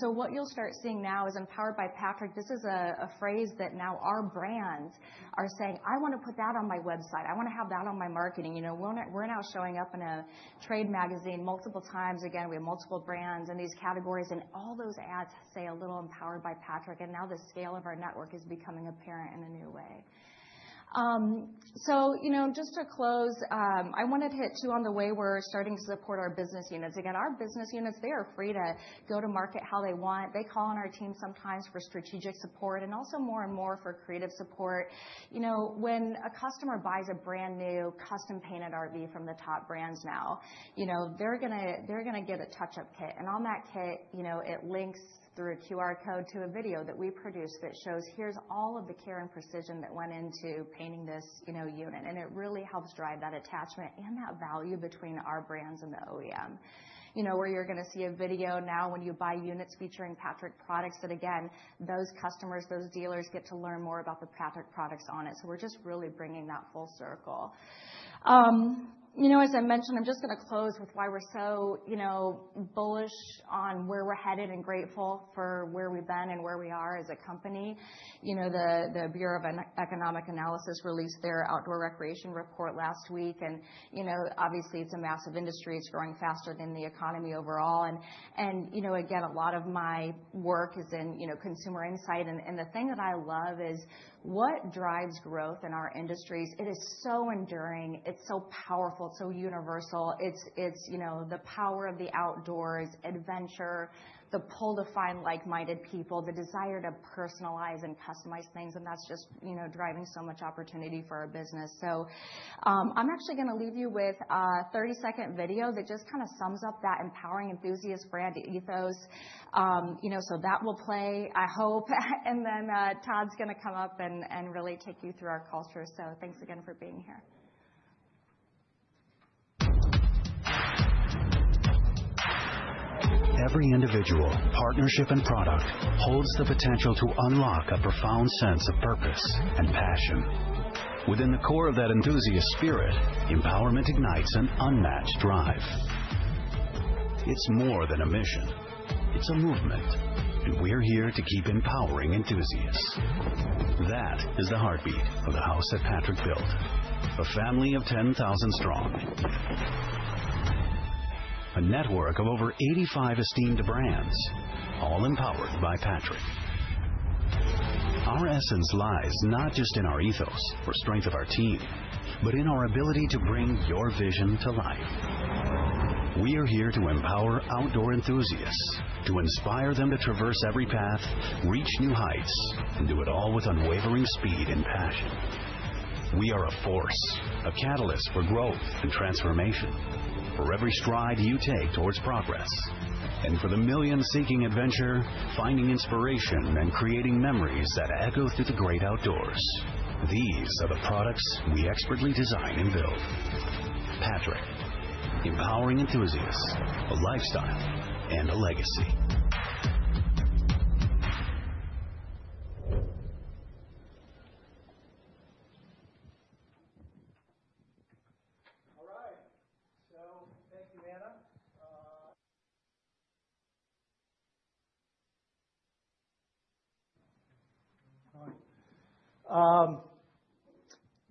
What you'll start seeing now is Empowered by Patrick. This is a phrase that now our brands are saying, "I wanna put that on my website. I wanna have that on my marketing." You know, we're now showing up in a trade magazine multiple times. We have multiple brands in these categories, all those ads say a little Empowered by Patrick, now the scale of our network is becoming apparent in a new way. You know, just to close, I wanna hit too on the way we're starting to support our business units. Our business units, they are free to go to market how they want. They call on our team sometimes for strategic support and also more and more for creative support. You know, when a customer buys a brand-new custom-painted RV from the top brands now, you know, they're gonna get a touch-up kit. On that kit, you know, it links through a QR code to a video that we produce that shows here's all of the care and precision that went into painting this, you know, unit. It really helps drive that attachment and that value between our brands and the OEM. You know, where you're gonna see a video now when you buy units featuring Patrick products that, again, those customers, those dealers get to learn more about the Patrick products on it. We're just really bringing that full circle. You know, as I mentioned, I'm just gonna close with why we're so, you know, bullish on where we're headed and grateful for where we've been and where we are as a company. You know, the Bureau of Economic Analysis released their outdoor recreation report last week. You know, obviously, it's a massive industry. It's growing faster than the economy overall. You know, again, a lot of my work is in, you know, consumer insight. The thing that I love is what drives growth in our industries, it is so enduring, it's so powerful, it's so universal. It's, you know, the power of the outdoors, adventure, the pull to find like-minded people, the desire to personalize and customize things, and that's just, you know, driving so much opportunity for our business. I'm actually gonna leave you with a 30-second video that just kinda sums up that Empowering Enthusiast Brand Ethos. You know, so that will play, I hope. Todd's gonna come up and really take you through our culture. Thanks again for being here. Every individual, partnership, and product holds the potential to unlock a profound sense of purpose and passion. Within the core of that enthusiast spirit, empowerment ignites an unmatched drive. It's more than a mission. It's a movement. We're here to keep empowering enthusiasts. That is the heartbeat of the house that Patrick built, a family of 10,000 strong. A network of over 85 esteemed brands, all Empowered by Patrick. Our essence lies not just in our ethos or strength of our team, but in our ability to bring your vision to life. We are here to empower outdoor enthusiasts, to inspire them to traverse every path, reach new heights, and do it all with unwavering speed and passion. We are a force, a catalyst for growth and transformation, for every stride you take towards progress. For the millions seeking adventure, finding inspiration, and creating memories that echo through the great outdoors, these are the products we expertly design and build. Patrick, empowering enthusiasts, a lifestyle, and a legacy. All right. Thank you, Anna.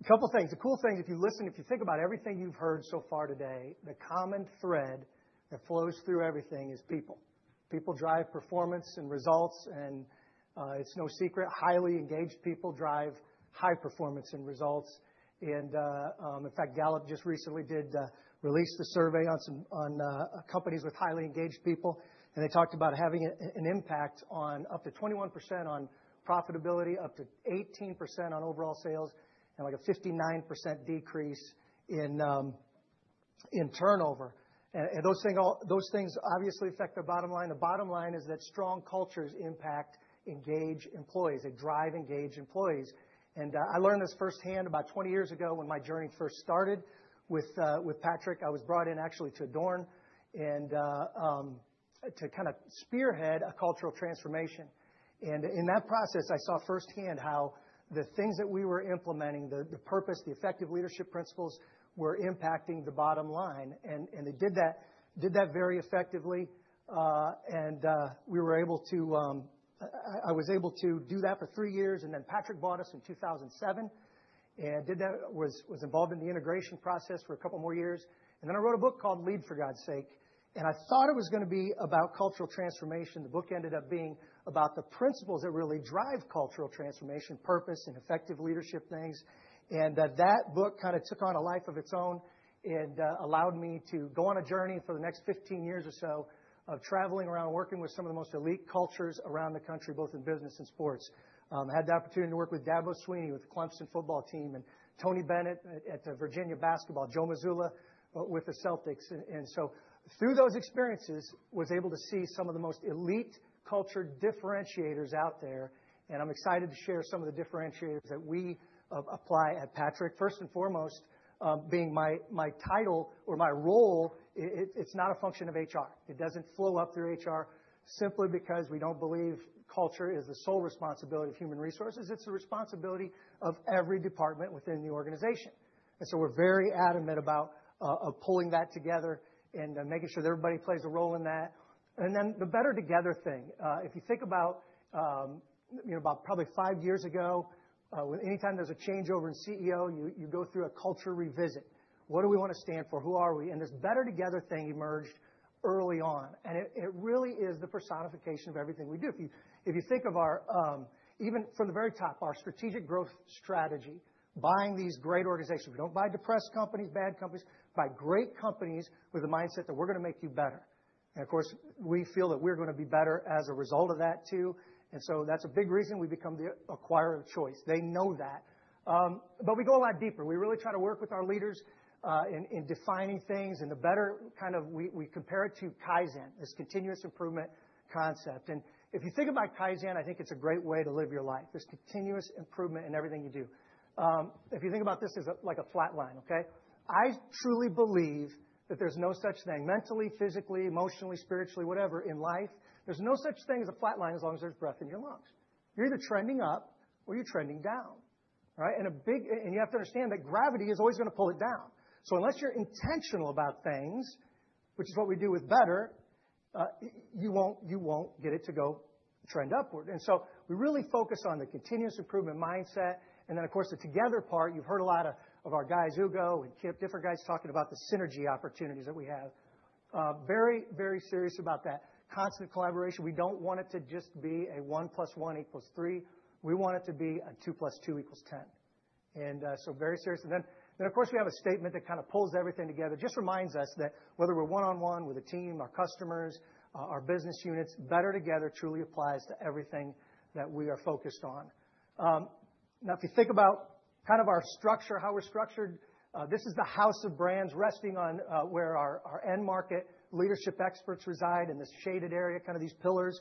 A couple things. The cool thing, if you listen, if you think about everything you've heard so far today, the common thread that flows through everything is people. People drive performance and results. It's no secret, highly engaged people drive high performance and results. In fact, Gallup just recently released a survey on companies with highly engaged people, and they talked about having an impact on up to 21% on profitability, up to 18% on overall sales, and like a 59% decrease in turnover. Those things obviously affect their bottom line. The bottom line is that strong cultures impact engaged employees. They drive engaged employees. I learned this firsthand about 20 years ago when my journey first started with Patrick. I was brought in actually to Adorn to kind of spearhead a cultural transformation. In that process, I saw firsthand how the things that we were implementing, the purpose, the effective leadership principles were impacting the bottom line. It did that very effectively, and we were able to, I was able to do that for three years. Patrick bought us in 2007, and was involved in the integration process for a couple more years. I wrote a book called Lead for God's Sake. I thought it was going to be about cultural transformation. The book ended up being about the principles that really drive cultural transformation, purpose and effective leadership things. That book kinda took on a life of its own and allowed me to go on a journey for the next 15 years or so of traveling around and working with some of the most elite cultures around the country, both in business and sports. I had the opportunity to work with Dabo Swinney with the Clemson football team and Tony Bennett at Virginia basketball, Joe Mazzulla with the Celtics. Through those experiences, was able to see some of the most elite culture differentiators out there, and I'm excited to share some of the differentiators that we apply at Patrick. First and foremost, being my title or my role, it's not a function of HR. It doesn't flow up through HR simply because we don't believe culture is the sole responsibility of human resources. It's the responsibility of every department within the organization. We're very adamant about pulling that together and making sure that everybody plays a role in that. The Better Together thing. If you think about, you know, about probably five years ago, anytime there's a changeover in CEO, you go through a culture revisit. What do we want to stand for? Who are we? This Better Together thing emerged early on, and it really is the personification of everything we do. If you think of our, even from the very top, our strategic growth strategy, buying these great organizations. We don't buy depressed companies, bad companies. We buy great companies with the mindset that we're going to make you better. Of course, we feel that we're going to be better as a result of that too. That's a big reason we become the acquirer of choice. They know that. We go a lot deeper. We really try to work with our leaders in defining things. We compare it to Kaizen, this continuous improvement concept. If you think about Kaizen, I think it's a great way to live your life. There's continuous improvement in everything you do. If you think about this as a flat line, okay? I truly believe that there's no such thing mentally, physically, emotionally, spiritually, whatever in life. There's no such thing as a flat line as long as there's breath in your lungs. You're either trending up or you're trending down, right? You have to understand that gravity is always gonna pull it down. Unless you're intentional about things, which is what we do with BETTER, you won't get it to go trend upward. We really focus on the continuous improvement mindset. Then, of course, the together part, you've heard a lot of our guys, Hugo and Kip, different guys talking about the synergy opportunities that we have. Very, very serious about that. Constant collaboration. We don't want it to just be a 1+ 1=3. We want it to be a 2+2=10. Very serious. Then, of course, we have a statement that kinda pulls everything together, just reminds us that whether we're one-on-one with a team, our customers, our business units, BETTER Together truly applies to everything that we are focused on. Now if you think about kind of our structure, how we're structured, this is the house of brands resting on where our end market leadership experts reside in this shaded area, these pillars.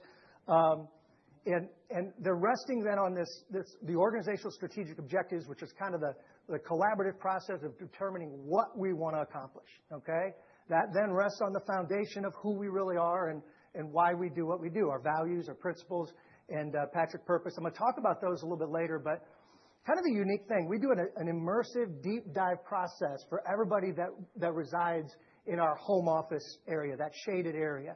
They're resting then on the organizational strategic objectives, which is the collaborative process of determining what we wanna accomplish, okay? That then rests on the foundation of who we really are and why we do what we do, our values, our principles, and Patrick Purpose. I'm gonna talk about those a little bit later, but kind of a unique thing. We do an immersive deep dive process for everybody that resides in our home office area, that shaded area.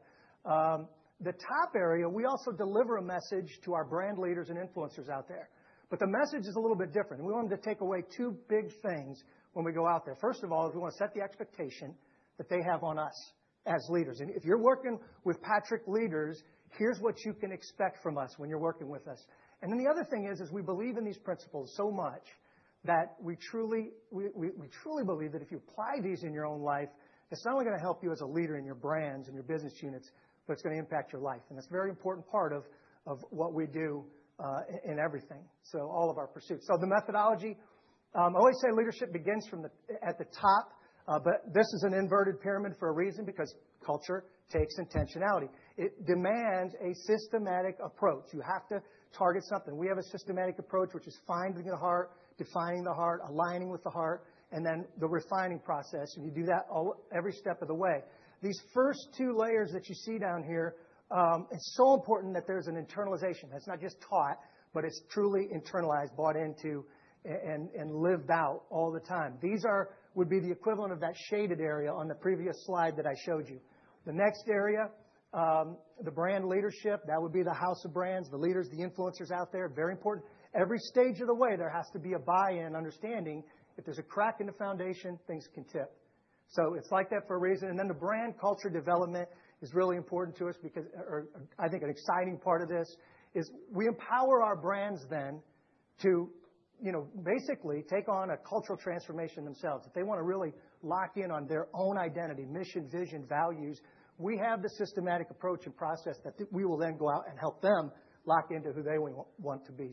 The top area, we also deliver a message to our brand leaders and influencers out there, but the message is a little bit different. We want them to take away two big things when we go out there. First of all, is we wanna set the expectation that they have on us as leaders. If you're working with Patrick leaders, here's what you can expect from us when you're working with us. The other thing is, we believe in these principles so much that we truly believe that if you apply these in your own life, it's not only gonna help you as a leader in your brands and your business units, but it's gonna impact your life. It's a very important part of what we do in everything, so all of our pursuits. The methodology, I always say leadership begins at the top, this is an inverted pyramid for a reason because culture takes intentionality. It demands a systematic approach. You have to target something. We have a systematic approach, which is finding the heart, defining the heart, aligning with the heart, and then the refining process. You do that every step of the way. These first two layers that you see down here, it's so important that there's an internalization. That's not just taught, but it's truly internalized, bought into and lived out all the time. These would be the equivalent of that shaded area on the previous slide that I showed you. The next area, the brand leadership, that would be the house of brands, the leaders, the influencers out there, very important. Every stage of the way, there has to be a buy-in understanding. If there's a crack in the foundation, things can tip. It's like that for a reason. The brand culture development is really important to us because I think an exciting part of this is we empower our brands then to, you know, basically take on a cultural transformation themselves. If they wanna really lock in on their own identity, mission, vision, values, we have the systematic approach and process that we will then go out and help them lock into who they want to be.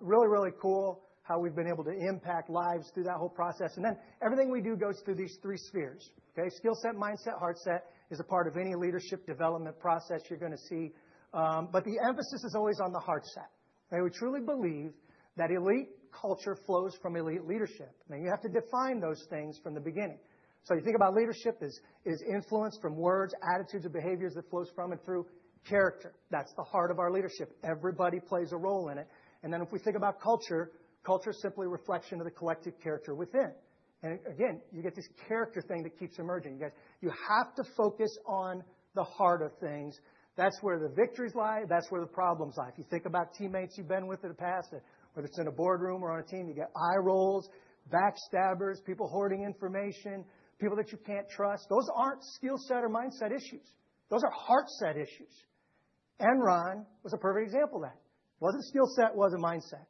Really, really cool how we've been able to impact lives through that whole process. Everything we do goes through these three spheres, okay? Skill set, mindset, heart set is a part of any leadership development process you're gonna see. The emphasis is always on the heart set. Okay. We truly believe that elite culture flows from elite leadership, and you have to define those things from the beginning. You think about leadership is influence from words, attitudes, and behaviors that flows from and through character. That's the heart of our leadership. Everybody plays a role in it. If we think about culture is simply a reflection of the collective character within. Again, you get this character thing that keeps emerging. You guys, you have to focus on the heart of things. That's where the victories lie. That's where the problems lie. If you think about teammates you've been with in the past, whether it's in a boardroom or on a team, you get eye rolls, backstabbers, people hoarding information, people that you can't trust. Those aren't skill set or mindset issues. Those are heart set issues. Enron was a perfect example of that. It wasn't skill set, it wasn't mindset.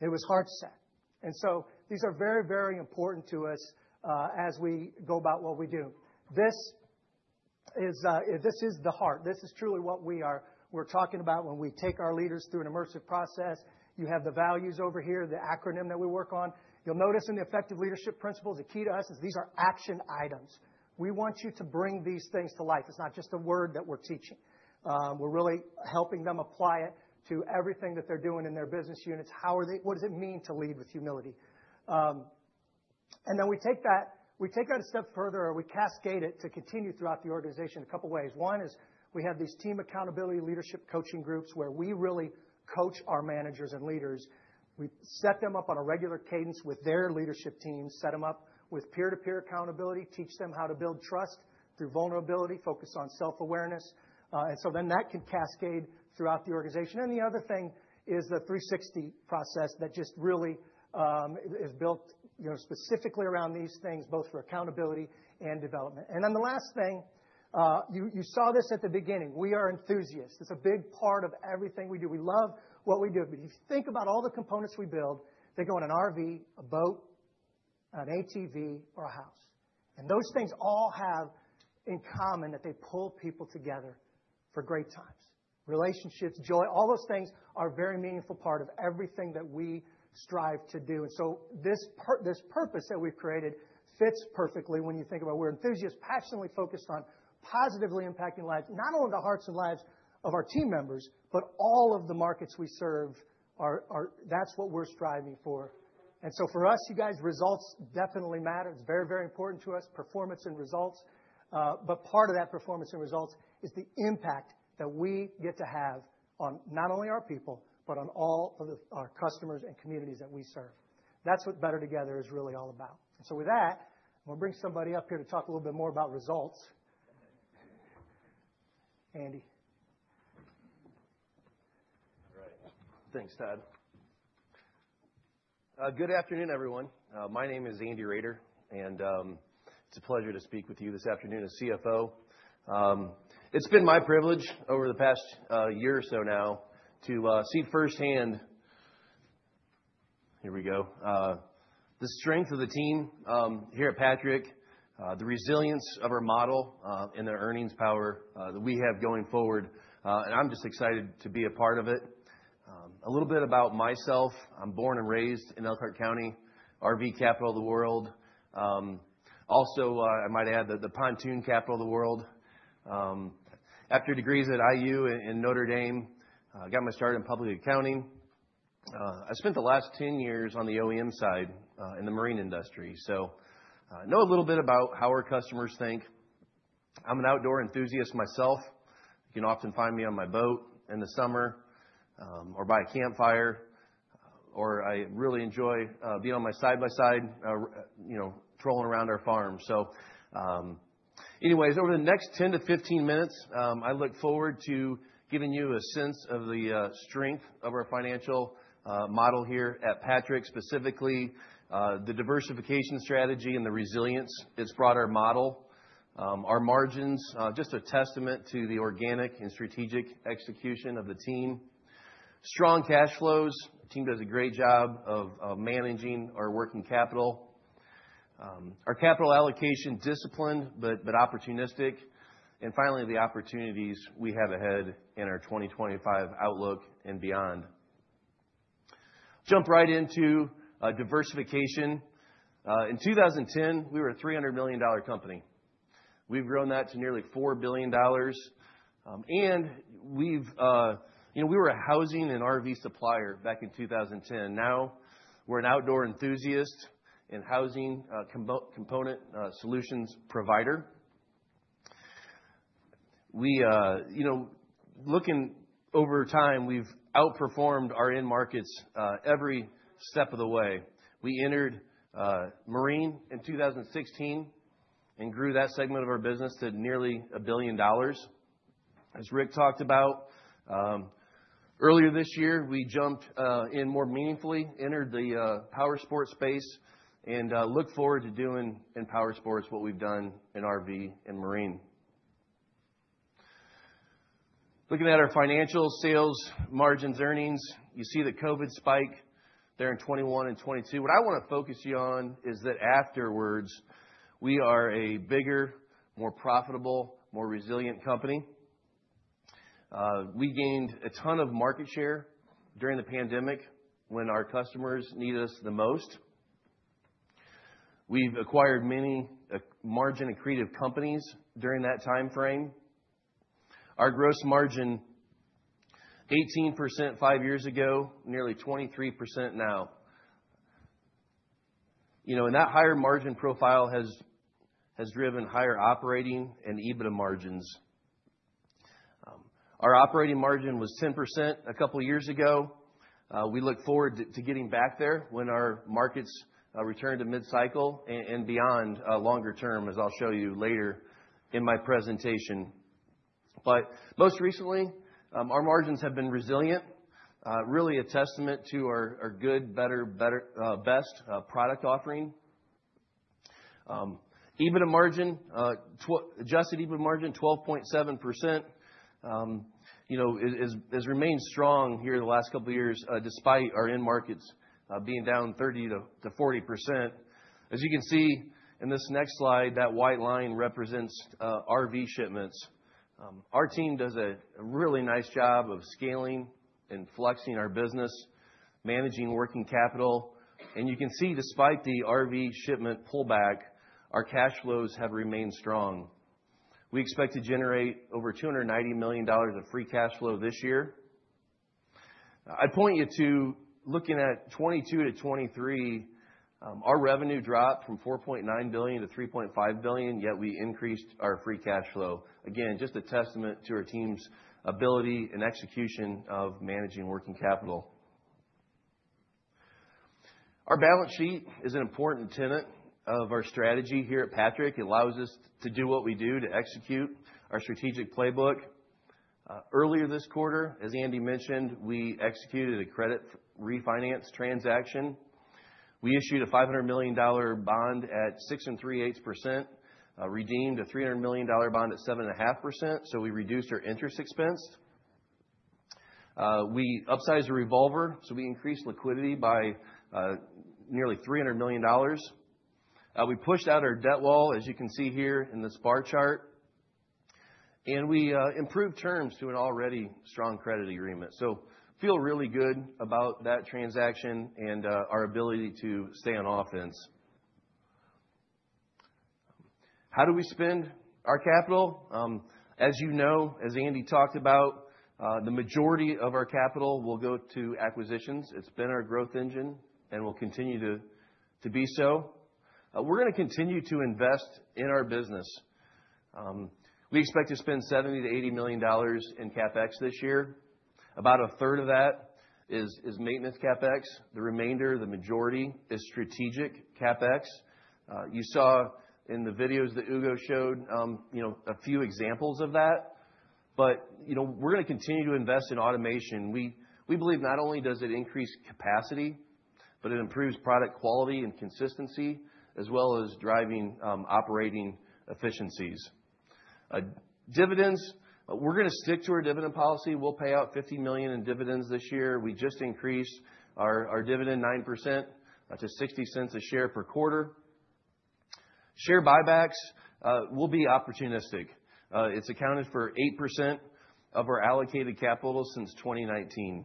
It was heart set. These are very, very important to us as we go about what we do. This is the heart. This is truly what we're talking about when we take our leaders through an immersive process. You have the values over here, the acronym that we work on. You'll notice in the effective leadership principles, the key to us is these are action items. We want you to bring these things to life. It's not just a word that we're teaching. We're really helping them apply it to everything that they're doing in their business units. What does it mean to lead with humility? We take that a step further, or we cascade it to continue throughout the organization two ways. One is we have these team accountability leadership coaching groups where we really coach our managers and leaders. We set them up on a regular cadence with their leadership team, set them up with peer-to-peer accountability, teach them how to build trust through vulnerability, focus on self-awareness. That can cascade throughout the organization. The other thing is the 360 process that just really, you know, is built specifically around these things, both for accountability and development. The last thing, you saw this at the beginning, we are enthusiasts. It's a big part of everything we do. We love what we do. If you think about all the components we build, they go in an RV, a boat, an ATV, or a house. Those things all have in common that they pull people together for great times. Relationships, joy, all those things are a very meaningful part of everything that we strive to do. This purpose that we've created fits perfectly when you think about we're enthusiasts passionately focused on positively impacting lives, not only the hearts and lives of our team members, but all of the markets we serve are. That's what we're striving for. For us, you guys, results definitely matter. It's very, very important to us, performance and results. Part of that performance and results is the impact that we get to have on not only our people, but on all of our customers and communities that we serve. That's what BETTER Together is really all about. With that, I'm gonna bring somebody up here to talk a little bit more about results. Andrew. All right. Thanks, Todd. Good afternoon, everyone. My name is Andrew Roeder, and it's a pleasure to speak with you this afternoon as CFO. It's been my privilege over the past year or so now to see firsthand, here we go, the strength of the team here at Patrick, the resilience of our model, and the earnings power that we have going forward. I'm just excited to be a part of it. A little bit about myself. I'm born and raised in Elkhart County, RV capital of the world. Also, I might add the pontoon capital of the world. After degrees at IU in Notre Dame, got my start in public accounting. I spent the last 10 years on the OEM side in the marine industry. Know a little bit about how our customers think. I'm an outdoor enthusiast myself. You can often find me on my boat in the summer, or by a campfire, or I really enjoy being on my side-by-side, you know, trolling around our farm. Anyways, over the next 10 to 15 minutes, I look forward to giving you a sense of the strength of our financial model here at Patrick, specifically, the diversification strategy and the resilience it's brought our model. Our margins, just a testament to the organic and strategic execution of the team. Strong cash flows. Team does a great job of managing our working capital. Our capital allocation discipline, but opportunistic. Finally, the opportunities we have ahead in our 2025 outlook and beyond. Jump right into diversification. In 2010, we were a $300 million company. We've grown that to nearly $4 billion. We've, you know, we were a housing and RV supplier back in 2010. Now, we're an outdoor enthusiast and housing component solutions provider. We, you know, looking over time, we've outperformed our end markets every step of the way. We entered marine in 2016 and grew that segment of our business to nearly $1 billion. As Rick talked about, earlier this year, we jumped in more meaningfully, entered the powersport space, and look forward to doing in powersports what we've done in RV and marine. Looking at our financial sales margins earnings, you see the COVID spike there in '21 and '22. What I wanna focus you on is that afterwards, we are a bigger, more profitable, more resilient company. We gained a ton of market share during the pandemic when our customers needed us the most. We've acquired many margin-accretive companies during that timeframe. Our gross margin 18% five years ago, nearly 23% now. You know, that higher margin profile has driven higher operating and EBITDA margins. Our operating margin was 10% a couple years ago. We look forward to getting back there when our markets return to mid-cycle and beyond longer term, as I'll show you later in my presentation. Most recently, our margins have been resilient, really a testament to our good, better, best product offering. EBITDA margin, adjusted EBITDA margin 12.7%, you know, has remained strong here the last couple years despite our end markets being down 30%-40%. As you can see in this next slide, that white line represents RV shipments. Our team does a really nice job of scaling and flexing our business, managing working capital. You can see despite the RV shipment pullback, our cash flows have remained strong. We expect to generate over $290 million of free cash flow this year. I point you to looking at 2022-2023, our revenue dropped from $4.9 billion-$3.5 billion, yet we increased our free cash flow. Again, just a testament to our team's ability and execution of managing working capital. Our balance sheet is an important tenet of our strategy here at Patrick. It allows us to do what we do to execute our strategic playbook. Earlier this quarter, as Andy mentioned, we executed a credit refinance transaction. We issued a $500 million bond at 6% and 3%/8%, redeemed a $300 million bond at 7.5%, so we reduced our interest expense. We upsized the revolver, so we increased liquidity by nearly $300 million. We pushed out our debt wall, as you can see here in this bar chart. We improved terms to an already strong credit agreement. Feel really good about that transaction and our ability to stay on offense. How do we spend our capital? As you know, as Andy talked about, the majority of our capital will go to acquisitions. It's been our growth engine and will continue to be so. We're gonna continue to invest in our business. We expect to spend $70 million-$80 million in CapEx this year. About a third of that is maintenance CapEx. The remainder, the majority, is strategic CapEx. You saw in the videos that Hugo showed, you know, a few examples of that. You know, we're gonna continue to invest in automation. We believe not only does it increase capacity, but it improves product quality and consistency, as well as driving operating efficiencies. Dividends, we're gonna stick to our dividend policy. We'll pay out $50 million in dividends this year. We just increased our dividend 9%, that's to $0.60 a share per quarter. Share buybacks will be opportunistic. It's accounted for 8% of our allocated capital since 2019.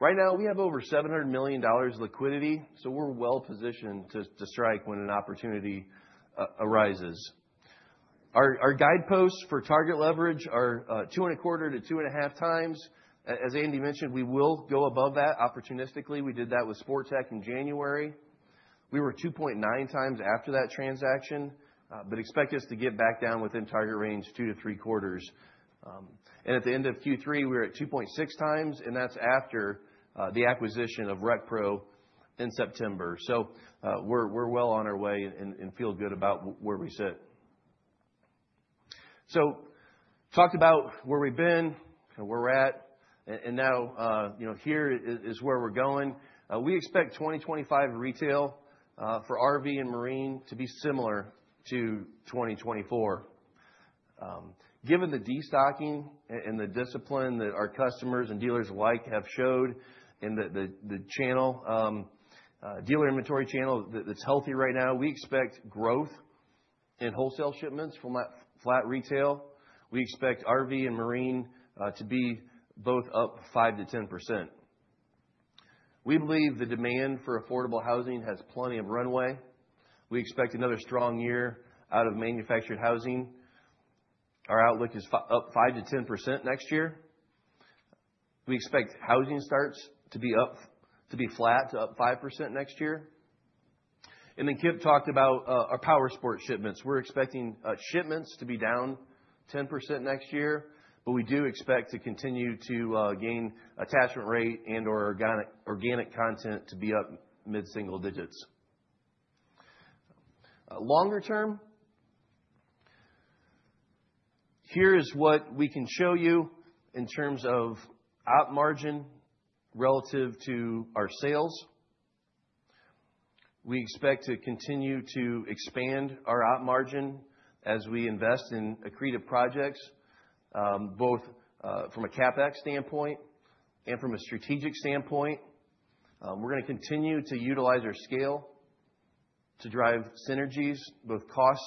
Right now, we have over $700 million liquidity, we're well-positioned to strike when an opportunity arises. Our guideposts for target leverage are 2.25x-2.5x. As Andy mentioned, we will go above that opportunistically. We did that with Sportech in January. We were 2.9x after that transaction, expect us to get back down within target range two-three quarters. At the end of Q3, we were at 2.6x, that's after the acquisition of RecPro in September. We're well on our way and feel good about where we sit. Talked about where we've been and where we're at, and now, you know, here is where we're going. We expect 2025 retail for RV and marine to be similar to 2024. Given the destocking and the discipline that our customers and dealers alike have showed in the channel, dealer inventory channel that's healthy right now, we expect growth in wholesale shipments from flat retail. We expect RV and marine to be both up 5%-10%. We believe the demand for affordable housing has plenty of runway. We expect another strong year out of manufactured housing. Our outlook is up 5%-10% next year. We expect housing starts to be flat to up 5% next year. Kip talked about our powersport shipments. We're expecting shipments to be down 10% next year, but we do expect to continue to gain attachment rate and/or organic content to be up mid-single digits. Longer term, here is what we can show you in terms of op margin relative to our sales. We expect to continue to expand our op margin as we invest in accretive projects, both from a CapEx standpoint and from a strategic standpoint. We're gonna continue to utilize our scale to drive synergies, both cost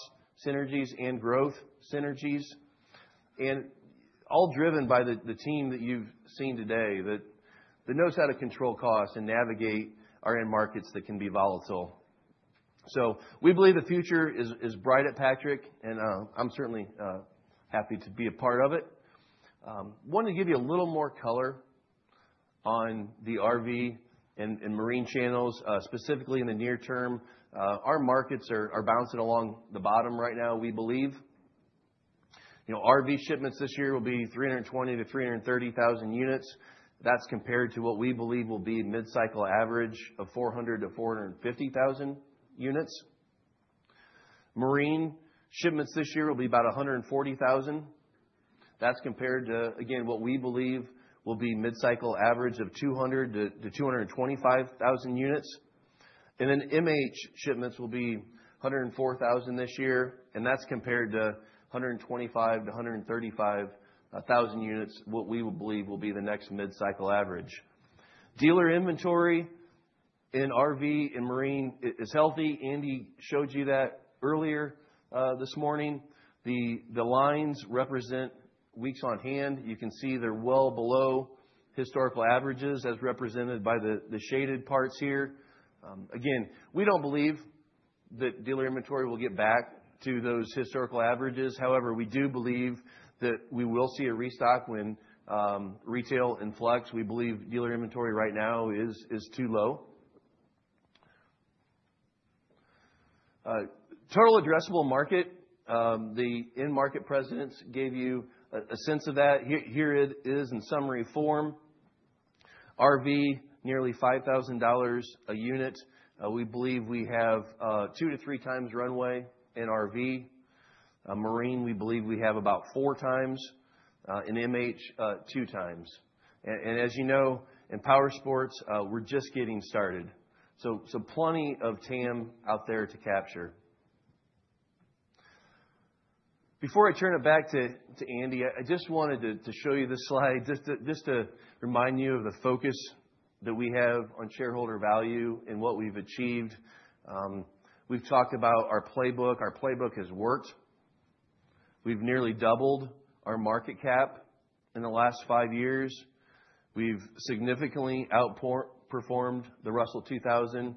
synergies and growth synergies. All driven by the team that you've seen today that knows how to control costs and navigate our end markets that can be volatile. We believe the future is bright at Patrick, and I'm certainly happy to be a part of it. Wanted to give you a little more color on the RV and marine channels, specifically in the near term. Our markets are bouncing along the bottom right now, we believe. You know, RV shipments this year will be 320,000-330,000 units. That's compared to what we believe will be mid-cycle average of 400,000-450,000 units. Marine shipments this year will be about 140,000. That's compared to, again, what we believe will be mid-cycle average of 200,000-225,000 units. MH shipments will be 104,000 this year, and that's compared to 125,000-135,000 units, what we believe will be the next mid-cycle average. Dealer inventory in RV and marine is healthy. Andy showed you that earlier this morning. The lines represent weeks on hand. You can see they're well below historical averages as represented by the shaded parts here. Again, we don't believe that dealer inventory will get back to those historical averages. However, we do believe that we will see a restock when retail influx. We believe dealer inventory right now is too low. Total addressable market, the end market presidents gave you a sense of that. Here it is in summary form. RV, nearly $5,000 a unit. We believe we have 2x-3x runway in RV. Marine, we believe we have about 4 times. In MH, 2 times. As you know, in powersports, we're just getting started. Plenty of TAM out there to capture. Before I turn it back to Andy, I just wanted to show you this slide just to remind you of the focus that we have on shareholder value and what we've achieved. We've talked about our playbook. Our playbook has worked. We've nearly doubled our market cap in the last five years. We've significantly outperformed the Russell 2000.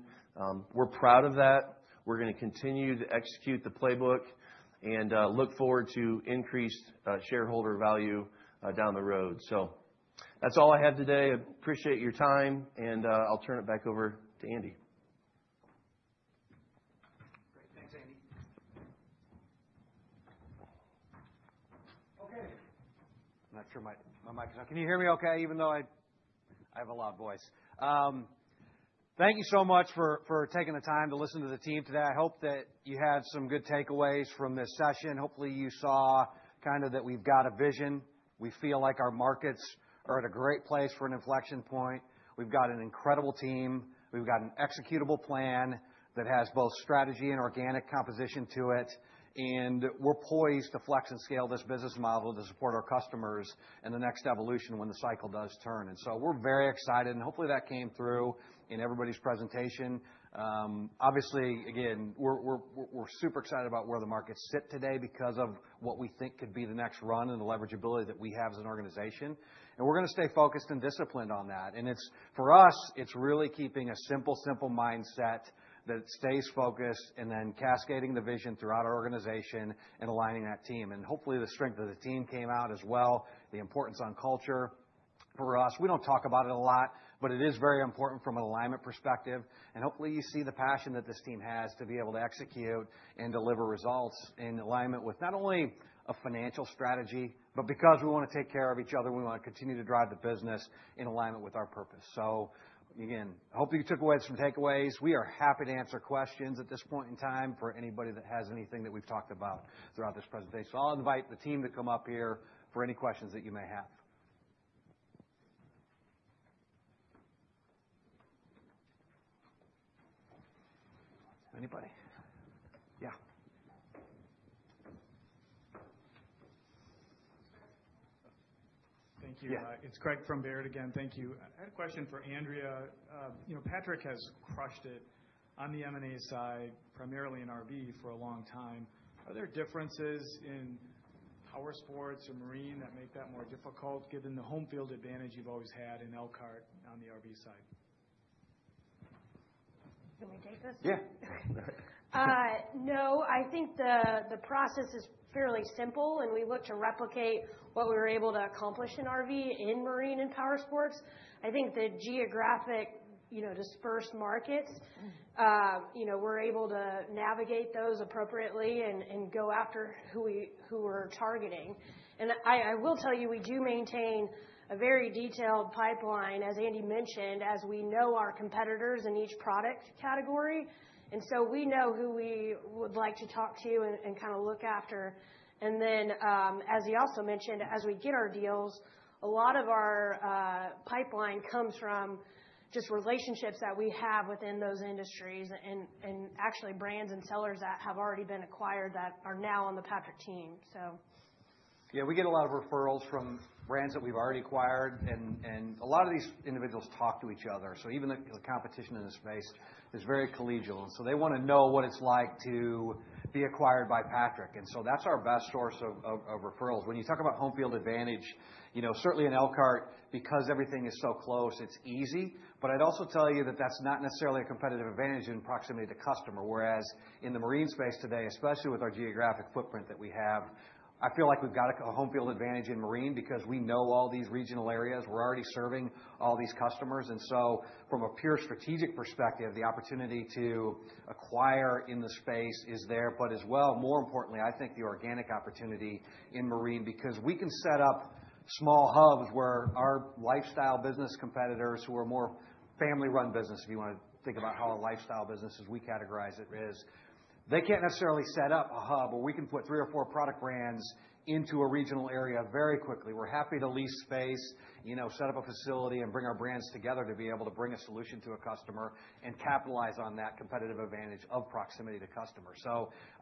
We're proud of that. We're gonna continue to execute the playbook and look forward to increased shareholder value down the road. That's all I have today. Appreciate your time, and, I'll turn it back over to Andy. Great. Thanks, Andy. Okay. Not sure my mic is on. Can you hear me okay even though I have a loud voice. Thank you so much for taking the time to listen to the team today. I hope that you had some good takeaways from this session. Hopefully, you saw kind of that we've got a vision. We feel like our markets are at a great place for an inflection point. We've got an incredible team. We've got an executable plan that has both strategy and organic composition to it, and we're poised to flex and scale this business model to support our customers in the next evolution when the cycle does turn. We're very excited, and hopefully, that came through in everybody's presentation. Obviously, again, we're super excited about where the markets sit today because of what we think could be the next run and the leveragability that we have as an organization. We're gonna stay focused and disciplined on that. It's, for us, it's really keeping a simple mindset that stays focused and then cascading the vision throughout our organization and aligning that team. Hopefully, the strength of the team came out as well, the importance on culture for us. We don't talk about it a lot, but it is very important from an alignment perspective. Hopefully, you see the passion that this team has to be able to execute and deliver results in alignment with not only a financial strategy but because we wanna take care of each other, and we wanna continue to drive the business in alignment with our purpose. Again, hopefully, you took away some takeaways. We are happy to answer questions at this point in time for anybody that has anything that we've talked about throughout this presentation. I'll invite the team to come up here for any questions that you may have. Anybody? Yeah. Thank you. Yeah. It's Craig from Baird again. Thank you. I had a question for Andrea. You know, Patrick has crushed it on the M&A side, primarily in RV for a long time. Are there differences in powersports or marine that make that more difficult given the home field advantage you've always had in Elkhart on the RV side? Can we take this? Yeah. No, I think the process is fairly simple. We look to replicate what we were able to accomplish in RV in marine and powersports. I think the geographic, you know, dispersed markets, you know, we're able to navigate those appropriately and go after who we're targeting. I will tell you, we do maintain a very detailed pipeline, as Andy mentioned, as we know our competitors in each product category. We know who we would like to talk to and kind of look after. As he also mentioned, as we get our deals, a lot of our pipeline comes from just relationships that we have within those industries and actually brands and sellers that have already been acquired that are now on the Patrick team. We get a lot of referrals from brands that we've already acquired and a lot of these individuals talk to each other. Even the competition in the space is very collegial, they wanna know what it's like to be acquired by Patrick. That's our best source of referrals. When you talk about home field advantage, you know, certainly in Elkhart, because everything is so close, it's easy. I'd also tell you that that's not necessarily a competitive advantage in proximity to customer, whereas in the marine space today, especially with our geographic footprint that we have, I feel like we've got a home field advantage in marine because we know all these regional areas. We're already serving all these customers. From a pure strategic perspective, the opportunity to acquire in the space is there, but as well, more importantly, I think the organic opportunity in marine, because we can set up small hubs where our lifestyle business competitors who are more family-run business, if you wanna think about how a lifestyle business, as we categorize it, is they can't necessarily set up a hub, but we can put three or four product brands into a regional area very quickly. We're happy to lease space, you know, set up a facility and bring our brands together to be able to bring a solution to a customer and capitalize on that competitive advantage of proximity to customer.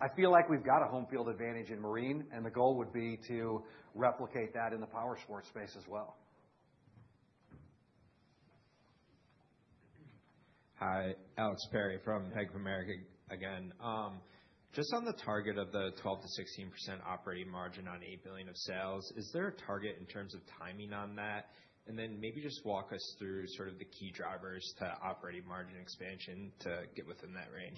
I feel like we've got a home field advantage in marine, and the goal would be to replicate that in the powersports space as well. Hi, Alexander Perry from Bank of America again. Just on the target of the 12% to 16% operating margin on $8 billion of sales, is there a target in terms of timing on that? Maybe just walk us through sort of the key drivers to operating margin expansion to get within that range.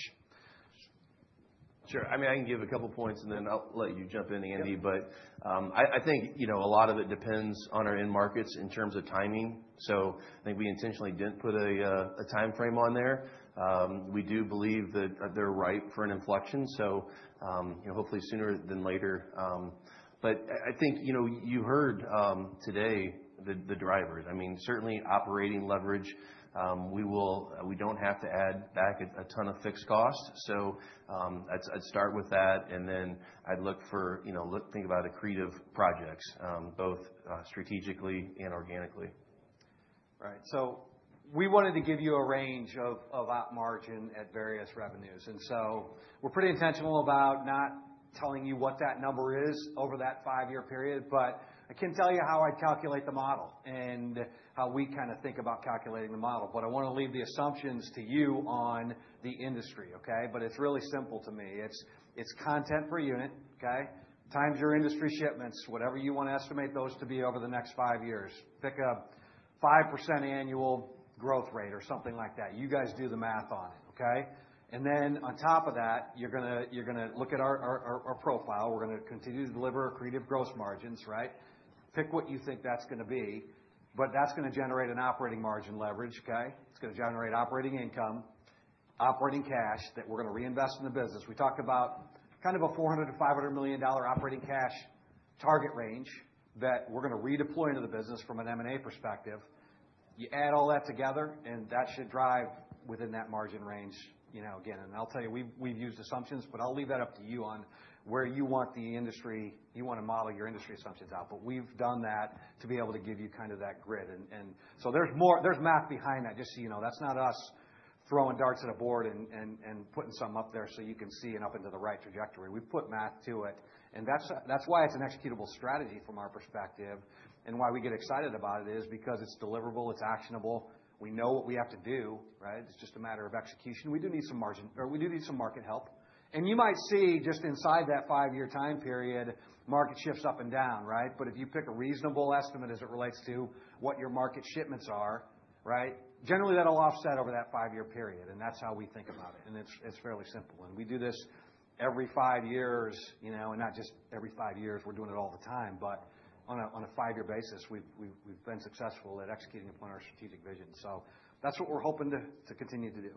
Sure. I mean, I can give a couple points and then I'll let you jump in, Andy. Yeah. I think, you know, a lot of it depends on our end markets in terms of timing. I think we intentionally didn't put a timeframe on there. We do believe that they're ripe for an inflection, you know, hopefully sooner than later. I think, you know, you heard today the drivers. I mean, certainly operating leverage, we don't have to add back a ton of fixed costs. I'd start with that, and then I'd look for, you know, think about accretive projects, both strategically and organically. Right. We wanted to give you a range of op margin at various revenues. We're pretty intentional about not telling you what that number is over that five-year period, but I can tell you how I calculate the model and how we kinda think about calculating the model. I wanna leave the assumptions to you on the industry, okay? It's really simple to me. It's content per unit, okay? Times your industry shipments, whatever you wanna estimate those to be over the next five years. Pick a 5% annual growth rate or something like that. You guys do the math on it, okay? And then on top of that, you're gonna look at our profile. We're gonna continue to deliver accretive gross margins, right? Pick what you think that's gonna be, that's gonna generate an operating margin leverage, okay? It's gonna generate operating income, operating cash that we're gonna reinvest in the business. We talked about kind of a $400 million-$500 million operating cash target range that we're gonna redeploy into the business from an M&A perspective. You add all that together, that should drive within that margin range, you know, again. I'll tell you, we've used assumptions, but I'll leave that up to you on where you want the industry, you wanna model your industry assumptions out. We've done that to be able to give you kind of that grid. There's more, there's math behind that, just so you know. That's not us throwing darts at a board and putting some up there so you can see and up into the right trajectory. We put math to it, and that's why it's an executable strategy from our perspective and why we get excited about it is because it's deliverable, it's actionable. We know what we have to do, right? It's just a matter of execution. We do need some margin, or we do need some market help. You might see just inside that five-year time period, market shifts up and down, right? But if you pick a reasonable estimate as it relates to what your market shipments are, right, generally that'll offset over that five-year period, and that's how we think about it. It's, it's fairly simple. We do this every five years, you know, and not just every five years, we're doing it all the time. On a five-year basis, we've been successful at executing upon our strategic vision. That's what we're hoping to continue to do.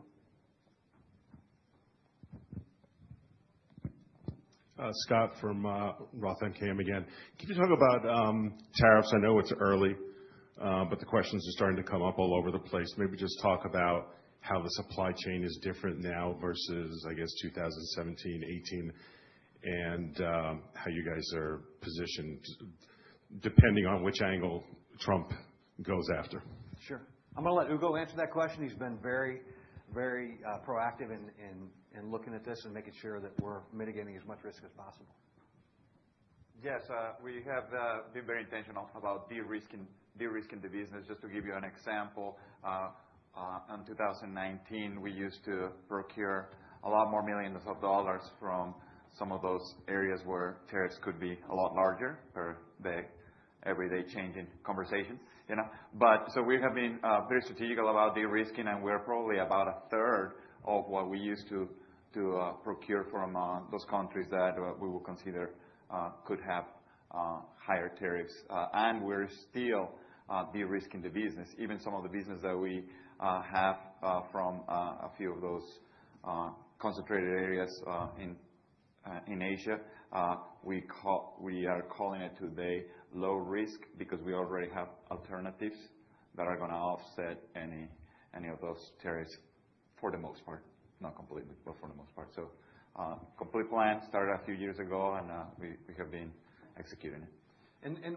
Scott from ROTH MKM again. Can you talk about tariffs? I know it's early, but the questions are starting to come up all over the place. Maybe just talk about how the supply chain is different now versus 2017, 2018, and how you guys are positioned depending on which angle Trump goes after. Sure. I'm gonna let Hugo answer that question. He's been very, very proactive in looking at this and making sure that we're mitigating as much risk as possible. Yes, we have been very intentional about de-risking the business. Just to give you an example, in 2019, we used to procure a lot more millions of dollars from some of those areas where tariffs could be a lot larger per the everyday changing conversations, you know. We have been very strategic about de-risking, and we're probably about 1/3 of what we used to procure from those countries that we would consider could have higher tariffs. We're still de-risking the business. Even some of the business that we have from a few of those concentrated areas in Asia, we are calling it today low risk because we already have alternatives that are gonna offset any of those tariffs. For the most part, not completely, but for the most part. Complete plan started a few years ago, and we have been executing it.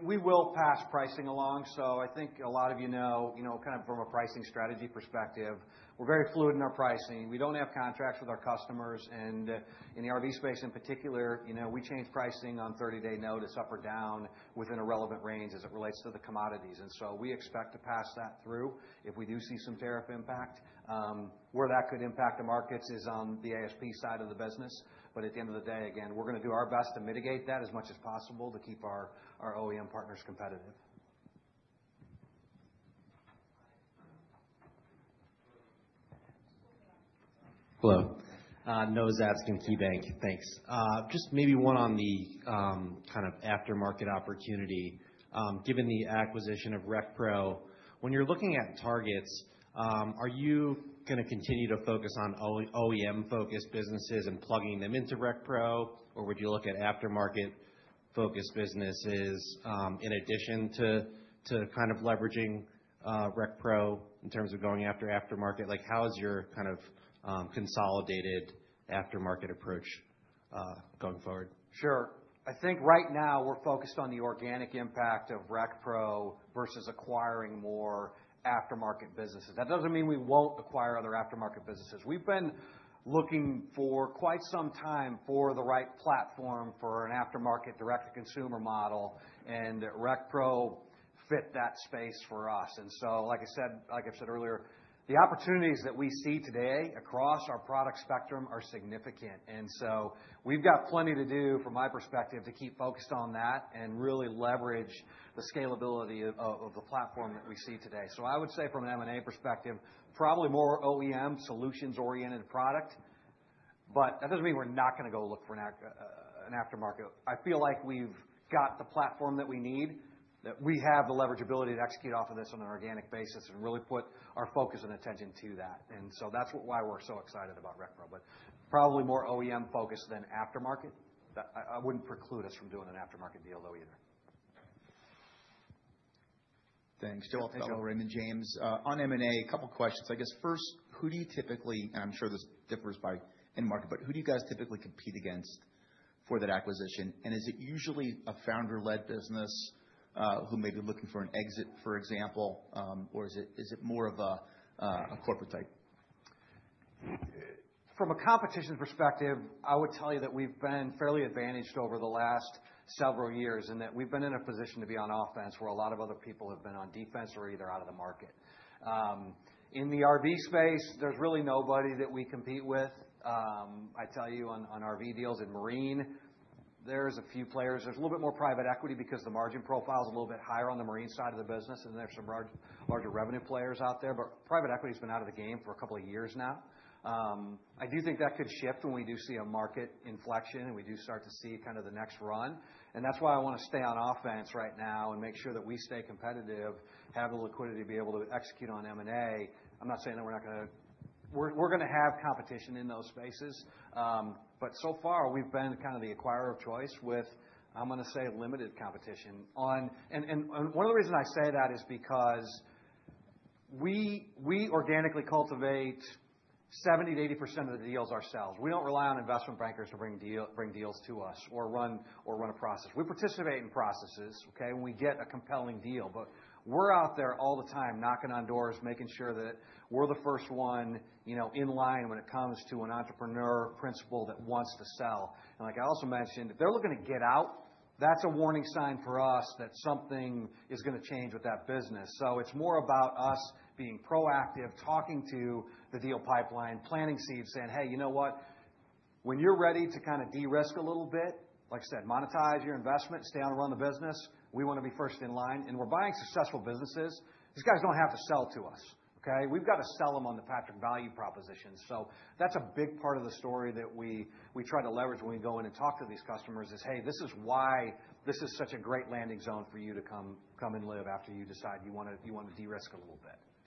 We will pass pricing along. I think a lot of you know, you know, kind of from a pricing strategy perspective, we're very fluid in our pricing. We don't have contracts with our customers. In the RV space in particular, you know, we change pricing on 30-day notice up or down within a relevant range as it relates to the commodities. We expect to pass that through if we do see some tariff impact. Where that could impact the markets is on the ASP side of the business. At the end of the day, again, we're gonna do our best to mitigate that as much as possible to keep our OEM partners competitive. Hello. Noah Zatzkin, KeyBank. Thanks. Just maybe one on the kind of aftermarket opportunity, given the acquisition of RecPro. When you're looking at targets, are you gonna continue to focus on OEM-focused businesses and plugging them into RecPro, or would you look at aftermarket-focused businesses, in addition to kind of leveraging RecPro in terms of going after aftermarket? Like, how is your kind of consolidated aftermarket approach going forward? Sure. I think right now we're focused on the organic impact of RecPro versus acquiring more aftermarket businesses. That doesn't mean we won't acquire other aftermarket businesses. We've been looking for quite some time for the right platform for an aftermarket direct-to-consumer model, RecPro fit that space for us. Like I've said earlier, the opportunities that we see today across our product spectrum are significant. We've got plenty to do, from my perspective, to keep focused on that and really leverage the scalability of the platform that we see today. I would say from an M&A perspective, probably more OEM solutions-oriented product. That doesn't mean we're not gonna go look for an aftermarket. I feel like we've got the platform that we need, that we have the leveragability to execute off of this on an organic basis and really put our focus and attention to that. That's why we're so excited about RecPro. Probably more OEM-focused than aftermarket. I wouldn't preclude us from doing an aftermarket deal though either. Thanks, Joe. Thanks, Joe. "Hey, this is why this is such a great landing zone for you to come and live after you decide you want to, you want to de-risk a little bit. Raymond James. On M&A, a couple questions. I guess first, who do you typically, and I'm sure this differs by end market, but who do you guys typically compete against for that acquisition? Is it usually a founder-led business, who may be looking for an exit, for example, or is it more of a corporate type? From a competition perspective, I would tell you that we've been fairly advantaged over the last several years in that we've been in a position to be on offense where a lot of other people have been on defense or either out of the market. In the RV space, there's really nobody that we compete with. I tell you on RV deals in marine, there's a few players. There's a little bit more private equity because the margin profile is a little bit higher on the marine side of the business, and there's some larger revenue players out there. Private equity's been out of the game for couple of years now. I do think that could shift when we do see a market inflection, and we do start to see kind of the next run. That's why I wanna stay on offense right now and make sure that we stay competitive, have the liquidity to be able to execute on M&A. I'm not saying that we're not gonna have competition in those spaces. So far, we've been kind of the acquirer of choice with, I'm gonna say, limited competition. One of the reasons I say that is because we organically cultivate 70% to 80% of the deals ourselves. We don't rely on investment bankers to bring deals to us or run a process. We participate in processes, okay, when we get a compelling deal. We're out there all the time knocking on doors, making sure that we're the first one, you know, in line when it comes to an entrepreneur principal that wants to sell. Like I also mentioned, if they're looking to get out, that is a warning sign for us that something is going to change with that business. It is more about us being proactive, talking to the deal pipeline, planting seeds, saying, "Hey, you know what? When you're ready to kind of de-risk a little bit," like I said, "monetize your investment, stay on and run the business, we want to be first in line." We are buying successful businesses. These guys do not have to sell to us, okay? We have got to sell them on the Patrick value proposition. That is a big part of the story that we try to leverage when we go in and talk to these customers is,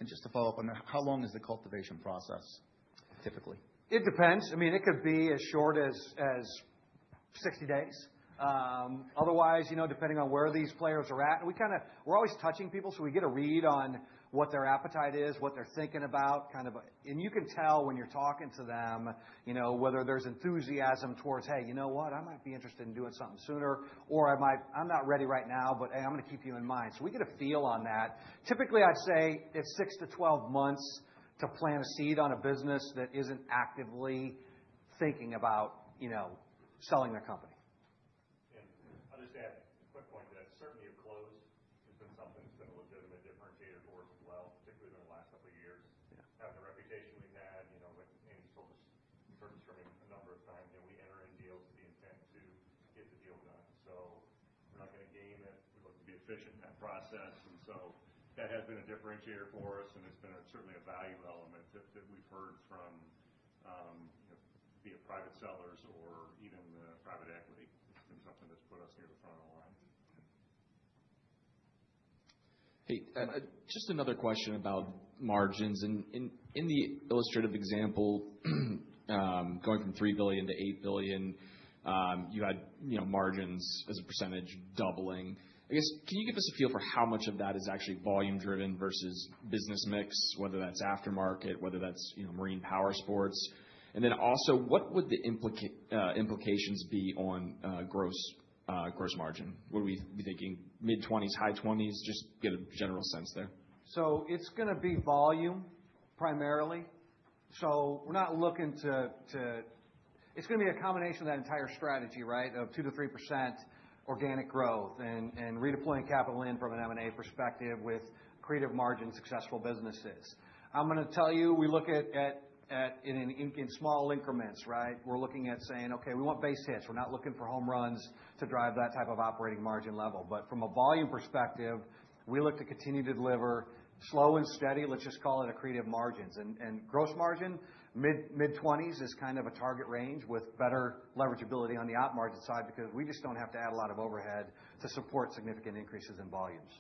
Just to follow up on that, how long is the cultivation process typically? It depends. I mean, it could be as short as 60 days. Otherwise, you know, depending on where these players are at, and we're always touching people, so we get a read on what their appetite is, what they're thinking about. You can tell when you're talking to them, you know, whether there's enthusiasm towards, "Hey, you know what? I might be interested in doing something sooner," or, "I'm not ready right now, but, hey, I'm gonna keep you in mind." We get a feel on that. Typically, I'd say it's six to 12 months to plant a seed on a business that isn't actively thinking about, you know, selling their company. Yeah. I'll just add a quick point that certainly, a close has been something that's been a legitimate differentiator for us as well, particularly in the last couple of years. Yeah. Have the reputation we've had, you know, with M&A still just turning a number of times, you know, we enter in deals with the intent to get the deal done. We're not gonna game it. We look to be efficient in that process. That has been a differentiator for us, and it's been a, certainly a value element that we've heard from, you know, be it private sellers or even the private equity. It's been something that's put us near the front of the line. Yeah. Just another question about margins. In the illustrative example, going from $3 billion-$8 billion, you had, you know, margins as a percentage doubling. I guess, can you give us a feel for how much of that is actually volume driven versus business mix, whether that's aftermarket, whether that's, you know, marine powersports? Also, what would the implications be on gross margin? Would we be thinking mid-20%s, high 20%s? Just get a general sense there. It's gonna be volume primarily. We're not looking to. It's gonna be a combination of that entire strategy, right? Of 2%-3% organic growth and redeploying capital in from an M&A perspective with accretive margin successful businesses. I'm gonna tell you, we look at in small increments, right? We're looking at saying, "Okay, we want base hits." We're not looking for home runs to drive that type of operating margin level. From a volume perspective, we look to continue to deliver slow and steady, let's just call it accretive margins. Gross margin, mid-20s is kind of a target range with better leverageability on the op margin side because we just don't have to add a lot of overhead to support significant increases in volumes.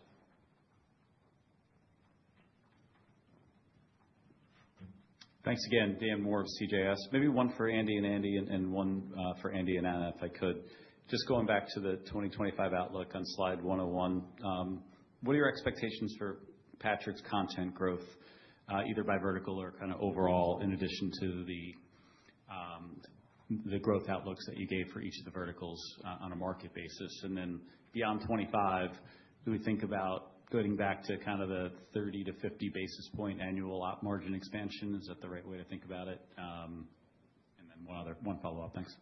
Thanks again. Dan Moore of CJS. Maybe one for Andy and Andrew and one for Andy and Anna, if I could. Just going back to the 2025 outlook on slide 101. What are your expectations for Patrick's content growth, either by vertical or kind of overall in addition to the growth outlooks that you gave for each of the verticals on a market basis? Beyond 25, do we think about going back to kind of the 30 to 50 basis point annual op margin expansion? Is that the right way to think about it? Then one follow-up. Thanks.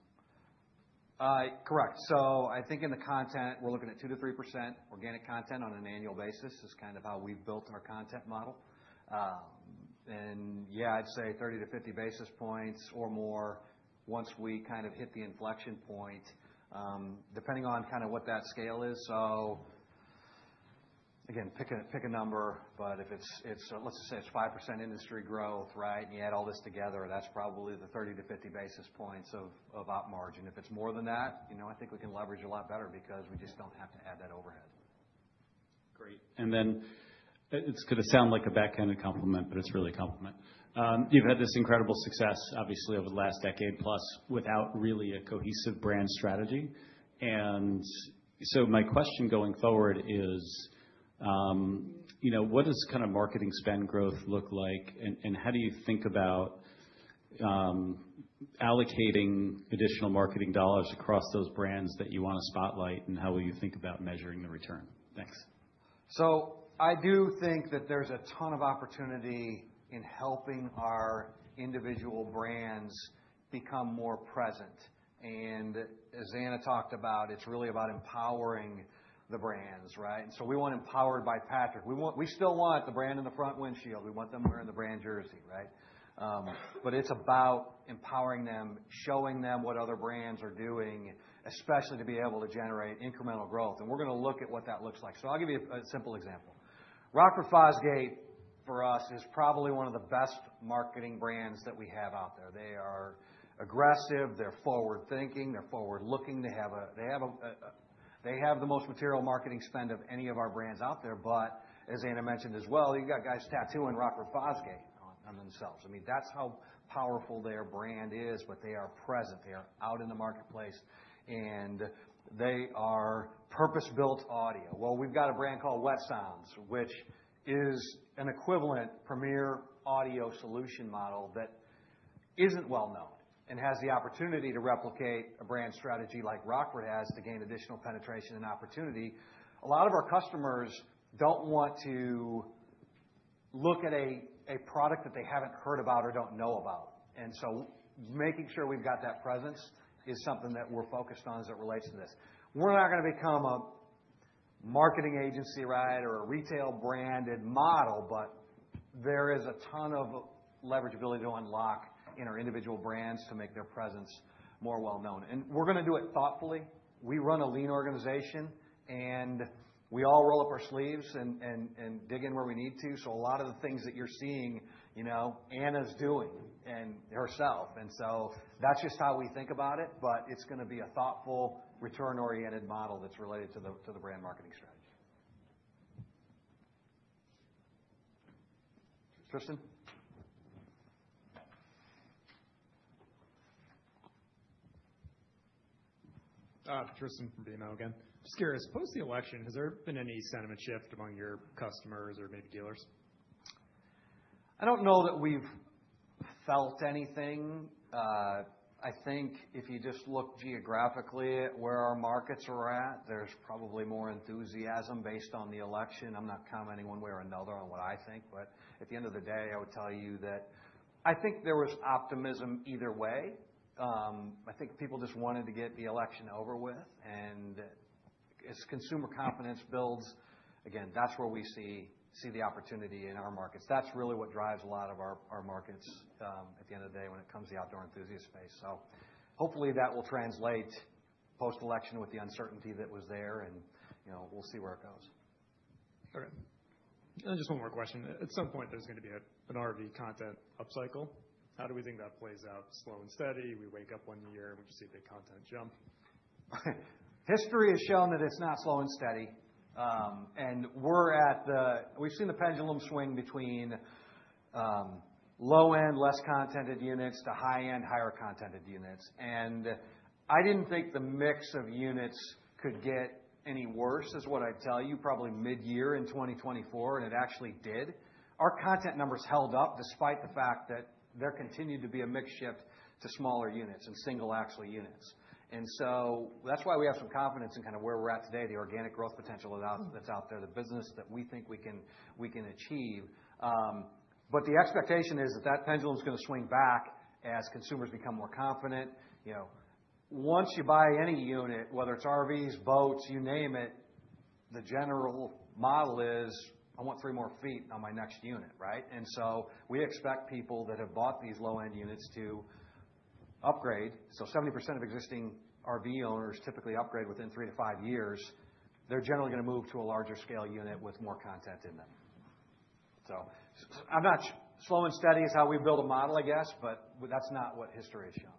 Correct. I think in the content, we're looking at 2%-3% organic content on an annual basis. It's kind of how we've built our content model. And yeah, I'd say 30-50 basis points or more once we kind of hit the inflection point, depending on kind of what that scale is. Again, pick a, pick a number, but if it's, let's just say it's 5% industry growth, right, and you add all this together, that's probably the 30-50 basis points of op margin. If it's more than that, you know, I think we can leverage a lot better because we just don't have to add that overhead. Great. It's gonna sound like a backhanded compliment, but it's really a compliment. You've had this incredible success obviously over the last decade plus without really a cohesive brand strategy. My question going forward is, what does kind of marketing spend growth look like, and how do you think about allocating additional marketing dollars across those brands that you wanna spotlight, and how will you think about measuring the return? Thanks. I do think that there's a ton of opportunity in helping our individual brands become more present. As Anna talked about, it's really about empowering the brands, right? We want Empowered by Patrick. We still want the brand in the front windshield. We want them wearing the brand jersey, right? It's about empowering them, showing them what other brands are doing, especially to be able to generate incremental growth. We're gonna look at what that looks like. I'll give you a simple example. Rockford Fosgate for us is probably one of the best marketing brands that we have out there. They are aggressive. They're forward-thinking. They're forward-looking. They have the most material marketing spend of any of our brands out there. As Anna mentioned as well, you've got guys tattooing Rockford Fosgate on themselves. I mean, that's how powerful their brand is. They are present. They are out in the marketplace. They are purpose-built audio. Well, we've got a brand called Wet Sounds, which is an equivalent premier audio solution model that isn't well known and has the opportunity to replicate a brand strategy like Rockford has to gain additional penetration and opportunity. A lot of our customers don't want to look at a product that they haven't heard about or don't know about. Making sure we've got that presence is something that we're focused on as it relates to this. We're not gonna become a marketing agency, right, or a retail branded model. There is a ton of leverageability to unlock in our individual brands to make their presence more well known. We're gonna do it thoughtfully. We run a lean organization, and we all roll up our sleeves and dig in where we need to. A lot of the things that you're seeing, you know Anna's doing and herself. That's just how we think about it, but it's gonna be a thoughtful, return-oriented model that's related to the, to the brand marketing strategy. Tristan. Tristan from BMO again. Just curious, post the election, has there been any sentiment shift among your customers or maybe dealers? I don't know that we've felt anything. I think if you just look geographically at where our markets are at, there's probably more enthusiasm based on the election. I'm not commenting one way or another on what I think. At the end of the day, I would tell you that I think there was optimism either way. I think people just wanted to get the election over with. As consumer confidence builds, again, that's where we see the opportunity in our markets. That's really what drives a lot of our markets at the end of the day when it comes to the outdoor enthusiast space. Hopefully, that will translate post-election with the uncertainty that was there and, you know, we'll see where it goes. Okay. Just one more question. At some point, there's going to be an RV content upcycle. How do we think that plays out? Slow and steady? We wake up one year and we just see a big content jump? History has shown that it's not slow and steady. We've seen the pendulum swing between low-end, less content of units to high-end, higher content of units. I didn't think the mix of units could get any worse, is what I'd tell you probably midyear in 2024, and it actually did. Our content numbers held up despite the fact that there continued to be a mix shift to smaller units and single actual units. That's why we have some confidence in kind of where we're at today, the organic growth potential that's out there, the business that we think we can achieve. The expectation is that that pendulum's gonna swing back as consumers become more confident. You know, once you buy any unit, whether it's RVs, boats, you name it, the general model is, I want three more feet on my next unit, right? We expect people that have bought these low-end units to upgrade. 70% of existing RV owners typically upgrade within three-five years. They're generally going to move to a larger scale unit with more content in them. Slow and steady is how we build a model, I guess, but that's not what history has shown.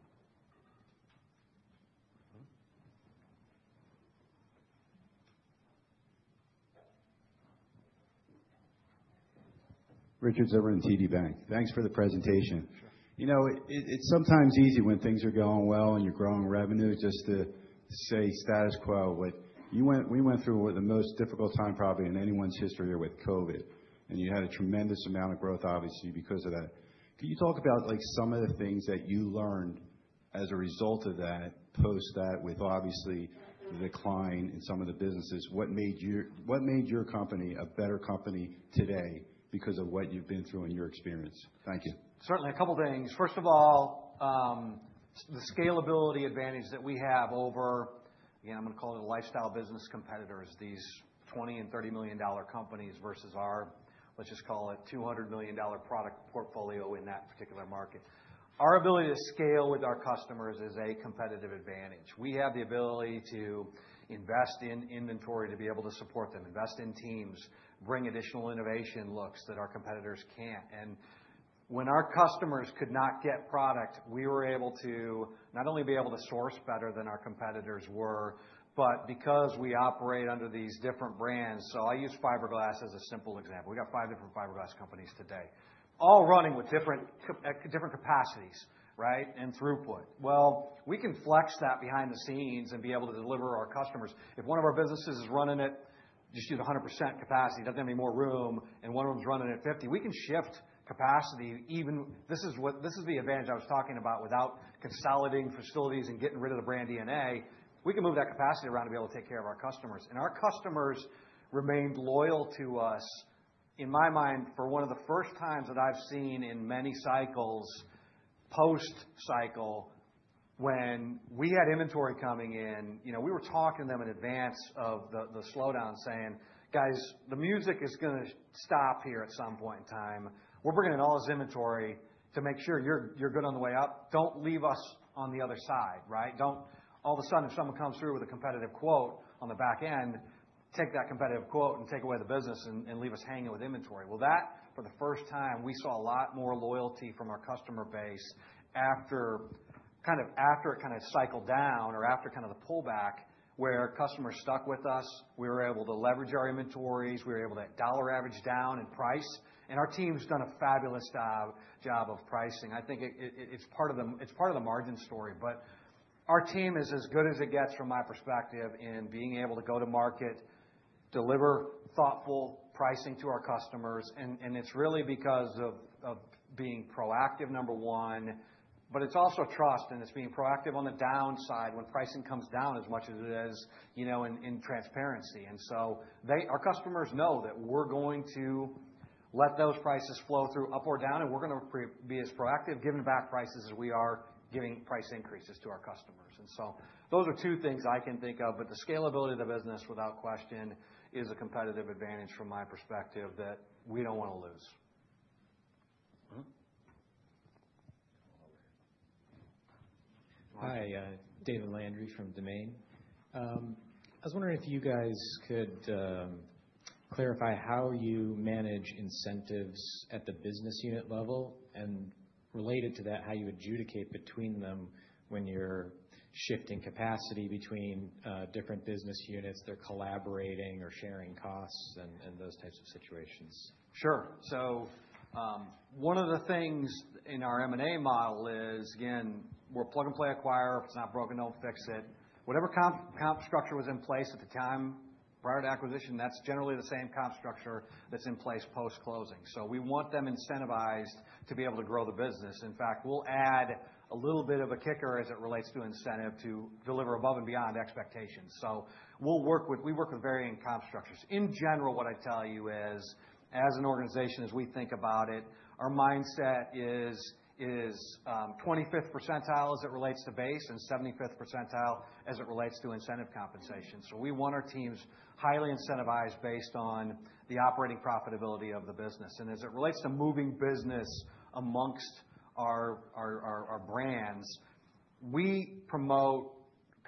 Richard Zimmerman, TD Bank. Thanks for the presentation. You know, it's sometimes easy when things are going well and you're growing revenue just to say status quo. We went through one of the most difficult time probably in anyone's history with COVID, and you had a tremendous amount of growth, obviously, because of that. Can you talk about, like, some of the things that you learned as a result of that, post that, with obviously the decline in some of the businesses? What made your, what made your company a better company today because of what you've been through in your experience? Thank you. Certainly. A couple things. First of all, the scalability advantage that we have over, again, I'm gonna call it the lifestyle business competitors, these $20 million and $30 million companies versus our, let's just call it $200 million product portfolio in that particular market. Our ability to scale with our customers is a competitive advantage. We have the ability to invest in inventory to be able to support them, invest in teams, bring additional innovation looks that our competitors can't. When our customers could not get product, we were able to not only be able to source better than our competitors were, but because we operate under these different brands. I use fiberglass as a simple example. We got 5 different fiberglass companies today, all running with different capacities, right? Throughput. Well, we can flex that behind the scenes and be able to deliver our customers. If one of our businesses is running at just, you know, 100% capacity, doesn't have any more room, and one of them's running at 50%, we can shift capacity even. This is the advantage I was talking about. Without consolidating facilities and getting rid of the brand DNA, we can move that capacity around to be able to take care of our customers. Our customers remained loyal to us, in my mind, for one of the first times that I've seen in many cycles post-cycle, when we had inventory coming in. You know, we were talking to them in advance of the slowdown saying, "Guys, the music is gonna stop here at some point in time. We're bringing in all this inventory to make sure you're good on the way out. Don't leave us on the other side," right? "Don't all of a sudden, if someone comes through with a competitive quote on the back end, take that competitive quote and take away the business and leave us hanging with inventory." Well, that, for the first time, we saw a lot more loyalty from our customer base after it kind of cycled down or after kind of the pullback, where customers stuck with us. We were able to leverage our inventories. We were able to dollar average down in price. Our team's done a fabulous job of pricing. I think it's part of the margin story. Our team is as good as it gets from my perspective in being able to go to market, deliver thoughtful pricing to our customers, and it's really because of being proactive, number one, but it's also trust, and it's being proactive on the downside when pricing comes down as much as it is, you know, in transparency. Our customers know that we're going to let those prices flow through up or down, and we're gonna be as proactive giving back prices as we are giving price increases to our customers. Those are two things I can think of, but the scalability of the business, without question, is a competitive advantage from my perspective that we don't wanna lose. Mm-hmm. Hi, David Landry from Domain. I was wondering if you guys could clarify how you manage incentives at the business unit level and related to that, how you adjudicate between them when you're shifting capacity between different business units, they're collaborating or sharing costs in those types of situations. Sure. One of the things in our M&A model is, again, we're plug and play acquire. If it's not broken, don't fix it. Whatever comp structure was in place at the time prior to acquisition, that's generally the same comp structure that's in place post-closing. We want them incentivized to be able to grow the business. In fact, we'll add a little bit of a kicker as it relates to incentive to deliver above and beyond expectations. We work with varying comp structures. In general, what I tell you is, as an organization, as we think about it, our mindset is 25th percentile as it relates to base and 75th percentile as it relates to incentive compensation. We want our teams highly incentivized based on the operating profitability of the business. As it relates to moving business amongst our brands, we promote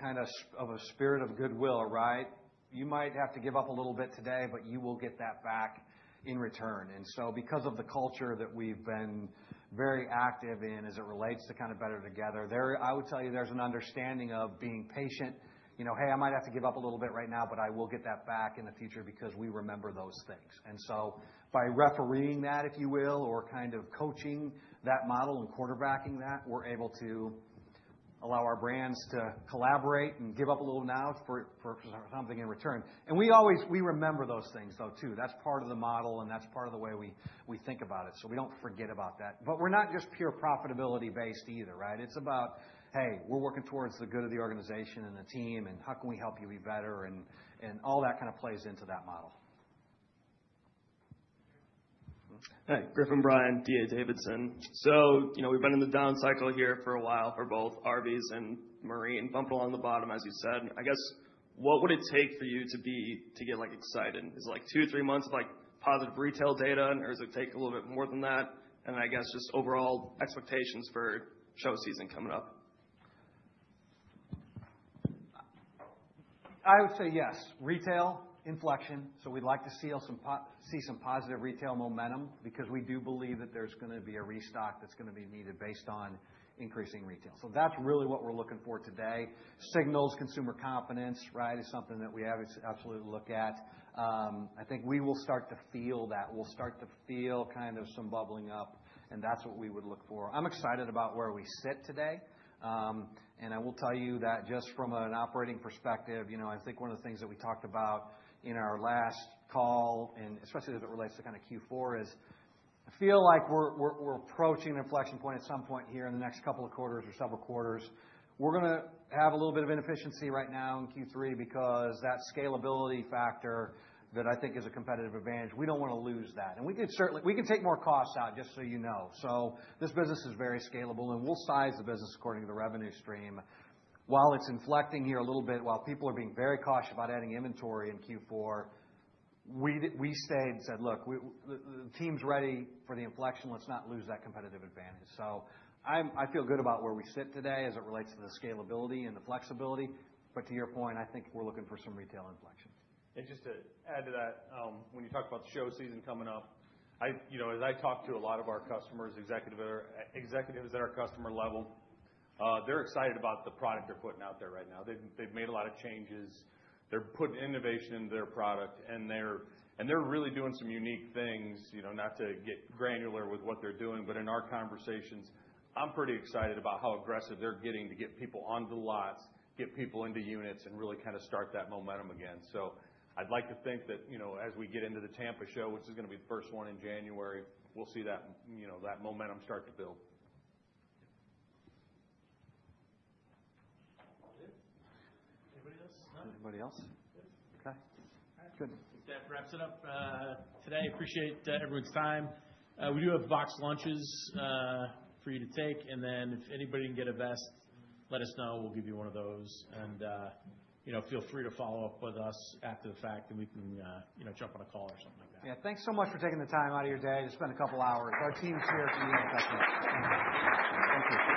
a spirit of goodwill, right? You might have to give up a little bit today, but you will get that back in return. Because of the culture that we've been very active in as it relates to kind of BETTER Together, I would tell you there's an understanding of being patient. You know, "Hey, I might have to give up a little bit right now, but I will get that back in the future," because we remember those things. By refereeing that, if you will, or kind of coaching that model and quarterbacking that, we're able to allow our brands to collaborate and give up a little now for something in return. We always remember those things, though, too. That's part of the model, that's part of the way we think about it, we don't forget about that. We're not just pure profitability based either, right? It's about, "Hey, we're working towards the good of the organization and the team, and how can we help you be better?" All that kind of plays into that model. Hey, Griffin Bryan, D.A. Davidson. You know, we've been in the down cycle here for a while for both RVs and Marine. Bump along the bottom, as you said. I guess, what would it take for you to get, like, excited? Is it, like, two or three months, like, positive retail data, or does it take a little bit more than that? I guess just overall expectations for show season coming up. I would say yes. Retail inflection, so we'd like to see some positive retail momentum because we do believe that there's gonna be a restock that's gonna be needed based on increasing retail. That's really what we're looking for today. Signals consumer confidence, right, is something that we obviously absolutely look at. I think we will start to feel that. We'll start to feel kind of some bubbling up, and that's what we would look for. I'm excited about where we sit today. I will tell you that just from an operating perspective, you know, I think one of the things that we talked about in our last call, and especially as it relates to kind of Q4, is I feel like we're approaching an inflection point at some point here in the next couple of quarters or several quarters. We're gonna have a little bit of inefficiency right now in Q3 because that scalability factor that I think is a competitive advantage, we don't wanna lose that. We can certainly take more costs out, just so you know. This business is very scalable, and we'll size the business according to the revenue stream. While it's inflecting here a little bit, while people are being very cautious about adding inventory in Q4, we stayed and said, "Look, the team's ready for the inflection. Let's not lose that competitive advantage." I feel good about where we sit today as it relates to the scalability and the flexibility. To your point, I think we're looking for some retail inflection. Just to add to that, when you talk about the show season coming up, I, you know, as I talk to a lot of our customers, executives at our customer level, they're excited about the product they're putting out there right now. They've made a lot of changes. They're putting innovation into their product, and they're really doing some unique things. You know, not to get granular with what they're doing, but in our conversations, I'm pretty excited about how aggressive they're getting to get people onto the lots, get people into units, and really kind of start that momentum again. I'd like to think that, you know, as we get into the Tampa show, which is gonna be the first one in January, we'll see that, you know, that momentum start to build. That's it? Anybody else? No? Anybody else? Yes. Okay. Good. I think that wraps it up today. Appreciate everyone's time. We do have boxed lunches for you to take. If anybody can get a vest, let us know. We'll give you one of those. You know, feel free to follow up with us after the fact, and we can, you know, jump on a call or something like that. Yeah, thanks so much for taking the time out of your day to spend a couple hours. Our team's here if you need anything. Thank you.